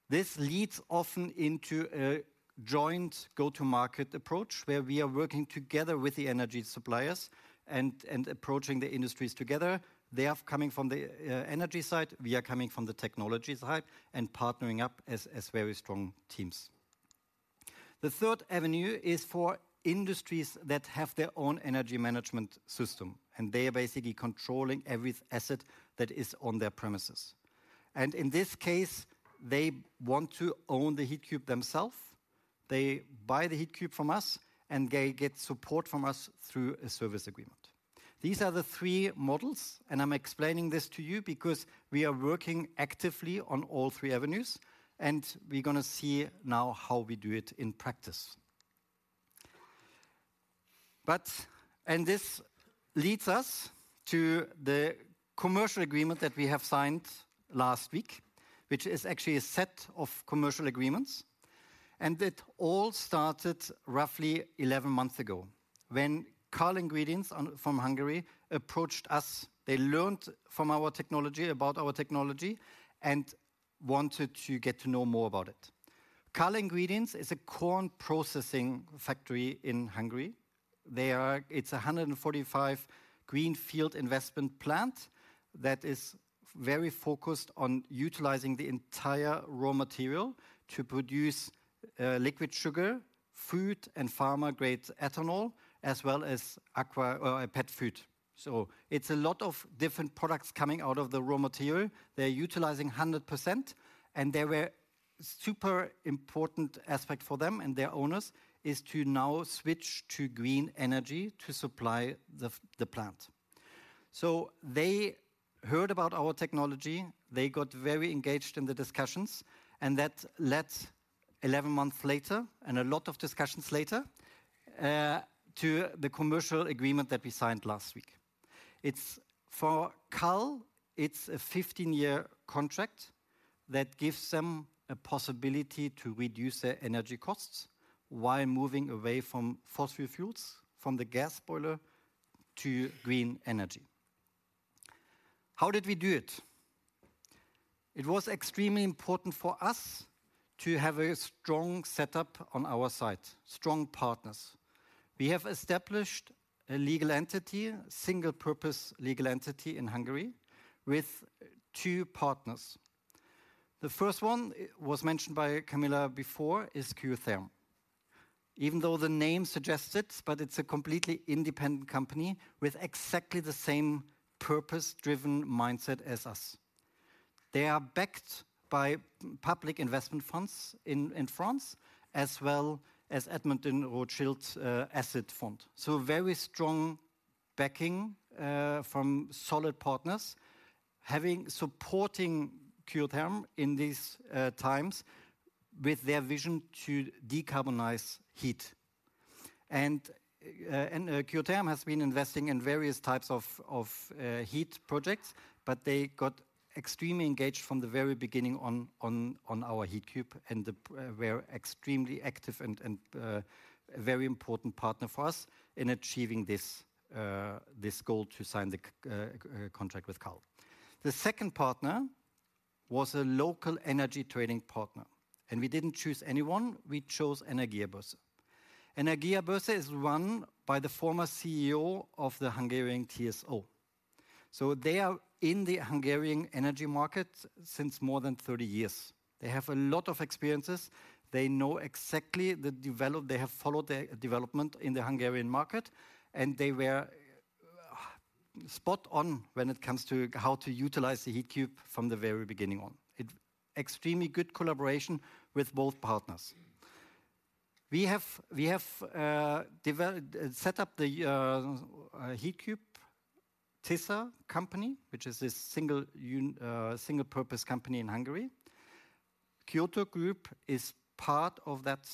This leads often into a joint go-to-market approach, where we are working together with the energy suppliers and approaching the industries together. They are coming from the energy side, we are coming from the technology side and partnering up as very strong teams. The third avenue is for industries that have their own energy management system, and they are basically controlling every asset that is on their premises. In this case, they want to own the Heatcube themselves. They buy the Heatcube from us, and they get support from us through a service agreement. These are the three models, and I'm explaining this to you because we are working actively on all three avenues, and we're gonna see now how we do it in practice. And this leads us to the commercial agreement that we have signed last week, which is actually a set of commercial agreements, and it all started roughly 11 months ago when KALL Ingredients from Hungary approached us. They learned from our technology, about our technology, and wanted to get to know more about it. KALL Ingredients is a corn processing factory in Hungary. They are. It's a 145 greenfield investment plant that is very focused on utilizing the entire raw material to produce liquid sugar, food, and pharma-grade ethanol, as aqua pet food. So it's a lot of different products coming out of the raw material. They're utilizing 100%, and they were super important aspect for them and their owners is to now switch to green energy to supply the plant. So they heard about our technology. They got very engaged in the discussions, and that led 11 months later, and a lot of discussions later, to the commercial agreement that we signed last week. It's for KALL, it's a 15-year contract that gives them a possibility to reduce their energy costs while moving away from fossil fuels, from the gas boiler to green energy. How did we do it? It was extremely important for us to have a strong setup on our side, strong partners. We have established a legal entity, single-purpose legal entity in Hungary, with two partners. The first one was mentioned by Camilla before, is Kyotherm. Even though the name suggests it, but it's a completely independent company with exactly the same purpose-driven mindset as us. They are backed by public investment funds in France, as Edmond de Rothschild's asset fund. So very strong backing from solid partners, having supporting Kyotherm in these times with their vision to decarbonize heat. Kyotherm has been investing in various types of heat projects, but they got extremely engaged from the very beginning on our Heatcube and were extremely active and a very important partner for us in achieving this goal to sign the contract with KALL. The second partner was a local energy trading partner, and we didn't choose anyone, we chose Energiabörze. Energiabörze is run by the former CEO of the Hungarian TSO. So they are in the Hungarian energy market since more than 30 years. They have a lot of experiences. They know exactly. They have followed the development in the Hungarian market, and they were spot on when it comes to how to utilize the Heatcube from the very beginning on. It's extremely good collaboration with both partners. We have set up the Heatcube Tisza company, which is a single-purpose company in Hungary. Kyoto Group is part of that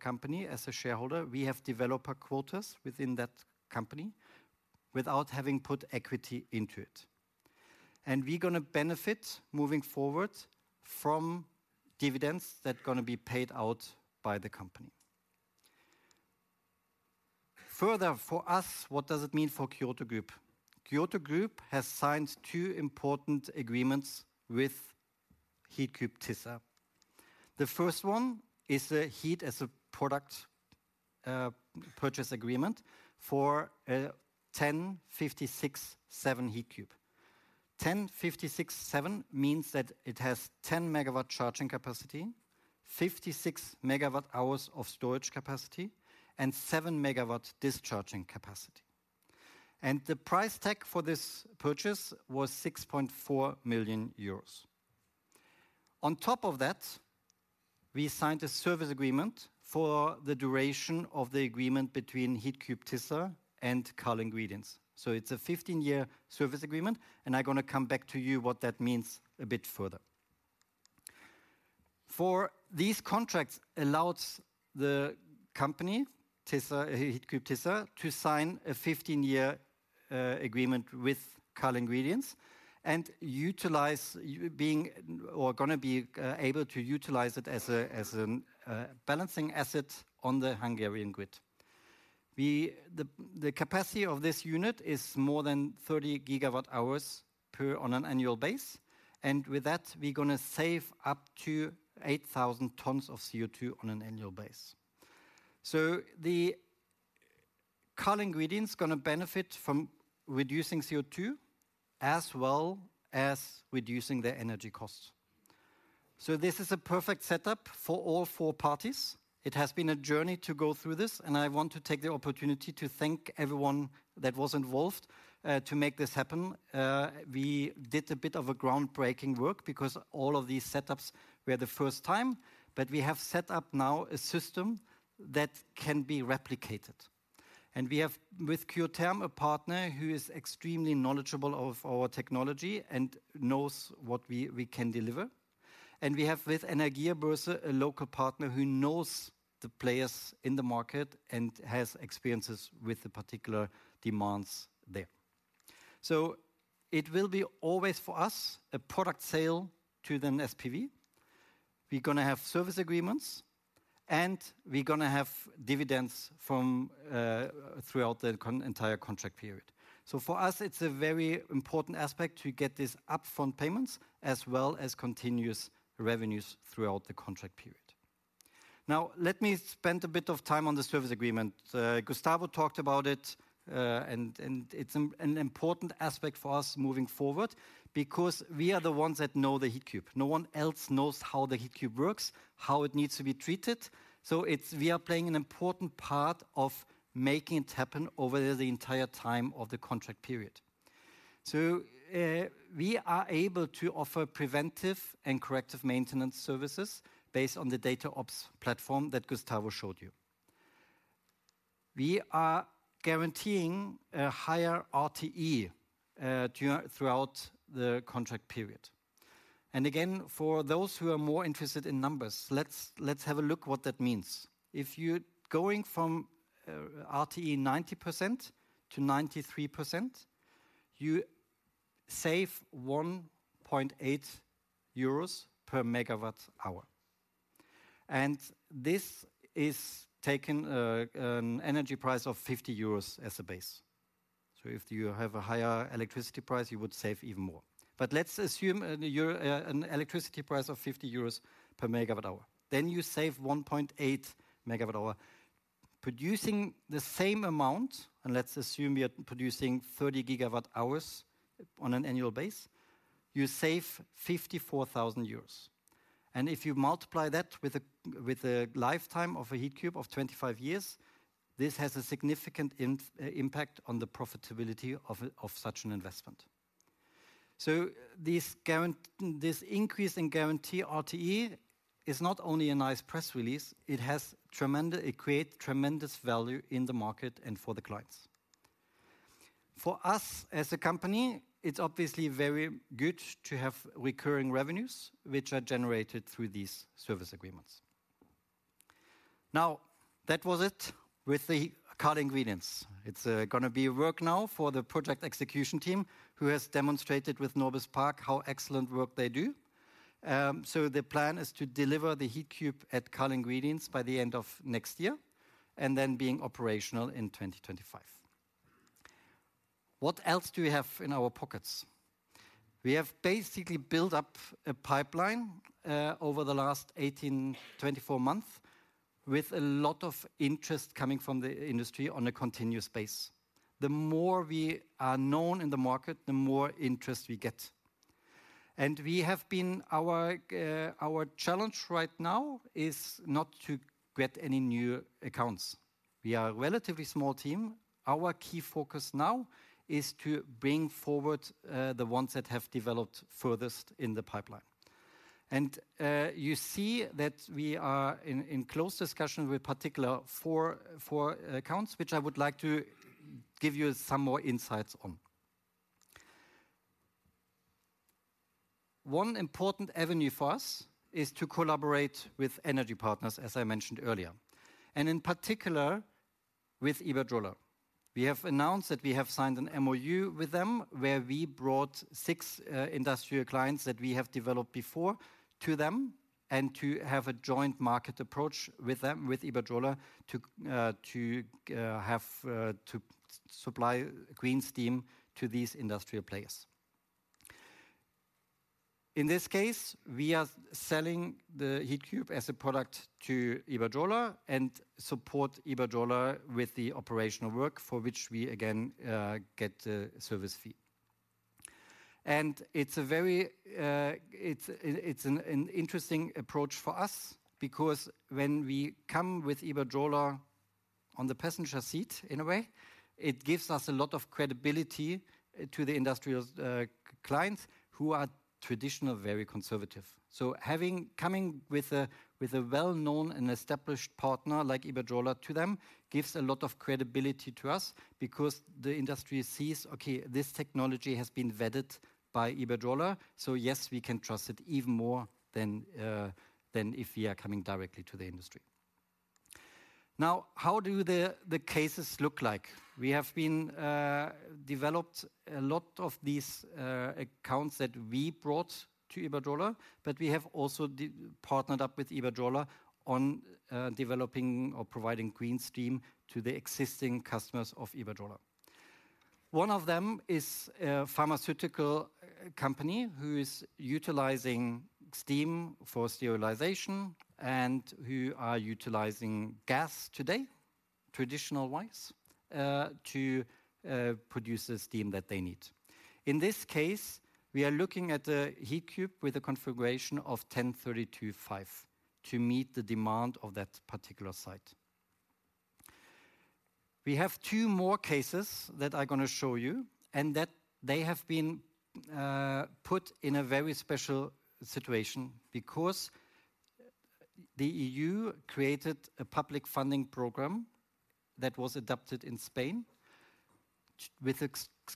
company as a shareholder. We have developed quotas within that company without having put equity into it. And we're gonna benefit moving forward from dividends that are gonna be paid out by the company. Further, for us, what does it mean for Kyoto Group? Kyoto Group has signed two important agreements with Heatcube Tisza. The first one is a heat as a product purchase agreement for a 10-56-7 Heatcube. 10-56-7 means that it has 10 MW charging capacity, 56 MWh of storage capacity, and 7 MW discharging capacity. The price tag for this purchase was 6.4 million euros. On top of that, we signed a service agreement for the duration of the agreement between Heatcube Tisza and KALL Ingredients. So it's a 15-year service agreement, and I'm gonna come back to you what that means a bit further. For these contracts allows the company, Tisza, Heatcube Tisza, to sign a 15-year agreement with KALL Ingredients and utilize being or gonna be able to utilize it as a balancing asset on the Hungarian grid. The capacity of this unit is more than 30 GWh per on an annual base, and with that, we're gonna save up to 8,000 tons of CO2 on an annual base. So the KALL Ingredients gonna benefit from reducing CO2, as reducing their energy costs. So this is a perfect setup for all four parties. It has been a journey to go through this, and I want to take the opportunity to thank everyone that was involved to make this happen. We did a bit of a groundbreaking work because all of these setups were the first time, but we have set up now a system that can be replicated. And we have, with Kyotherm, a partner who is extremely knowledgeable of our technology and knows what we can deliver. We have with Energiabörze, a local partner who knows the players in the market and has experiences with the particular demands there. So it will be always for us, a product sale to the SPV. We're gonna have service agreements, and we're gonna have dividends from throughout the entire contract period. So for us, it's a very important aspect to get these upfront payments as continuous revenues throughout the contract period. Now, let me spend a bit of time on the service agreement. Gustavo talked about it, and it's an important aspect for us moving forward because we are the ones that know the Heatcube. No one else knows how the Heatcube works, how it needs to be treated, so it's—we are playing an important part of making it happen over the entire time of the contract period. So, we are able to offer preventive and corrective maintenance services based on the DataOps platform that Gustavo showed you. We are guaranteeing a higher RTE throughout the contract period. And again, for those who are more interested in numbers, let's have a look what that means. If you're going from RTE 90% to 93%, you save 1.8 EUR per MWh, and this is taking an energy price of 50 euros as a base. So if you have a higher electricity price, you would save even more. But let's assume euro, an electricity price of 50 euros per MWh, then you save 1.8 MWh. Producing the same amount, and let's assume you're producing 30 GWh on an annual base, you save 54,000 euros. And if you multiply that with a lifetime of a Heatcube of 25 years, this has a significant impact on the profitability of a, of such an investment. So this guarantee this increase in guarantee RTE is not only a nice press release, it has tremendous. It creates tremendous value in the market and for the clients. For us as a company, it's obviously very good to have recurring revenues, which are generated through these service agreements. Now, that was it with the KALL Ingredients. It's gonna be work now for the project execution team, who has demonstrated with Norbis Park how excellent work they do. So the plan is to deliver the Heatcube at KALL Ingredients by the end of next year, and then being operational in 2025. What else do we have in our pockets? We have basically built up a pipeline over the last 18, 24 months, with a lot of interest coming from the industry on a continuous base. The more we are known in the market, the more interest we get. Our challenge right now is not to get any new accounts. We are a relatively small team. Our key focus now is to bring forward the ones that have developed furthest in the pipeline. You see that we are in close discussion with particular 4 accounts, which I would like to give you some more insights on. One important avenue for us is to collaborate with energy partners, as I mentioned earlier, and in particular with Iberdrola. We have announced that we have signed an MoU with them, where we brought 6 industrial clients that we have developed before to them, and to have a joint market approach with them, with Iberdrola, to, to, have, to supply green steam to these industrial players. In this case, we are selling the Heatcube as a product to Iberdrola and support Iberdrola with the operational work, for which we again get the service fee. It's a very interesting approach for us, because when we come with Iberdrola on the passenger seat, in a way, it gives us a lot of credibility to the industrial clients who are traditional, very conservative. So coming with a well-known and established partner like Iberdrola to them gives a lot of credibility to us because the industry sees, "Okay, this technology has been vetted by Iberdrola, so yes, we can trust it even more than if we are coming directly to the industry." Now, how do the cases look like? We have developed a lot of these accounts that we brought to Iberdrola, but we have also partnered up with Iberdrola on developing or providing green steam to the existing customers of Iberdrola. One of them is a pharmaceutical company who is utilizing steam for sterilization, and who are utilizing gas today, traditional-wise, to produce the steam that they need. In this case, we are looking at a Heatcube with a configuration of 10-32-5 to meet the demand of that particular site. We have two more cases that I'm gonna show you, and that they have been put in a very special situation because the EU created a public funding program that was adapted in Spain, with a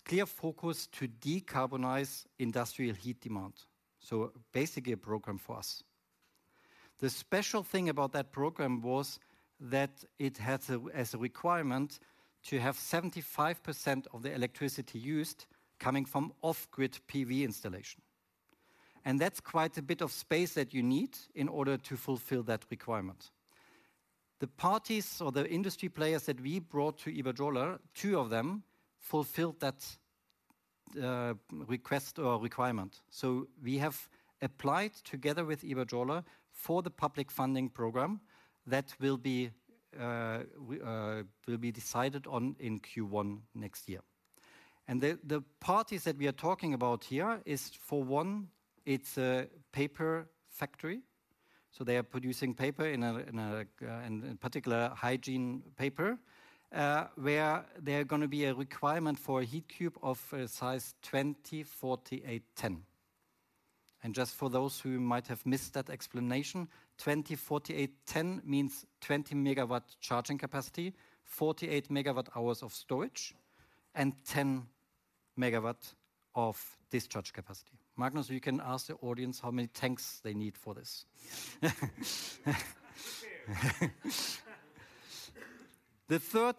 clear focus to decarbonize industrial heat demand. So basically, a program for us. The special thing about that program was that it had, as a requirement, to have 75% of the electricity used coming from off-grid PV installation, and that's quite a bit of space that you need in order to fulfill that requirement. The parties or the industry players that we brought to Iberdrola, two of them fulfilled that request or requirement. So we have applied together with Iberdrola for the public funding program that will be decided on in Q1 next year. And the parties that we are talking about here is, for one, it's a paper factory, so they are producing paper in particular, hygiene paper, where there are gonna be a requirement for a Heatcube of size 20-48-10. And just for those who might have missed that explanation, 20-48-10 means 20 MW charging capacity, 48 MWh of storage, and 10 MW of discharge capacity. Magnus, you can ask the audience how many tanks they need for this. The third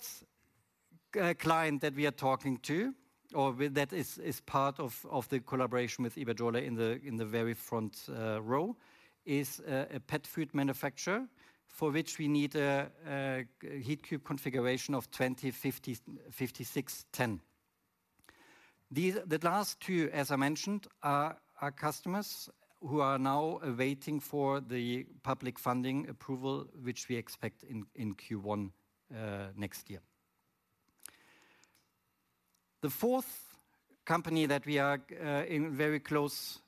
client that we are talking to, or that is, is part of the collaboration with Iberdrola in the very front row, is a pet food manufacturer, for which we need a Heatcube configuration of 20 50, 56 10. The last two, as I mentioned, are customers who are now waiting for the public funding approval, which we expect in Q1 next year. The fourth company that we are in very close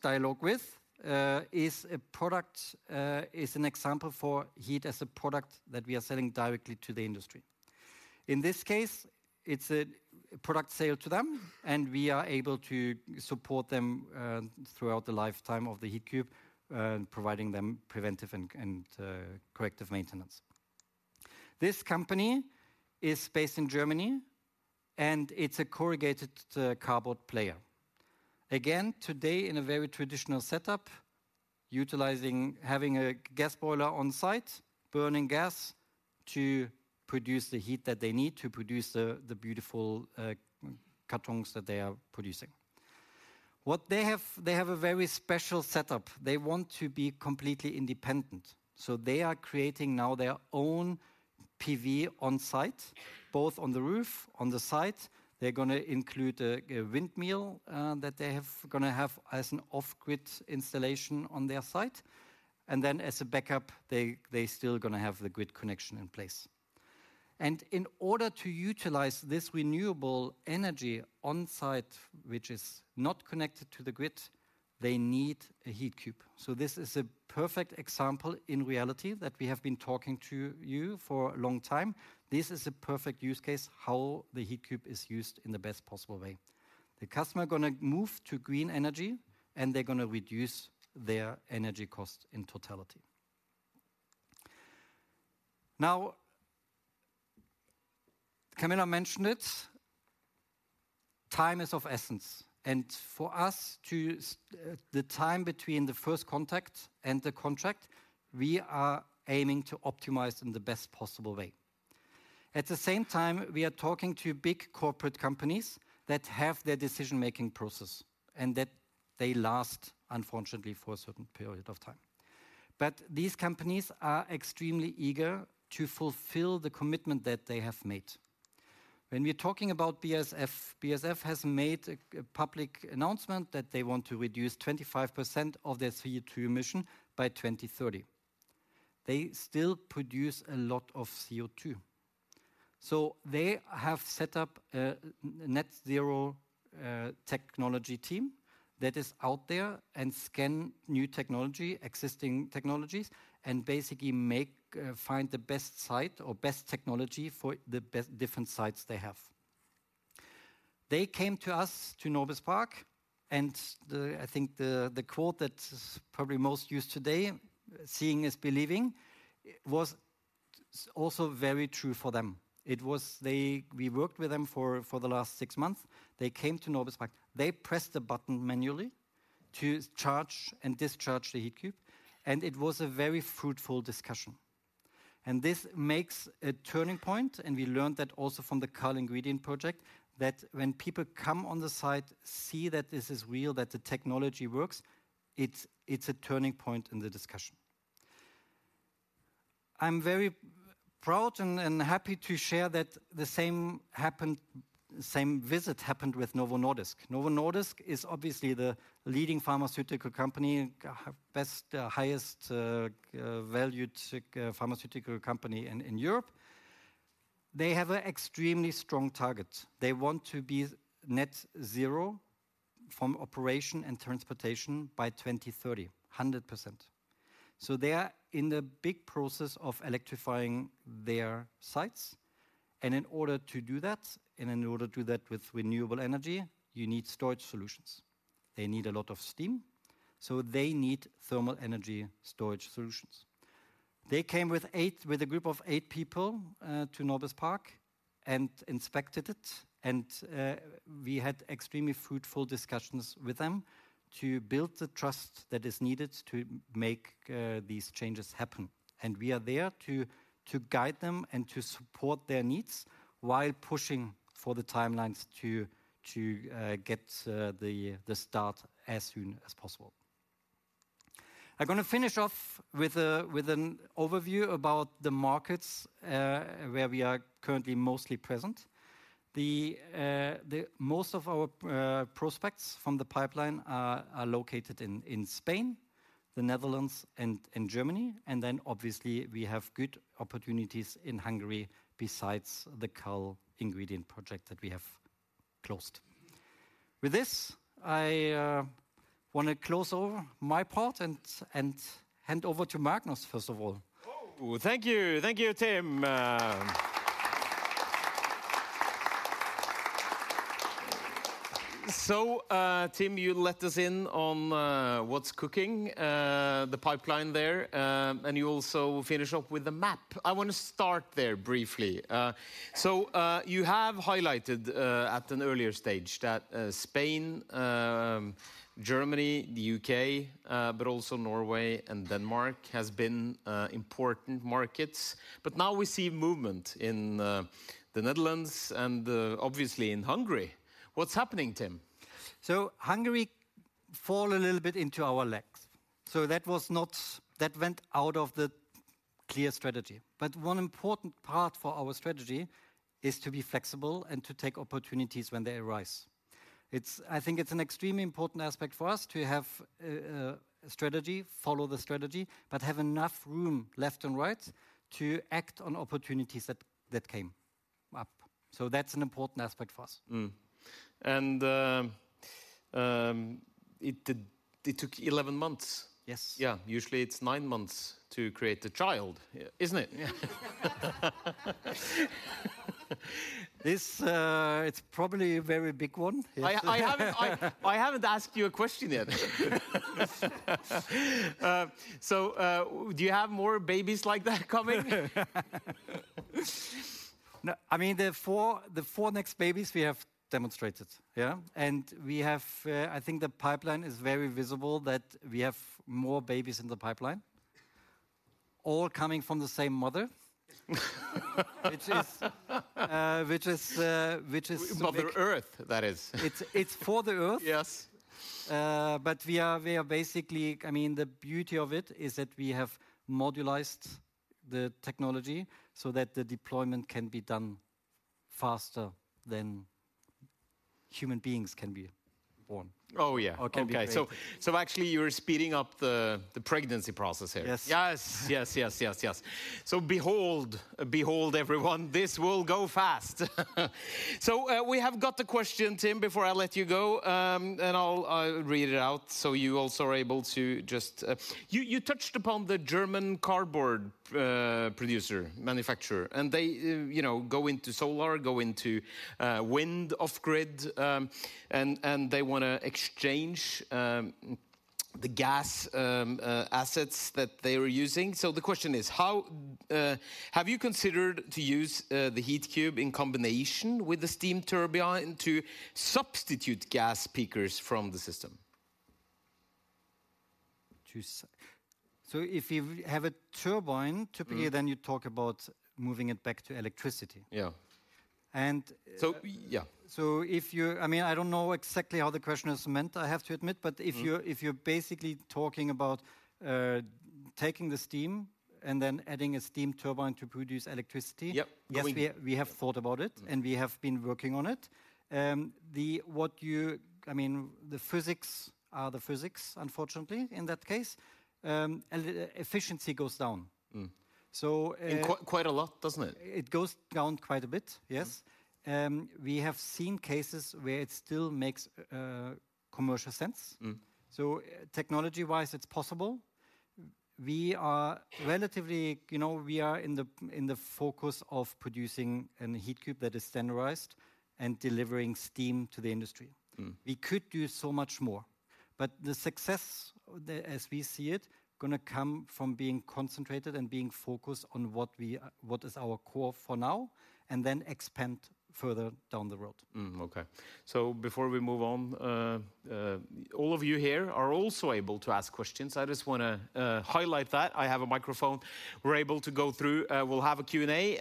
dialogue with is a product, is an example for heat as a product that we are selling directly to the industry. In this case, it's a product sale to them, and we are able to support them throughout the lifetime of the Heatcube, providing them preventive and corrective maintenance. This company is based in Germany, and it's a corrugated cardboard player. Again, today, in a very traditional setup, utilizing, having a gas boiler on site, burning gas to produce the heat that they need to produce the beautiful cartons that they are producing. What they have, they have a very special setup. They want to be completely independent, so they are creating now their own PV on-site, both on the roof, on the site. They're gonna include a windmill that they gonna have as an off-grid installation on their site. And then, as a backup, they still gonna have the grid connection in place. And in order to utilize this renewable energy on-site, which is not connected to the grid, they need a Heatcube. So this is a perfect example in reality, that we have been talking to you for a long time. This is a perfect use case, how the Heatcube is used in the best possible way. The customer gonna move to green energy, and they're gonna reduce their energy cost in totality. Now, Camilla mentioned it, time is of essence, and for us to, the time between the first contact and the contract, we are aiming to optimize in the best possible way. At the same time, we are talking to big corporate companies that have their decision-making process, and that they last, unfortunately, for a certain period of time. But these companies are extremely eager to fulfill the commitment that they have made. When we're talking about BASF, BASF has made a public announcement that they want to reduce 25% of their CO2 emission by 2030. They still produce a lot of CO2. So they have set up a net zero technology team that is out there and scan new technology, existing technologies, and basically find the best site or best technology for the best different sites they have. They came to us, to Norbis Park, and the, I think the quote that is probably most used today, "Seeing is believing," was also very true for them. It was, they we worked with them for the last six months. They came to Norbis Park. They pressed the button manually to charge and discharge the Heatcube, and it was a very fruitful discussion. This makes a turning point, and we learned that also from the KALL Ingredients project, that when people come on the site, see that this is real, that the technology works, it's, it's a turning point in the discussion. I'm very proud and, and happy to share that the same happened, same visit happened with Novo Nordisk. Novo Nordisk is obviously the leading pharmaceutical company, best, highest, valued pharmaceutical company in, in Europe. They have an extremely strong target. They want to be net zero from operation and transportation by 2030, 100%. So they are in the big process of electrifying their sites, and in order to do that, and in order to do that with renewable energy, you need storage solutions. They need a lot of steam, so they need thermal energy storage solutions. They came with eight, with a group of eight people, to Norbis Park and inspected it, and we had extremely fruitful discussions with them to build the trust that is needed to make these changes happen. We are there to guide them and to support their needs, while pushing for the timelines to get the start as soon as possible. I'm gonna finish off with an overview about the markets where we are currently mostly present. The most of our prospects from the pipeline are located in Spain, the Netherlands, and in Germany, and then obviously we have good opportunities in Hungary besides the KALL Ingredients project that we have closed. With this, I wanna close off my part and hand over to Magnus, first of all. Oh! Thank you. Thank you, Tim. So, Tim, you let us in on what's cooking the pipeline there, and you also finish up with the map. I wanna start there briefly. So, you have highlighted at an earlier stage that Spain, Germany, the UK, but also Norway and Denmark, has been important markets. But now we see movement in the Netherlands and obviously in Hungary. What's happening, Tim? Hungary fell a little bit into our laps. So that was not. That went out of the clear strategy. But one important part for our strategy is to be flexible and to take opportunities when they arise. It's, I think, it's an extremely important aspect for us to have a strategy, follow the strategy, but have enough room left and right to act on opportunities that came up. So that's an important aspect for us. It did, it took 11 months? Yes. Usually it's nine months to create a child, isn't it? This, it's probably a very big one. I haven't asked you a question yet. So, do you have more babies like that coming? No, I mean, the four, the four next babies we have demonstrated, And we have, I think the pipeline is very visible, that we have more babies in the pipeline, all coming from the same mother. Which is, which is, which is. Mother Earth, that is. It's for the Earth. Yes. But we are basically. I mean, the beauty of it is that we have modularized the technology so that the deployment can be done faster than human beings can be born. Oh, yeah. Or can be created. Okay, so actually you're speeding up the pregnancy process here? Yes. Yes! Yes, yes, yes, yes. So behold, behold, everyone, this will go fast. So, we have got a question, Tim, before I let you go, and I'll read it out, so you also are able to just. You, you touched upon the German cardboard producer, manufacturer, and they, you know, go into solar, go into wind off-grid, and, and they wanna exchange the gas assets that they were using. So the question is: How have you considered to use the Heatcube in combination with the steam turbine to substitute gas peakers from the system? So if you have a turbine. Mm. Typically, then you talk about moving it back to electricity. Yeah. And. So. I mean, I don't know exactly how the question is meant, I have to admit. Mm. If you're, if you're basically talking about taking the steam and then adding a steam turbine to produce electricity? Yep. Yes, we have thought about it, and we have been working on it. I mean, the physics are the physics, unfortunately, in that case, and the efficiency goes down. Mm. So, uh. Quite, quite a lot, doesn't it? It goes down quite a bit, yes. Mm. We have seen cases where it still makes commercial sense. Mm. So technology-wise, it's possible. We are relatively, you know, we are in the focus of producing a Heatcube that is standardized and delivering steam to the industry. Mm. We could do so much more, but the success, the, as we see it, gonna come from being concentrated and being focused on what we are, what is our core for now, and then expand further down the road. Okay. So before we move on, all of you here are also able to ask questions. I just wanna highlight that. I have a microphone. We're able to go through. We'll have a Q&A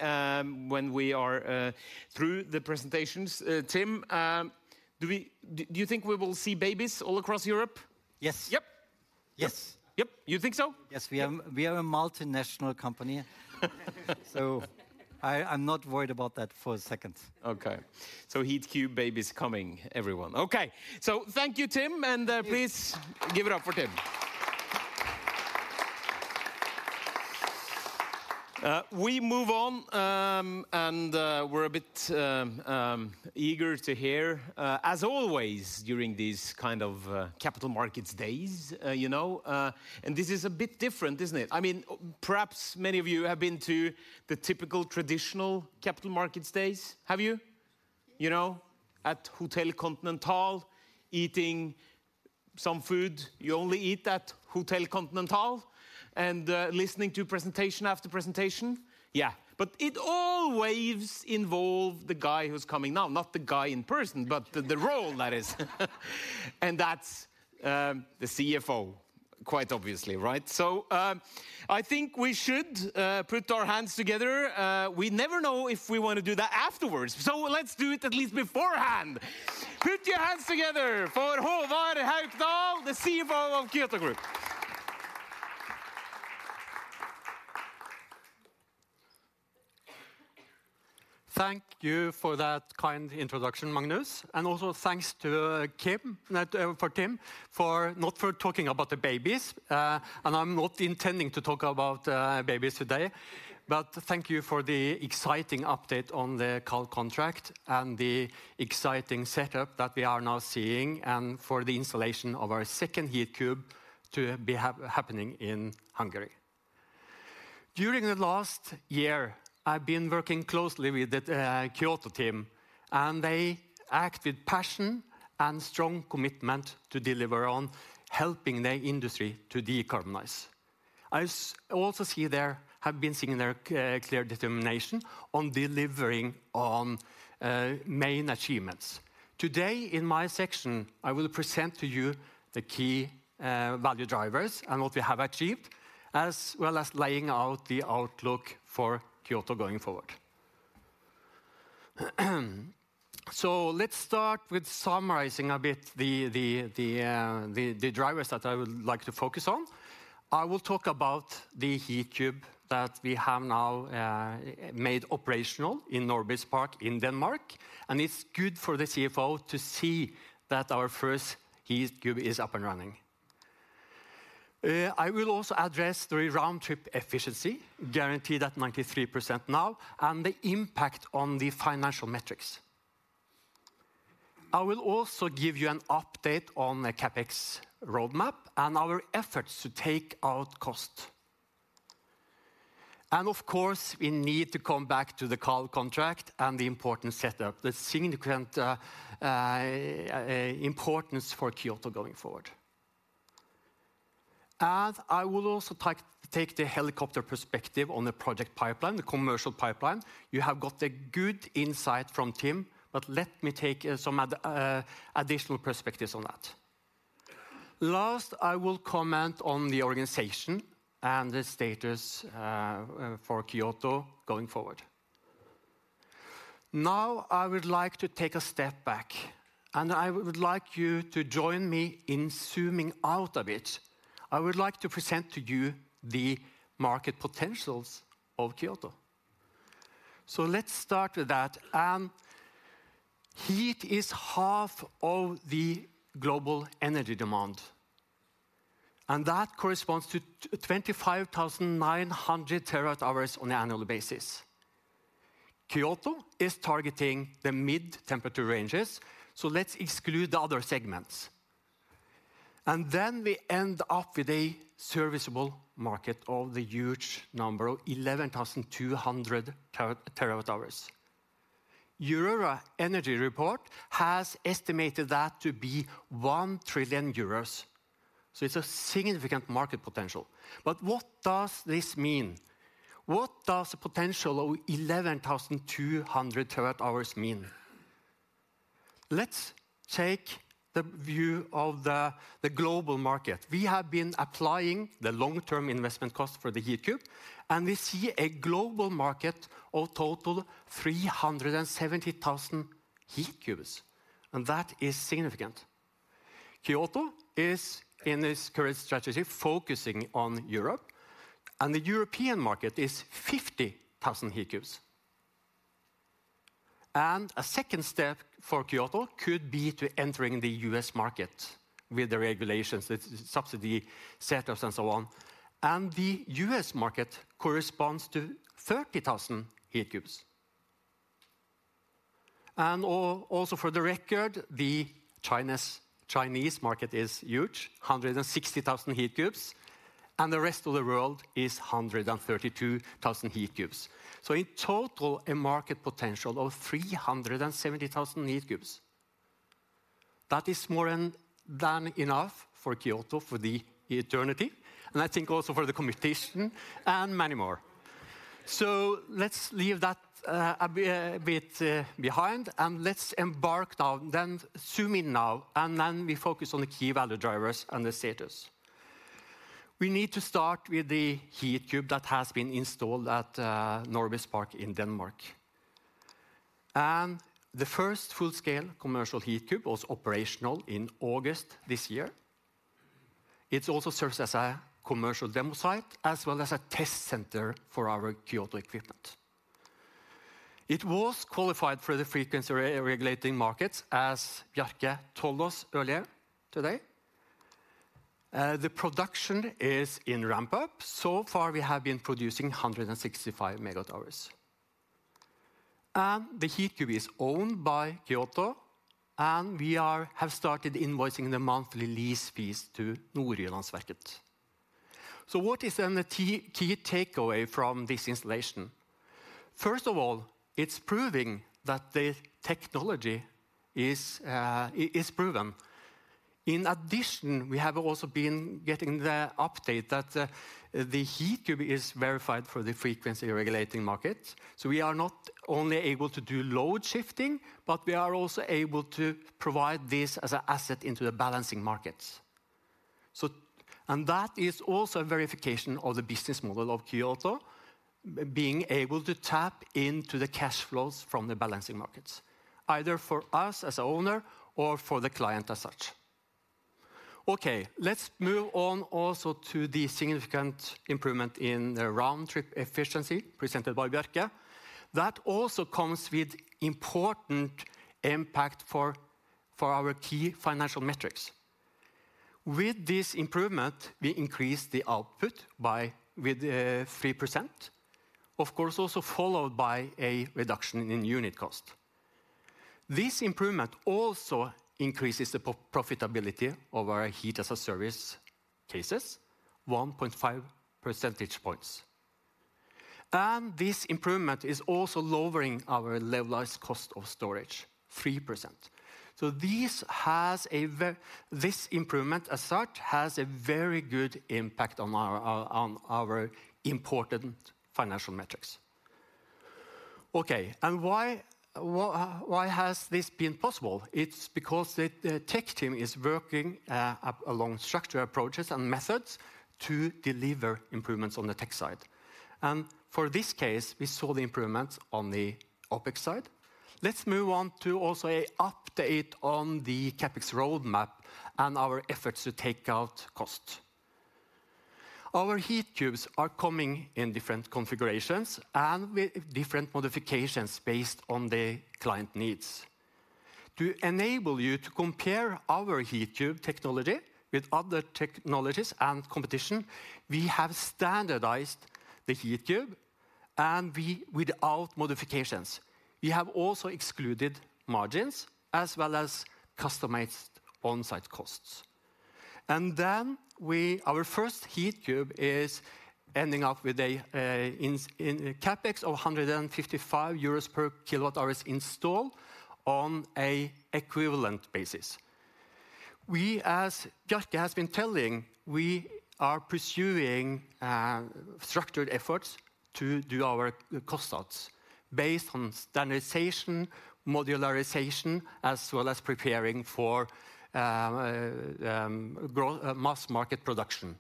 when we are through the presentations. Tim, do you think we will see babies all across Europe? Yes. Yep? Yes. Yep. You think so? Yes. Yep. We are a multinational company. So I'm not worried about that for a second. Okay, so Heatcube baby is coming, everyone. Okay, so thank you, Tim, and Thank you Please give it up for Tim. We move on, and we're a bit eager to hear, as always, during these capital markets days, you know, and this is a bit different, isn't it? I mean, perhaps many of you have been to the typical traditional capital markets days. Have you? You know, at Hotel Continental, eating some food you only eat at Hotel Continental, and listening to presentation after presentation? But it always involve the guy who's coming now, not the guy in person, but the role, that is. And that's the CFO, quite obviously, right? So, I think we should put our hands together, we never know if we wanna do that afterwards, so let's do it at least beforehand. Put your hands together for Håvard Haukdal, the CFO of Kyoto Group. Thank you for that kind introduction, Magnus, and also thanks to Tim for Tim for not talking about the babies, and I'm not intending to talk about babies today, but thank you for the exciting update on the KALL contract and the exciting setup that we are now seeing, and for the installation of our second Heatcube to be happening in Hungary. During the last year, I've been working closely with the Kyoto team, and they act with passion and strong commitment to deliver on helping the industry to decarbonize. I have also been seeing their clear determination on delivering on main achievements. Today, in my section, I will present to you the key value drivers and what we have achieved, as laying out the outlook for Kyoto going forward. So let's start with summarizing a bit the drivers that I would like to focus on. I will talk about the Heatcube that we have now made operational in Norbis Park, in Denmark, and it's good for the CFO to see that our first Heatcube is up and running. I will also address the round-trip efficiency, guaranteed at 93% now, and the impact on the financial metrics. I will also give you an update on the CapEx roadmap and our efforts to take out cost. And of course, we need to come back to the KALL contract and the important setup, the significant importance for Kyoto going forward. And I will also take the helicopter perspective on the project pipeline, the commercial pipeline. You have got a good insight from Tim, but let me take some additional perspectives on that. Last, I will comment on the organization and the status for Kyoto going forward. Now, I would like to take a step back, and I would like you to join me in zooming out a bit. I would like to present to you the market potentials of Kyoto. So let's start with that. Heat is half of the global energy demand, and that corresponds to 25,900 terawatt-hours on an annual basis. Kyoto is targeting the mid-temperature ranges, so let's exclude the other segments. Then we end up with a serviceable market of the huge number, 11,200 terawatt-hours. Eurora Energy Report has estimated that to be 1 trillion euros, so it's a significant market potential. But what does this mean? What does a potential of 11,200 terawatt-hours mean? Let's take the view of the global market. We have been applying the long-term investment cost for the Heatcube, and we see a global market of total 370,000 Heatcubes, and that is significant. Kyoto is, in this current strategy, focusing on Europe, and the European market is 50,000 Heatcubes. A second step for Kyoto could be to entering the US market with the regulations, its subsidy setups, and so on. The US market corresponds to 30,000 Heatcubes. Also for the record, the Chinese market is huge, 160,000 Heatcubes, and the rest of the world is 132,000 Heatcubes. In total, a market potential of 370,000 Heatcubes. That is more than, than enough for Kyoto, for the eternity, and I think also for the competition and many more. So let's leave that, a bit behind, and let's embark now, then zoom in now, and then we focus on the key value drivers and the status. We need to start with the Heatcube that has been installed at Norbis Park in Denmark. The first full-scale commercial Heatcube was operational in August this year. It also serves as a commercial demo site, as a test center for our Kyoto equipment. It was qualified for the frequency regulating markets, as Bjarke told us earlier today. The production is in ramp-up. So far, we have been producing 165 MWh. The Heatcube is owned by Kyoto, and we have started invoicing the monthly lease fees to Nordjyllandsværket. So what is then the key, key takeaway from this installation? First of all, it's proving that the technology is proven. In addition, we have also been getting the update that the Heatcube is verified for the Frequency Regulating Market. So we are not only able to do Load Shifting, but we are also able to provide this as an asset into the balancing markets and that is also a verification of the business model of Kyoto, being able to tap into the cash flows from the balancing markets, either for us as an owner or for the client as such. Okay, let's move on also to the significant improvement in the Round-Trip Efficiency presented by Bjarke. That also comes with important impact for our key financial metrics. With this improvement, we increase the output by 3%. Of course, also followed by a reduction in unit cost. This improvement also increases the profitability of our Heat as a Service cases, 1.5 percentage points. And this improvement is also lowering our levelized cost of storage 3%. So this has a this improvement as such, has a very good impact on our on our important financial metrics. Okay, and why why has this been possible? It's because the tech team is working along structured approaches and methods to deliver improvements on the tech side. And for this case, we saw the improvements on the OpEx side. Let's move on to also an update on the CapEx roadmap and our efforts to take out cost. Our heat cubes are coming in different configurations and with different modifications based on the client needs. To enable you to compare our heat cube technology with other technologies and competition, we have standardized the heat cube, and we without modifications. We have also excluded margins, as customized on-site costs. And then our first heat cube is ending up with a CapEx of 155 euros per kWh installed on an equivalent basis. We, as Bjarke has been telling, we are pursuing structured efforts to do our cost outs based on standardization, modularization, as preparing for mass market production,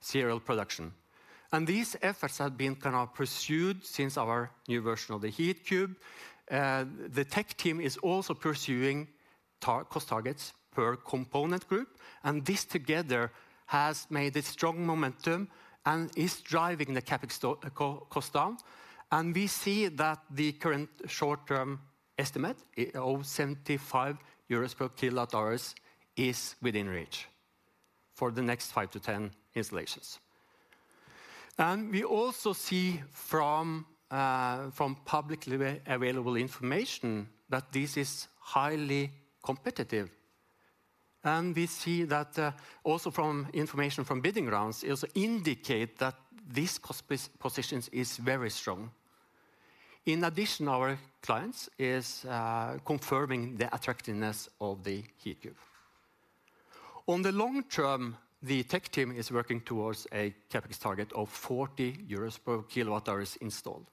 serial production. And these efforts have been pursued since our new version of the heat cube. The tech team is also pursuing target cost targets per component group, and this together has made a strong momentum and is driving the CapEx cost down. We see that the current short-term estimate of 75 euros per kWh is within reach for the next 5-10 installations. We also see from publicly available information that this is highly competitive. We see that also from information from bidding rounds, it indicates that this position is very strong. In addition, our clients is confirming the attractiveness of the Heatcube. On the long term, the tech team is working towards a CapEx target of 40 euros per kWh installed.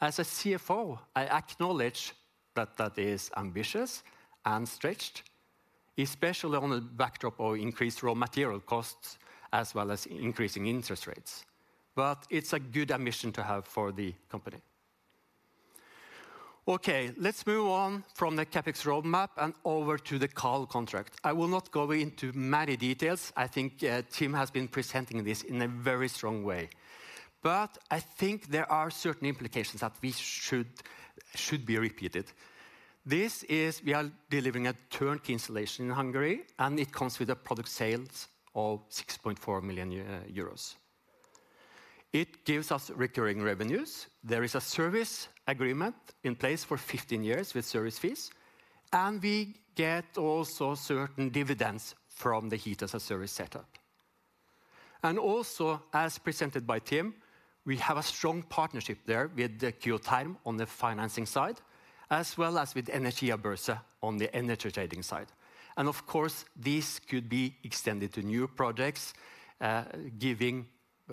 As a CFO, I acknowledge that that is ambitious and stretched, especially on a backdrop of increased raw material costs, as increasing interest rates. But it's a good ambition to have for the company. Okay, let's move on from the CapEx roadmap and over to the KALL contract. I will not go into many details. I think, Tim has been presenting this in a very strong way. But I think there are certain implications that we should, should be repeated. This is we are delivering a turnkey installation in Hungary, and it comes with a product sales of 6.4 million euros. It gives us recurring revenues. There is a service agreement in place for 15 years with service fees, and we get also certain dividends from the Heat as a Service setup. And also, as presented by Tim, we have a strong partnership there with the Kyotherm on the financing side, as with Energiabörze on the energy trading side. Of course, this could be extended to new projects, giving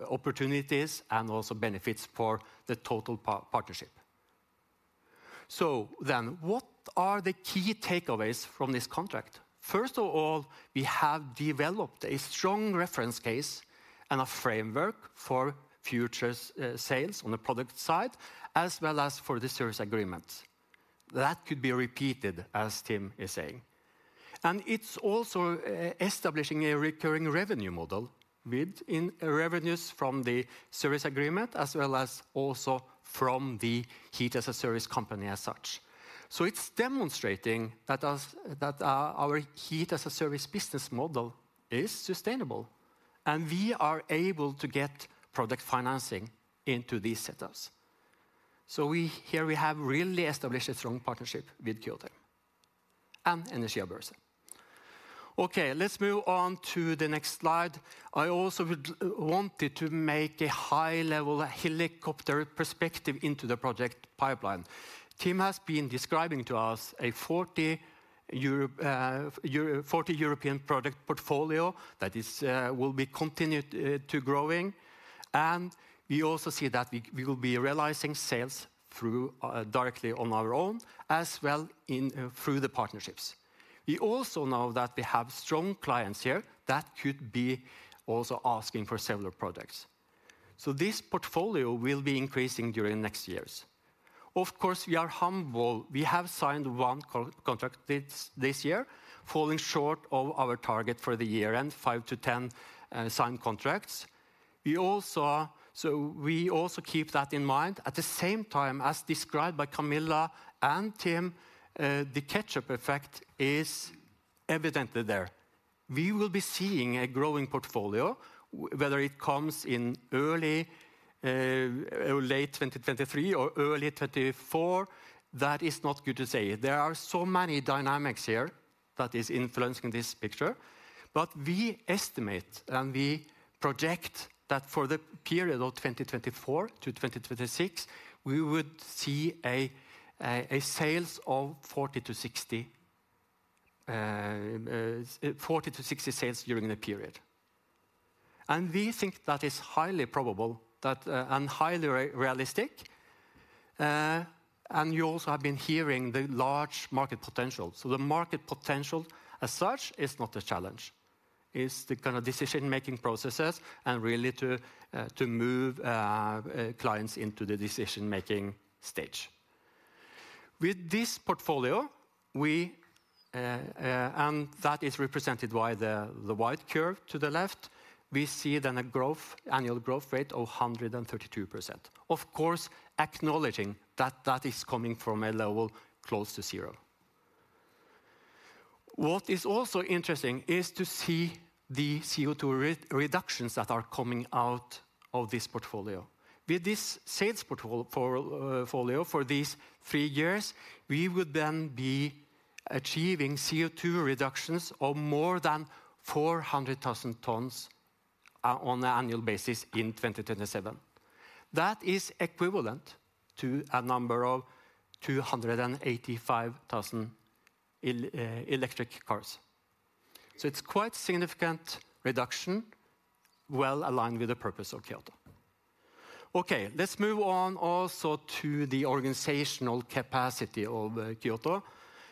opportunities and also benefits for the total partnership. So then, what are the key takeaways from this contract? First of all, we have developed a strong reference case and a framework for future sales on the product side, as for the service agreement. That could be repeated, as Tim is saying. And it's also establishing a recurring revenue model with revenues from the service agreement, as also from the Heat as a Service company as such. So it's demonstrating that our, our Heat as a Service business model is sustainable, and we are able to get product financing into these setups. So here we have really established a strong partnership with Kyotherm and Energiabörze. Okay, let's move on to the next slide. I also wanted to make a high-level helicopter perspective into the project pipeline. Tim has been describing to us a 40 European product portfolio that is will be continued to growing. We also see that we will be realizing sales through directly on our own, as through the partnerships. We also know that we have strong clients here that could be also asking for similar products. So this portfolio will be increasing during next years. Of course, we are humble. We have signed one contract this year, falling short of our target for the year and 5-10 signed contracts. So we also keep that in mind. At the same time, as described by Camilla and Tim, the catch-up effect is evidently there. We will be seeing a growing portfolio, whether it comes in early or late 2023 or early 2024, that is not good to say. There are so many dynamics here that is influencing this picture, but we estimate and we project that for the period of 2024 to 2026, we would see sales of 40-60, 40-60 sales during the period. And we think that is highly probable, that, and highly realistic. And you also have been hearing the large market potential. So the market potential as such is not a challenge. It's the decision-making processes and really to move clients into the decision-making stage. With this portfolio, we. And that is represented by the white curve to the left, we see then a growth, annual growth rate of 132%. Of course, acknowledging that that is coming from a level close to zero. What is also interesting is to see the CO2 reductions that are coming out of this portfolio. With this sales portfolio for these three years, we would then be achieving CO2 reductions of more than 400,000 tons on an annual basis in 2027. That is equivalent to a number of 285,000 electric cars. So it's quite significant reduction, well aligned with the purpose of Kyoto. Okay, let's move on also to the organizational capacity of Kyoto.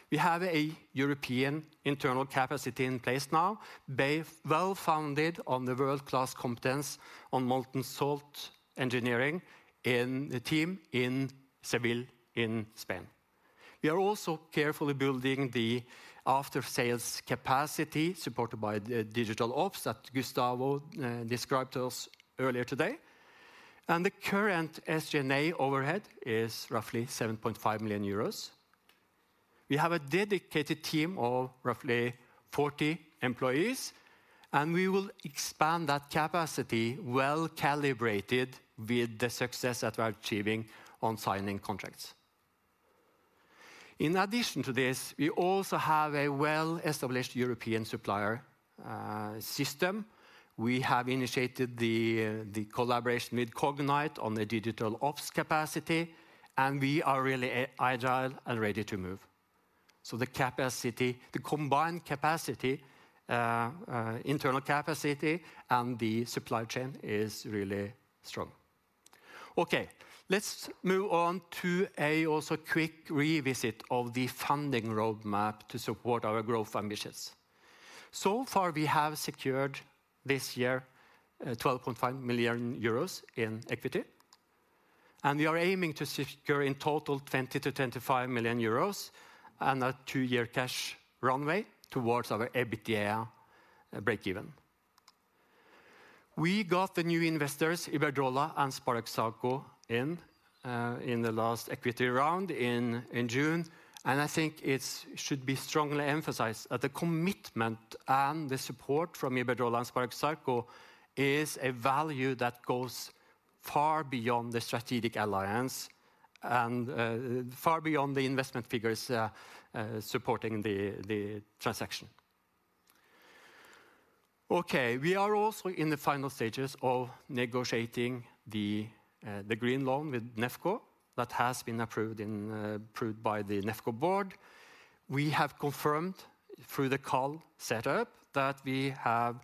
We have a European internal capacity in place now, based well-founded on the world class competence on molten salt engineering in the team in Seville, in Spain. We are also carefully building the after sales capacity, supported by the digital ops that Gustavo described to us earlier today. The current SG&A overhead is roughly 7.5 million euros. We have a dedicated team of roughly 40 employees, and we will expand that capacity, well calibrated with the success that we are achieving on signing contracts. In addition to this, we also have a well established European supplier system. We have initiated the collaboration with Cognite on the digital ops capacity, and we are really agile and ready to move. So the capacity, the combined capacity, internal capacity and the supply chain is really strong. Okay, let's move on to a also quick revisit of the funding roadmap to support our growth ambitions. So far, we have secured this year, 12.5 million euros in equity, and we are aiming to secure in total 20-25 million euros and a two year cash runway towards our EBITDA breakeven. We got the new investors, Iberdrola and SpareBank 1, in the last equity round in June, and I think it should be strongly emphasized that the commitment and the support from Iberdrola and SpareBank 1 is a value that goes far beyond the strategic alliance and far beyond the investment figures supporting the transaction. Okay, we are also in the final stages of negotiating the green loan with Nefco that has been approved by the Nefco board. We have confirmed through the KALL setup that we have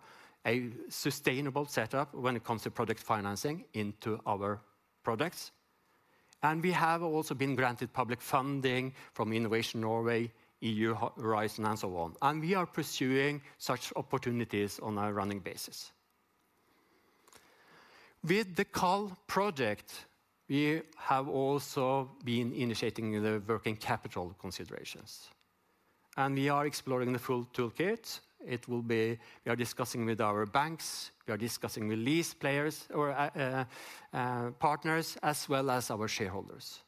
a sustainable setup when it comes to product financing into our products. We have also been granted public funding from Innovation Norway, EU Horizon, and so on, and we are pursuing such opportunities on a running basis. With the KALL project, we have also been initiating the working capital considerations, and we are exploring the full toolkit. It will be. We are discussing with our banks, we are discussing with lease players or, partners, as our shareholders.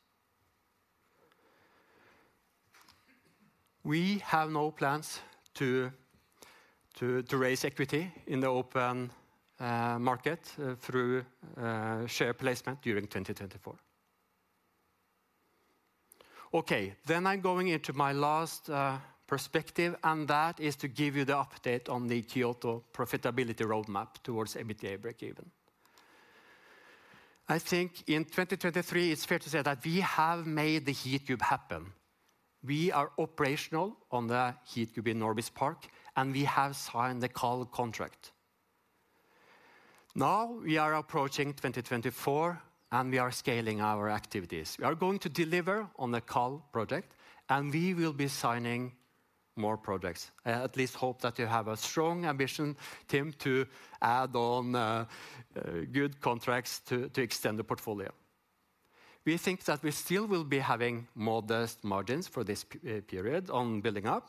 We have no plans to raise equity in the open market through share placement during 2024. Okay, then I'm going into my last perspective, and that is to give you the update on the Kyoto profitability roadmap towards EBITDA breakeven. I think in 2023, it's fair to say that we have made the Heatcube happen. We are operational on the Heatcube in Norbis Park, and we have signed the KALL contract. Now, we are approaching 2024, and we are scaling our activities. We are going to deliver on the KALL project, and we will be signing more projects. I at least hope that you have a strong ambition, Tim, to add on, good contracts to extend the portfolio. We think that we still will be having modest margins for this period on building up.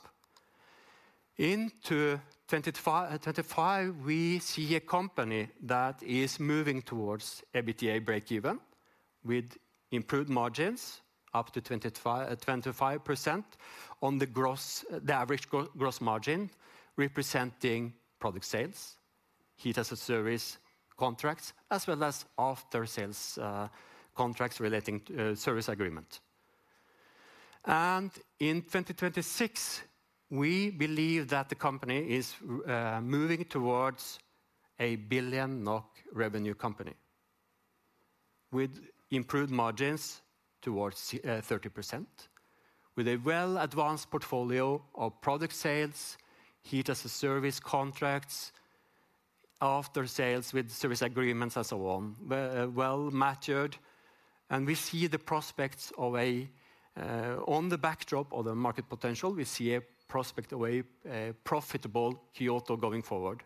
Into 2025, 25, we see a company that is moving towards EBITDA breakeven, with improved margins up to 25% on the average gross margin, representing product sales, heat as a service contracts, as aftersales contracts relating to service agreement. And in 2026, we believe that the company is moving towards a billion NOK revenue company, with improved margins towards 30%, with a well-advanced portfolio of product sales, heat as a service contracts, aftersales with service agreements, and so on, well matured. And we see the prospects of a. On the backdrop of the market potential, we see a prospect of a profitable Kyoto going forward,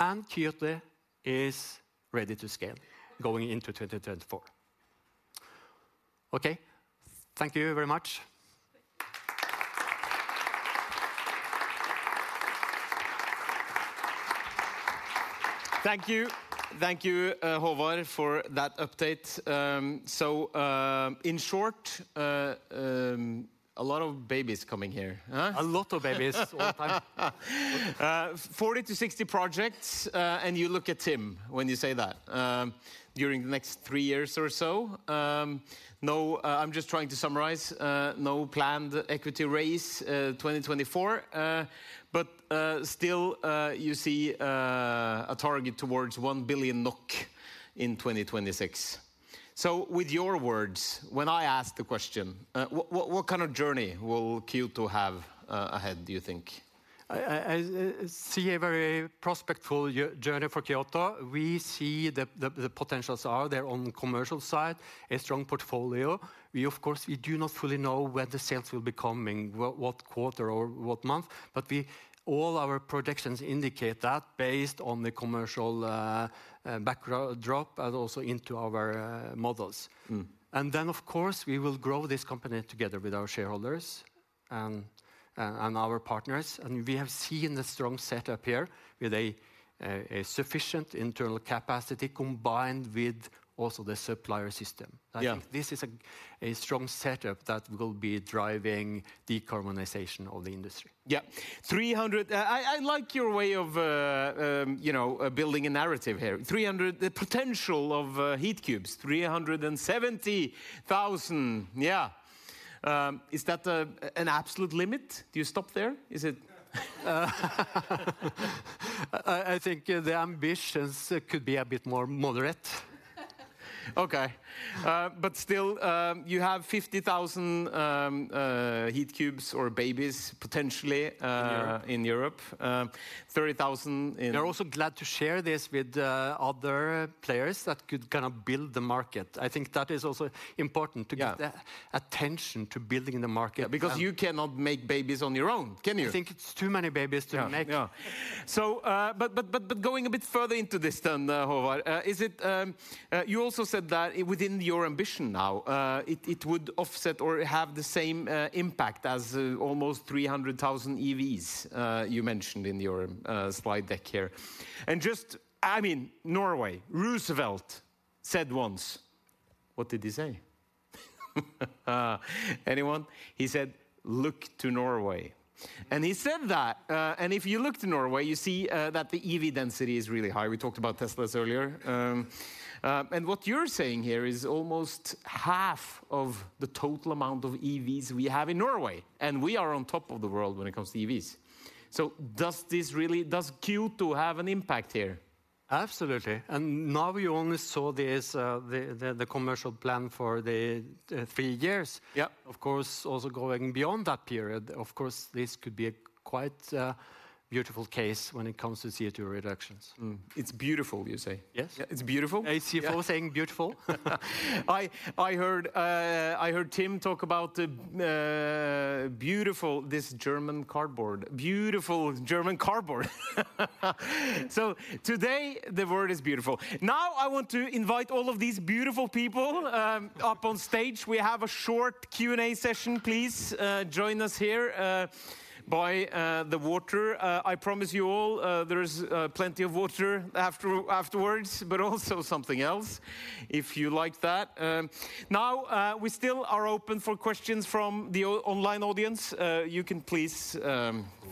and Kyoto is ready to scale going into 2024. Okay, thank you very much. Thank you. Thank you, Håvard, for that update. So, in short, a lot of babies coming here, eh? A lot of babies, all the time. 40-60 projects, and you look at Tim when you say that, during the next three years or so. No, I'm just trying to summarize, no planned equity raise, 2024, but still, you see, a target towards 1 billion NOK in 2026. So with your words, when I ask the question, what, what, what journey will Kyoto have ahead, do you think? I see a very prospectful journey for Kyoto. We see the potentials are there on the commercial side, a strong portfolio. We of course, we do not fully know when the sales will be coming, what quarter or what month, but we. All our projections indicate that based on the commercial backdrop and also into our models. Mm. And then, of course, we will grow this company together with our shareholders and our partners, and we have seen the strong setup here, with a sufficient internal capacity, combined with also the supplier system. Yeah. I think this is a strong setup that will be driving decarbonization of the industry. 300. I like your way of, you know, building a narrative here. 300, the potential of Heatcubes, 370,000. Is that a, an absolute limit? Do you stop there? Is it- I think the ambitions could be a bit more moderate. Okay, but still, you have 50,000 Heatcubes or babies potentially. In Europe. In Europe, 30,000 in. We are also glad to share this with other players that could build the market. I think that is also important to get the- Yeah. attention to building the market. Because you cannot make babies on your own, can you? I think it's too many babies to make. So, but going a bit further into this then, Håvard, is it you also said that within your ambition now, it would offset or have the same impact as almost 300,000 EVs, you mentioned in your slide deck here. And just, I mean, Norway, Roosevelt said once. What did he say? Anyone? He said, "Look to Norway." And he said that. And if you look to Norway, you see that the EV density is really high. We talked about Teslas earlier. And what you're saying here is almost half of the total amount of EVs we have in Norway, and we are on top of the world when it comes to EVs. So does this really - does Kyoto have an impact here? Absolutely. And now we only saw this, the commercial plan for the three years. Yeah. Of course, also going beyond that period, of course, this could be a quite beautiful case when it comes to CO2 reductions. It's beautiful, you say? Yes. It's beautiful? A CFO saying beautiful. I heard Tim talk about the beautiful this German cardboard. Beautiful German cardboard. So today, the word is beautiful. Now, I want to invite all of these beautiful people up on stage. We have a short Q&A session. Please join us here by the water. I promise you all there is plenty of water afterwards, but also something else, if you like that. Now we still are open for questions from the online audience. You can please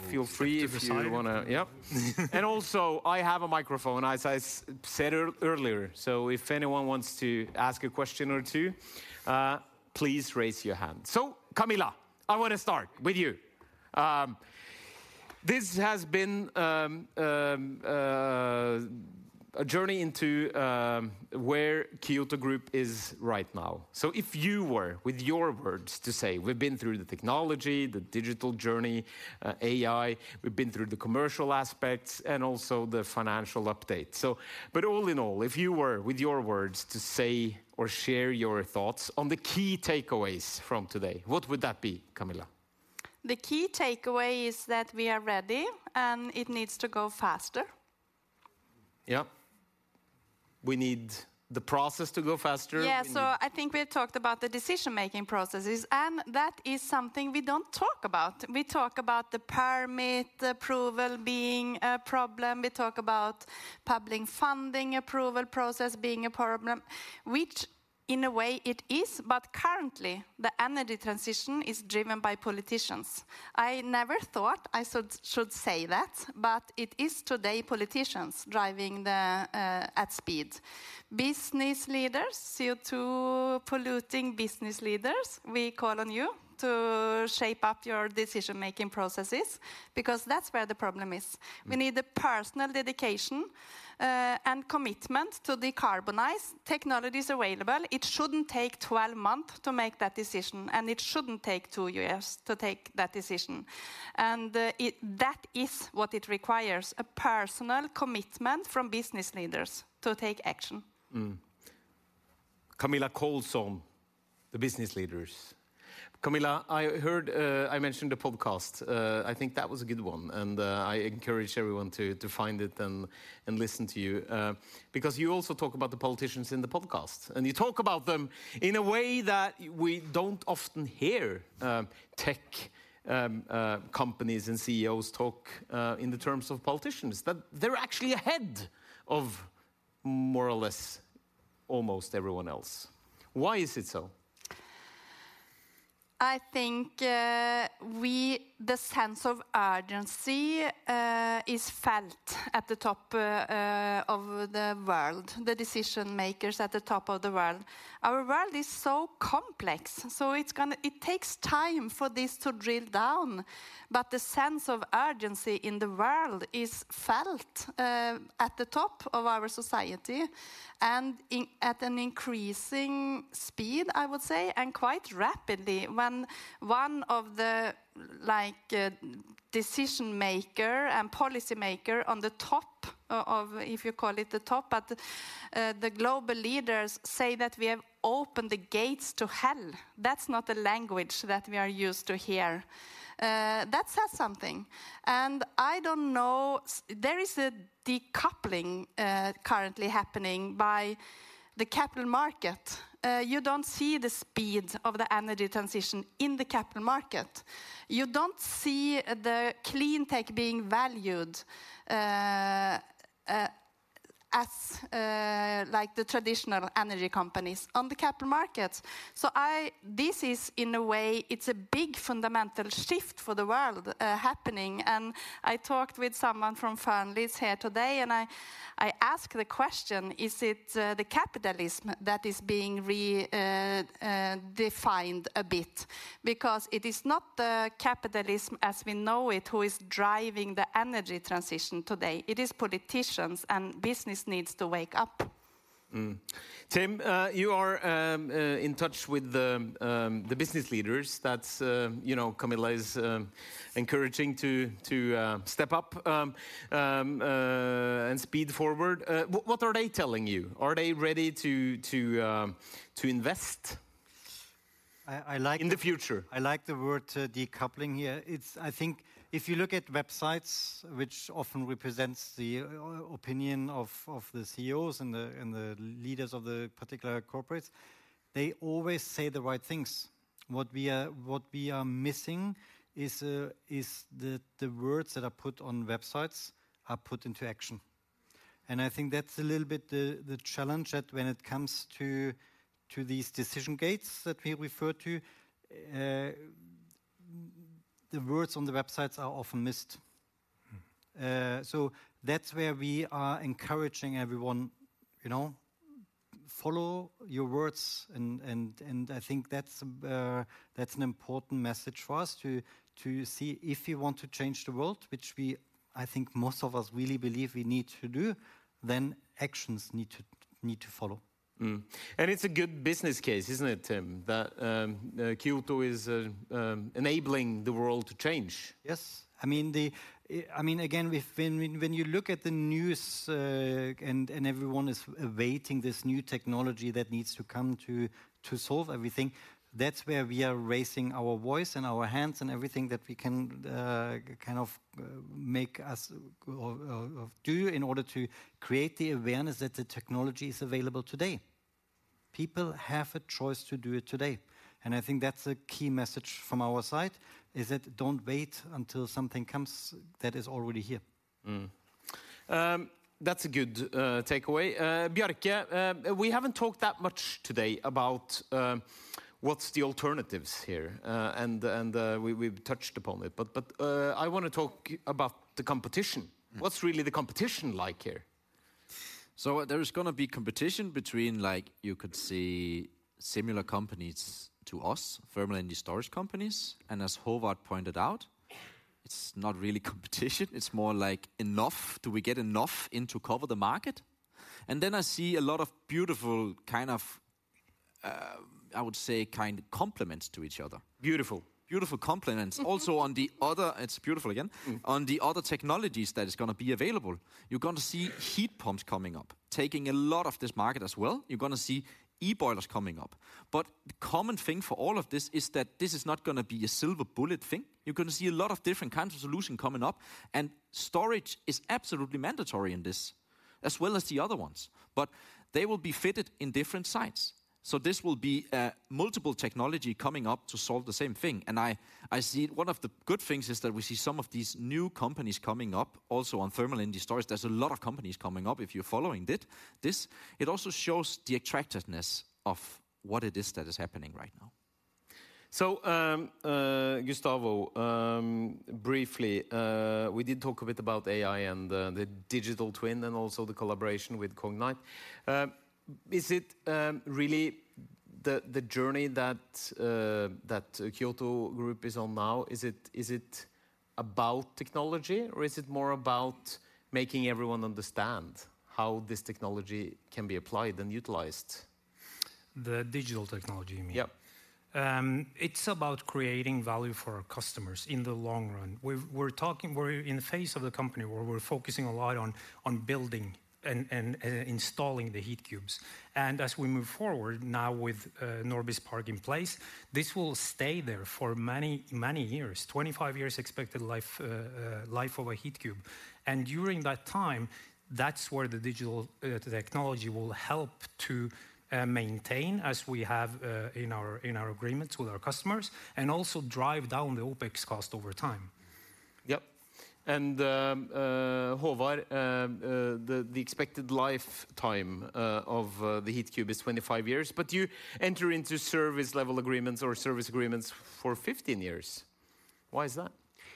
feel free if you want to- Take a side. And also, I have a microphone, as I said earlier, so if anyone wants to ask a question or two, please raise your hand. So, Camilla, I want to start with you. This has been a journey into where Kyoto Group is right now. So if you were, with your words, to say we've been through the technology, the digital journey, AI, we've been through the commercial aspects, and also the financial update. But all in all, if you were, with your words, to say or share your thoughts on the key takeaways from today, what would that be, Camilla? The key takeaway is that we are ready, and it needs to go faster. We need the process to go faster? We need. So I think we talked about the decision-making processes, and that is something we don't talk about. We talk about the permit approval being a problem, we talk about public funding approval process being a problem, which, in a way, it is, but currently, the energy transition is driven by politicians. I never thought I should say that, but it is today politicians driving the, at speed. Business leaders, CO2 polluting business leaders, we call on you to shape up your decision-making processes, because that's where the problem is. Mm. We need the personal dedication and commitment to decarbonize. Technology is available. It shouldn't take 12 months to make that decision, and it shouldn't take 2 years to take that decision. That is what it requires, a personal commitment from business leaders to take action. Camilla Nilsson on the business leaders. Camilla, I heard I mentioned the podcast. I think that was a good one, and I encourage everyone to find it and listen to you. Because you also talk about the politicians in the podcast, and you talk about them in a way that we don't often hear tech companies and CEOs talk in the terms of politicians, that they're actually ahead of more or less almost everyone else. Why is it so? I think, the sense of urgency is felt at the top of the world, the decision makers at the top of the world. Our world is so complex, so it's gonna it takes time for this to drill down, but the sense of urgency in the world is felt at the top of our society and at an increasing speed, I would say, and quite rapidly. When one of the, like, decision maker and policy maker on the top of If you call it the top, but, the global leaders say that we have opened the gates to hell, that's not the language that we are used to hear. That says something, and I don't know, there is a decoupling currently happening by the capital market. You don't see the speed of the energy transition in the capital market. You don't see the clean tech being valued, as, like the traditional energy companies on the capital markets. So this is, in a way, it's a big fundamental shift for the world, happening. And I talked with someone from Fernleaf here today, and I asked the question: "Is it the capitalism that is being redefined a bit?" Because it is not the capitalism as we know it, who is driving the energy transition today. It is politicians, and business needs to wake up. Tim, you are in touch with the business leaders that you know, Camilla is encouraging to step up and speed forward. What are they telling you? Are they ready to invest. I like. in the future? I like the word, decoupling here. It's. I think if you look at websites, which often represents the, opinion of, of the CEOs and the, and the leaders of the particular corporates, they always say the right things. What we are, what we are missing is, is the, the words that are put on websites are put into action. And I think that's a little bit the, the challenge that when it comes to, to these decision gates that we refer to, the words on the websites are often missed. Mm. So that's where we are encouraging everyone, you know, follow your words, and I think that's an important message for us to see if you want to change the world, which we. I think most of us really believe we need to do, then actions need to follow. It's a good business case, isn't it, Tim? That Kyoto is enabling the world to change. Yes. I mean, again, when you look at the news, and everyone is awaiting this new technology that needs to come to solve everything, that's where we are raising our voice and our hands and everything that we can do in order to create the awareness that the technology is available today. People have a choice to do it today, and I think that's a key message from our side, is that don't wait until something comes that is already here. That's a good takeaway. Bjarke, we haven't talked that much today about what's the alternatives here? And we've touched upon it, but I want to talk about the competition. Mm. What's really the competition like here? So there is gonna be competition between, like, you could say, similar companies to us, thermal energy storage companies. And as Håvard pointed out, it's not really competition, it's more like enough, do we get enough in to cover the market? And then I see a lot of beautiful,, I would say, kind compliments to each other. Beautiful, beautiful compliments. Also, on the other. It's beautiful, again. Mm. On the other technologies that is gonna be available, you're gonna see heat pumps coming up, taking a lot of this market. You're gonna see e-boilers coming up. But the common thing for all of this is that this is not gonna be a silver bullet thing. You're gonna see a lot of different kinds of solution coming up, and storage is absolutely mandatory in this, as the other ones. But they will be fitted in different sites. So this will be multiple technology coming up to solve the same thing, and I see one of the good things is that we see some of these new companies coming up. Also, on thermal energy storage, there's a lot of companies coming up if you're following it, this. It also shows the attractiveness of what it is that is happening right now. So, Gustavo, briefly, we did talk a bit about AI and the digital twin, and also the collaboration with Cognite. Is it really the journey that Kyoto Group is on now, is it about technology, or is it more about making everyone understand how this technology can be applied and utilized? The digital technology, you mean? Yep. It's about creating value for our customers in the long run. We're talking, we're in the phase of the company where we're focusing a lot on building and installing the Heatcubes. And as we move forward now with Norbis Park in place, this will stay there for many, many years, 25 years expected life, life of a Heatcube. And during that time, that's where the digital technology will help to maintain, as we have in our agreements with our customers, and also drive down the OpEx cost over time. Yep. And, Håvard, the expected lifetime of the Heatcube is 25 years, but you enter into service level agreements or service agreements for 15 years. Why is that?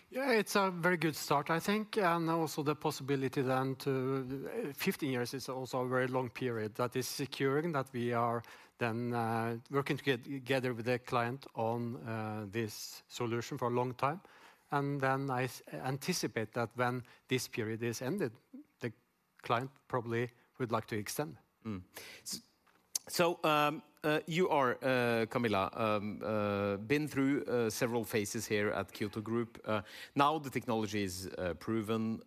It's a very good start, I think, and also the possibility then to. 15 years is also a very long period. That is securing that we are then working together with the client on this solution for a long time. And then I anticipate that when this period is ended, the client probably would like to extend. So, you are Camilla been through several phases here at Kyoto Group. Now the technology is proven.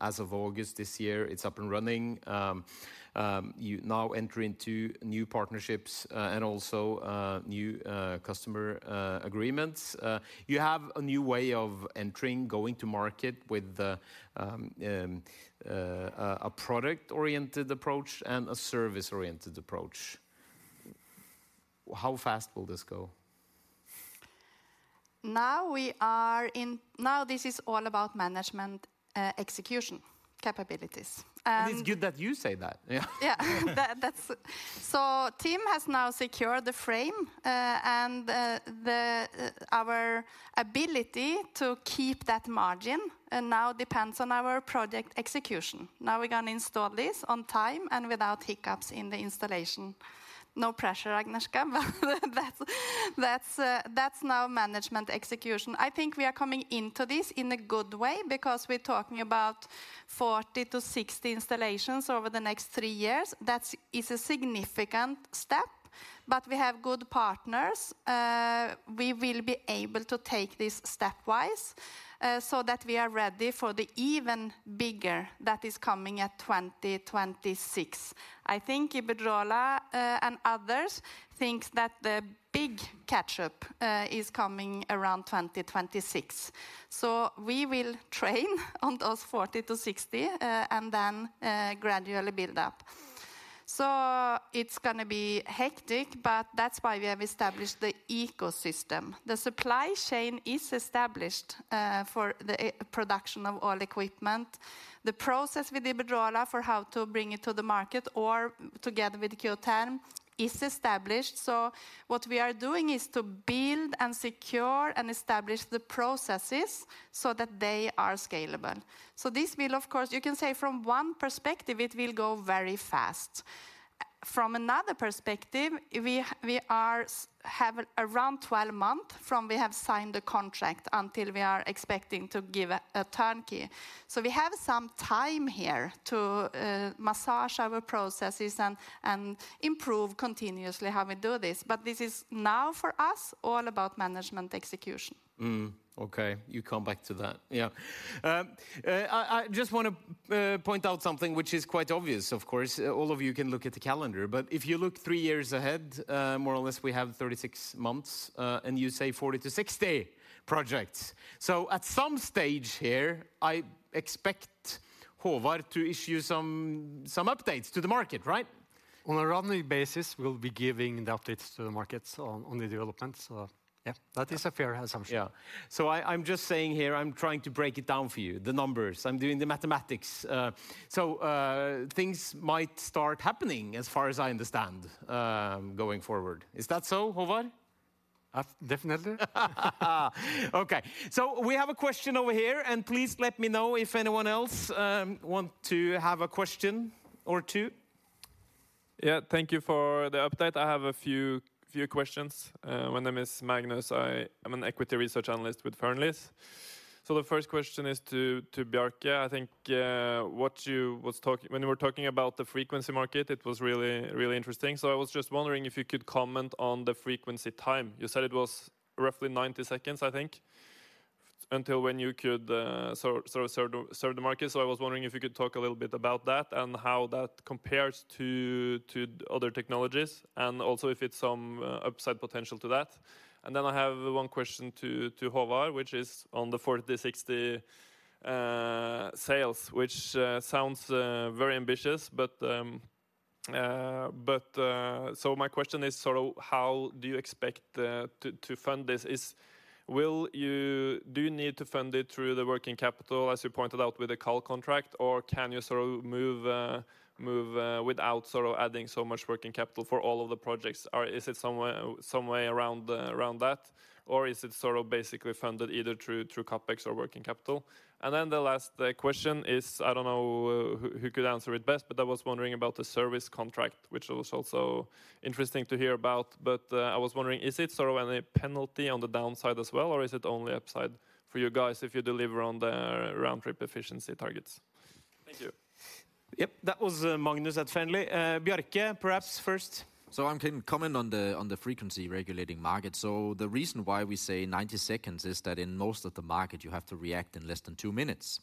As of August this year, it's up and running. You now enter into new partnerships and also new customer agreements. You have a new way of entering going to market with a product-oriented approach and a service-oriented approach. How fast will this go? Now, this is all about management execution capabilities. It's good that you say that. That, that's. So Tim has now secured the frame, and the, our ability to keep that margin, now depends on our project execution. Now, we're gonna install this on time and without hiccups in the installation. No pressure, Agnieszka, but that's, that's, that's now management execution. I think we are coming into this in a good way because we're talking about, 40-60 installations over the next three years, that is a significant step. But we have good partners, we will be able to take this stepwise, so that we are ready for the even bigger that is coming at 2026. I think Iberdrola, and others think that the big catch-up, is coming around 2026. So we will train on those 40-60, and then, gradually build up. So it's gonna be hectic, but that's why we have established the ecosystem. The supply chain is established, for the production of all equipment. The process with Iberdrola for how to bring it to the market, or together with Kyotherm, is established. So what we are doing is to build, and secure, and establish the processes so that they are scalable. So this will, of course, you can say from one perspective, it will go very fast. From another perspective, we have around 12 months from we have signed the contract until we are expecting to give a turnkey. So we have some time here to massage our processes and improve continuously how we do this. But this is now, for us, all about management execution. Okay, you come back to that. I just wanna point out something which is quite obvious, of course, all of you can look at the calendar, but if you look three years ahead, more or less, we have 36 months, and you say 40-60 projects. So at some stage here, I expect Håvard to issue some updates to the market, right? On a monthly basis, we'll be giving the updates to the markets on the development. So that is a fair assumption. So I'm just saying here, I'm trying to break it down for you, the numbers. I'm doing the mathematics. Things might start happening as far as I understand, going forward. Is that so, Håvard? Uh, definitely. Okay, so we have a question over here, and please let me know if anyone else want to have a question or two. Thank you for the update. I have a few questions. My name is Magnus. I am an equity research analyst with Fernleaf. So the first question is to Bjarke. I think what you was talking. When you were talking about the frequency market, it was really, really interesting. So I was just wondering if you could comment on the frequency time. You said it was roughly 90 seconds, I think, until when you could serve the market. So I was wondering if you could talk a little bit about that and how that compares to other technologies, and also if it's some upside potential to that. And then I have one question to Håvard, which is on the 40-60 sales, which sounds very ambitious, but. So my question is how do you expect to fund this? Do you need to fund it through the working capital, as you pointed out, with the coal contract, or can you move without adding so much working capital for all of the projects? Or is it somewhere some way around that, or is it basically funded either through CapEx or working capital? And then the last question is, I don't know who could answer it best, but I was wondering about the service contract, which was also interesting to hear about. But I was wondering, is it any penalty on the downside, or is it only upside for you guys if you deliver on the round-trip efficiency targets? Thank you. Yep, that was Magnus at Fernleaf. Bjarke, perhaps first. So I'm going to comment on the frequency regulating market. So the reason why we say 90 seconds is that in most of the market, you have to react in less than 2 minutes.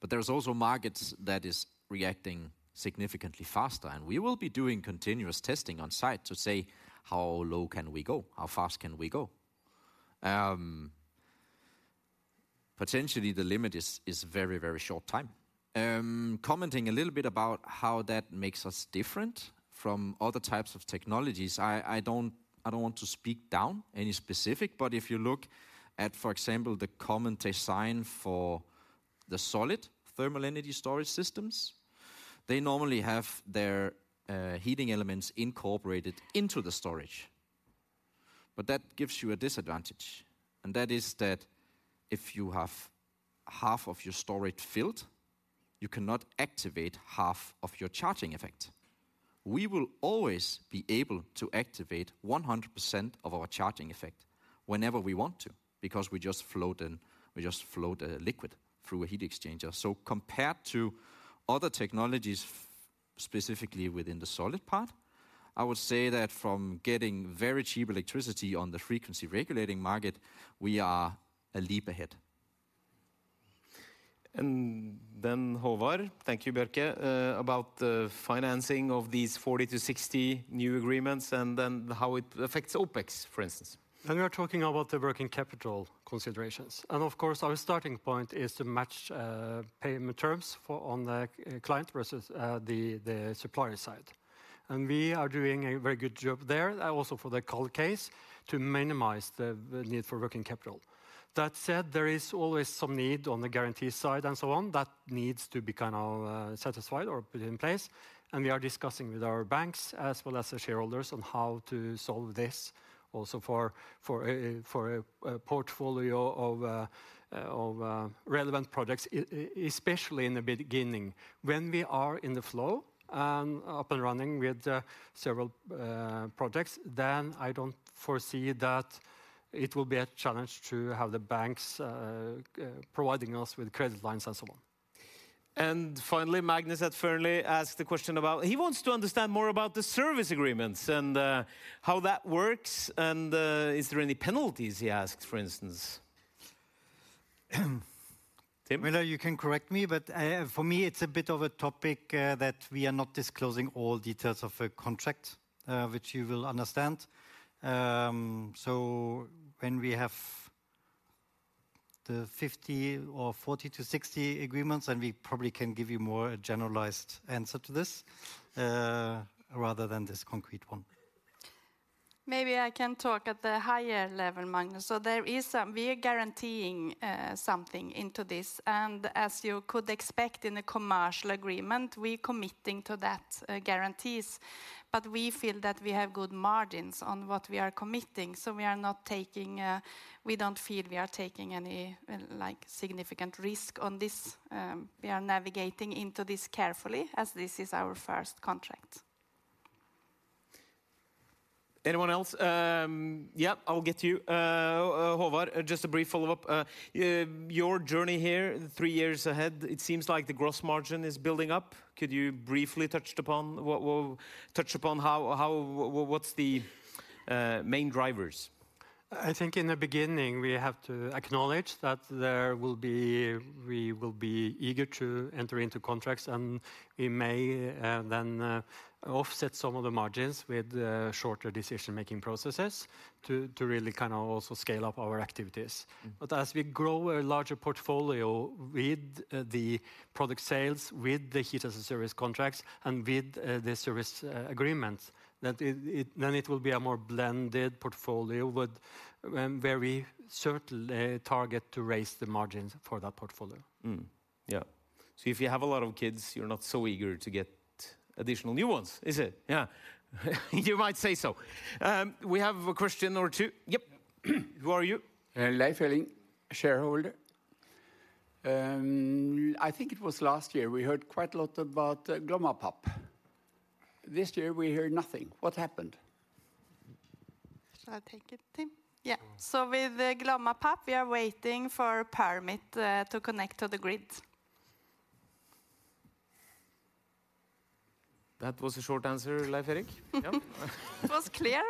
But there's also markets that is reacting significantly faster, and we will be doing continuous testing on site to say: How low can we go? How fast can we go? Potentially the limit is very, very short time. Commenting a little bit about how that makes us different from other types of technologies, I don't want to speak down any specific, but if you look at, for example, the common design for the solid thermal energy storage systems, they normally have their heating elements incorporated into the storage. But that gives you a disadvantage, and that is that if you have half of your storage filled, you cannot activate half of your charging effect. We will always be able to activate 100% of our charging effect whenever we want to, because we just float in, we just float a liquid through a heat exchanger. So compared to other technologies, specifically within the solid part, I would say that from getting very cheap electricity on the Frequency Regulating Market, we are a leap ahead. And then, Håvard, thank you, Bjarke, about the financing of these 40-60 new agreements and then how it affects OpEx, for instance. When we are talking about the working capital considerations, and of course, our starting point is to match payment terms for on the client versus the supplier side. And we are doing a very good job there also for the cold case, to minimize the need for working capital. That said, there is always some need on the guarantee side and so on, that needs to be satisfied or put in place. And we are discussing with our banks, as the shareholders, on how to solve this also for a portfolio of relevant products, especially in the beginning. When we are in the flow and up and running with several projects, then I don't foresee that it will be a challenge to have the banks providing us with credit lines and so on. Finally, Magnus at Fernleaf asked the question about—he wants to understand more about the service agreements and, how that works, and, is there any penalties, he asks, for instance? Tim? You can correct me, but, for me, it's a bit of a topic that we are not disclosing all details of a contract, which you will understand. So when we have the 50 or 40-60 agreements, then we probably can give you more a generalized answer to this, rather than this concrete one. Maybe I can talk at the higher level, Magnus. So there is, we are guaranteeing something into this, and as you could expect in a commercial agreement, we're committing to that guarantees. But we feel that we have good margins on what we are committing, so we are not taking. We don't feel we are taking any like significant risk on this. We are navigating into this carefully, as this is our first contract. Anyone else? I'll get to you. Håvard, just a brief follow-up. Your journey here, three years ahead, it seems like the gross margin is building up. Could you briefly touch upon how, how, what's the main drivers? I think in the beginning, we have to acknowledge that we will be eager to enter into contracts, and we may then offset some of the margins with shorter decision-making processes to really also scale up our activities. Mm. But as we grow a larger portfolio with the product sales, with the Heat as a Service contracts, and with the service agreements, that then it will be a more blended portfolio, but very certainly target to raise the margins for that portfolio. So if you have a lot of kids, you're not so eager to get additional new ones, is it? You might say so. We have a question or two. Yep. Who are you? Leif Elling, shareholder. I think it was last year, we heard quite a lot about Glomma Papp. This year, we heard nothing. What happened? Shall I take it, Tim? So with the Glomma Papp, we are waiting for permit to connect to the grid. That was a short answer, Leif Elling. It was clear.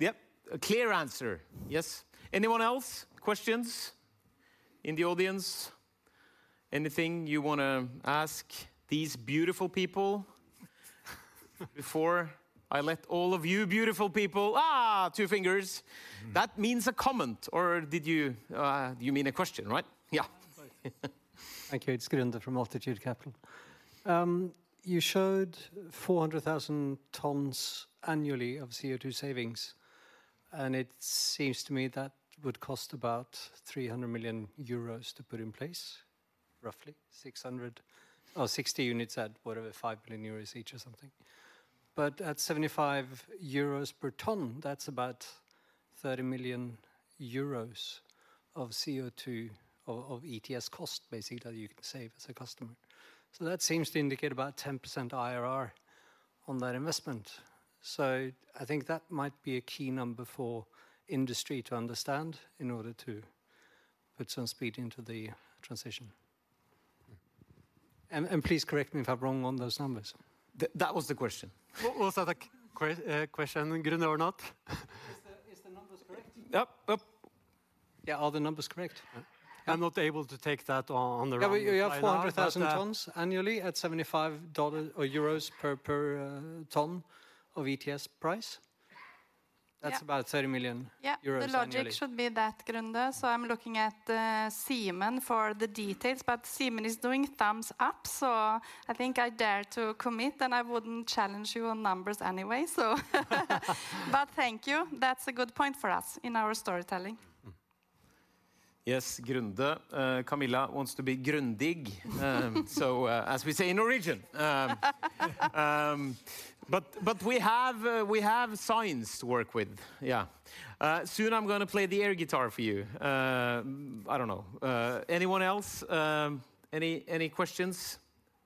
Yep, a clear answer. Yes. Anyone else, questions in the audience? Anything you wanna ask these beautiful people before I let all of you beautiful people. Ah, two fingers. Mm. That means a comment, or did you, you mean a question, right? Thank you. It's Grunde from Altitude Capital. You showed 400,000 tons annually of CO2 savings, and it seems to me that would cost about 300 million euros to put in place, roughly 600, or 60 units at whatever, 5 billion euros each or something. But at 75 euros per ton, that's about 30 million euros of CO2 of ETS cost, basically, that you can save as a customer. So that seems to indicate about 10% IRR on that investment. So I think that might be a key number for industry to understand in order to put some speed into the transition. And please correct me if I'm wrong on those numbers. That was the question. Was that a cue, question, Grunde, or not? Is the numbers correct? Yep. Yep. Are the numbers correct? I'm not able to take that on the wrong. We have 400,000 tons annually at $75 or EUR per ton of ETS price. Yeah. That's about 30 million euros annually. The logic should be that, Grunde, so I'm looking at Simon for the details, but Simon is doing thumbs up, so I think I dare to commit, and I wouldn't challenge you on numbers anyway, so. But thank you. That's a good point for us in our storytelling. Mm. Yes, Grunde, Camilla wants to be grundig, so, as we say in Norwegian, But, but we have, we have signs to work with. Soon I'm gonna play the air guitar for you. I don't know. Anyone else, any, any questions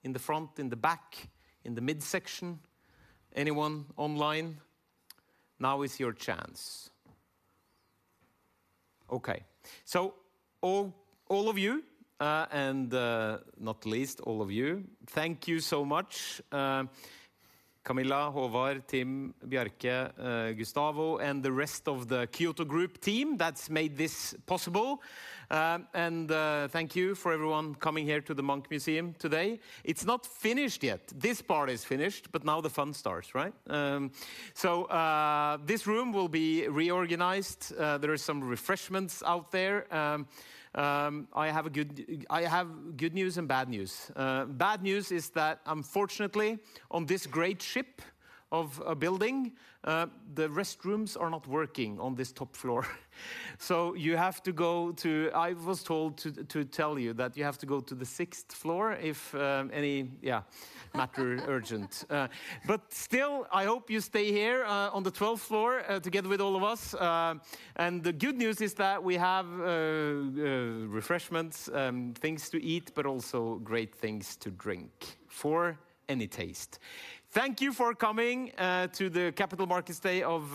in the front, in the back, in the midsection? Anyone online? Now is your chance. Okay, so all, all of you, and, not least, all of you, thank you so much. Camilla, Håvard, Tim, Bjarke, Gustavo, and the rest of the Kyoto Group team that's made this possible. And, thank you for everyone coming here to the Munch Museum today. It's not finished yet. This part is finished, but now the fun starts, right? So, this room will be reorganized. There is some refreshments out there. I have good news and bad news. Bad news is that unfortunately, on this great ship of a building, the restrooms are not working on this top floor. So you have to go to. I was told to tell you that you have to go to the sixth floor if any matter urgent. But still, I hope you stay here, on the twelfth floor, together with all of us. The good news is that we have refreshments, things to eat, but also great things to drink for any taste. Thank you for coming, to the Capital Markets Day of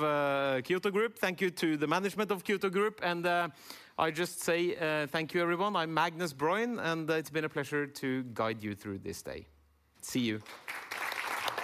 Kyoto Group. Thank you to the management of Kyoto Group, and, I just say, thank you, everyone. I'm Magnus Brøyn, and it's been a pleasure to guide you through this day. See you.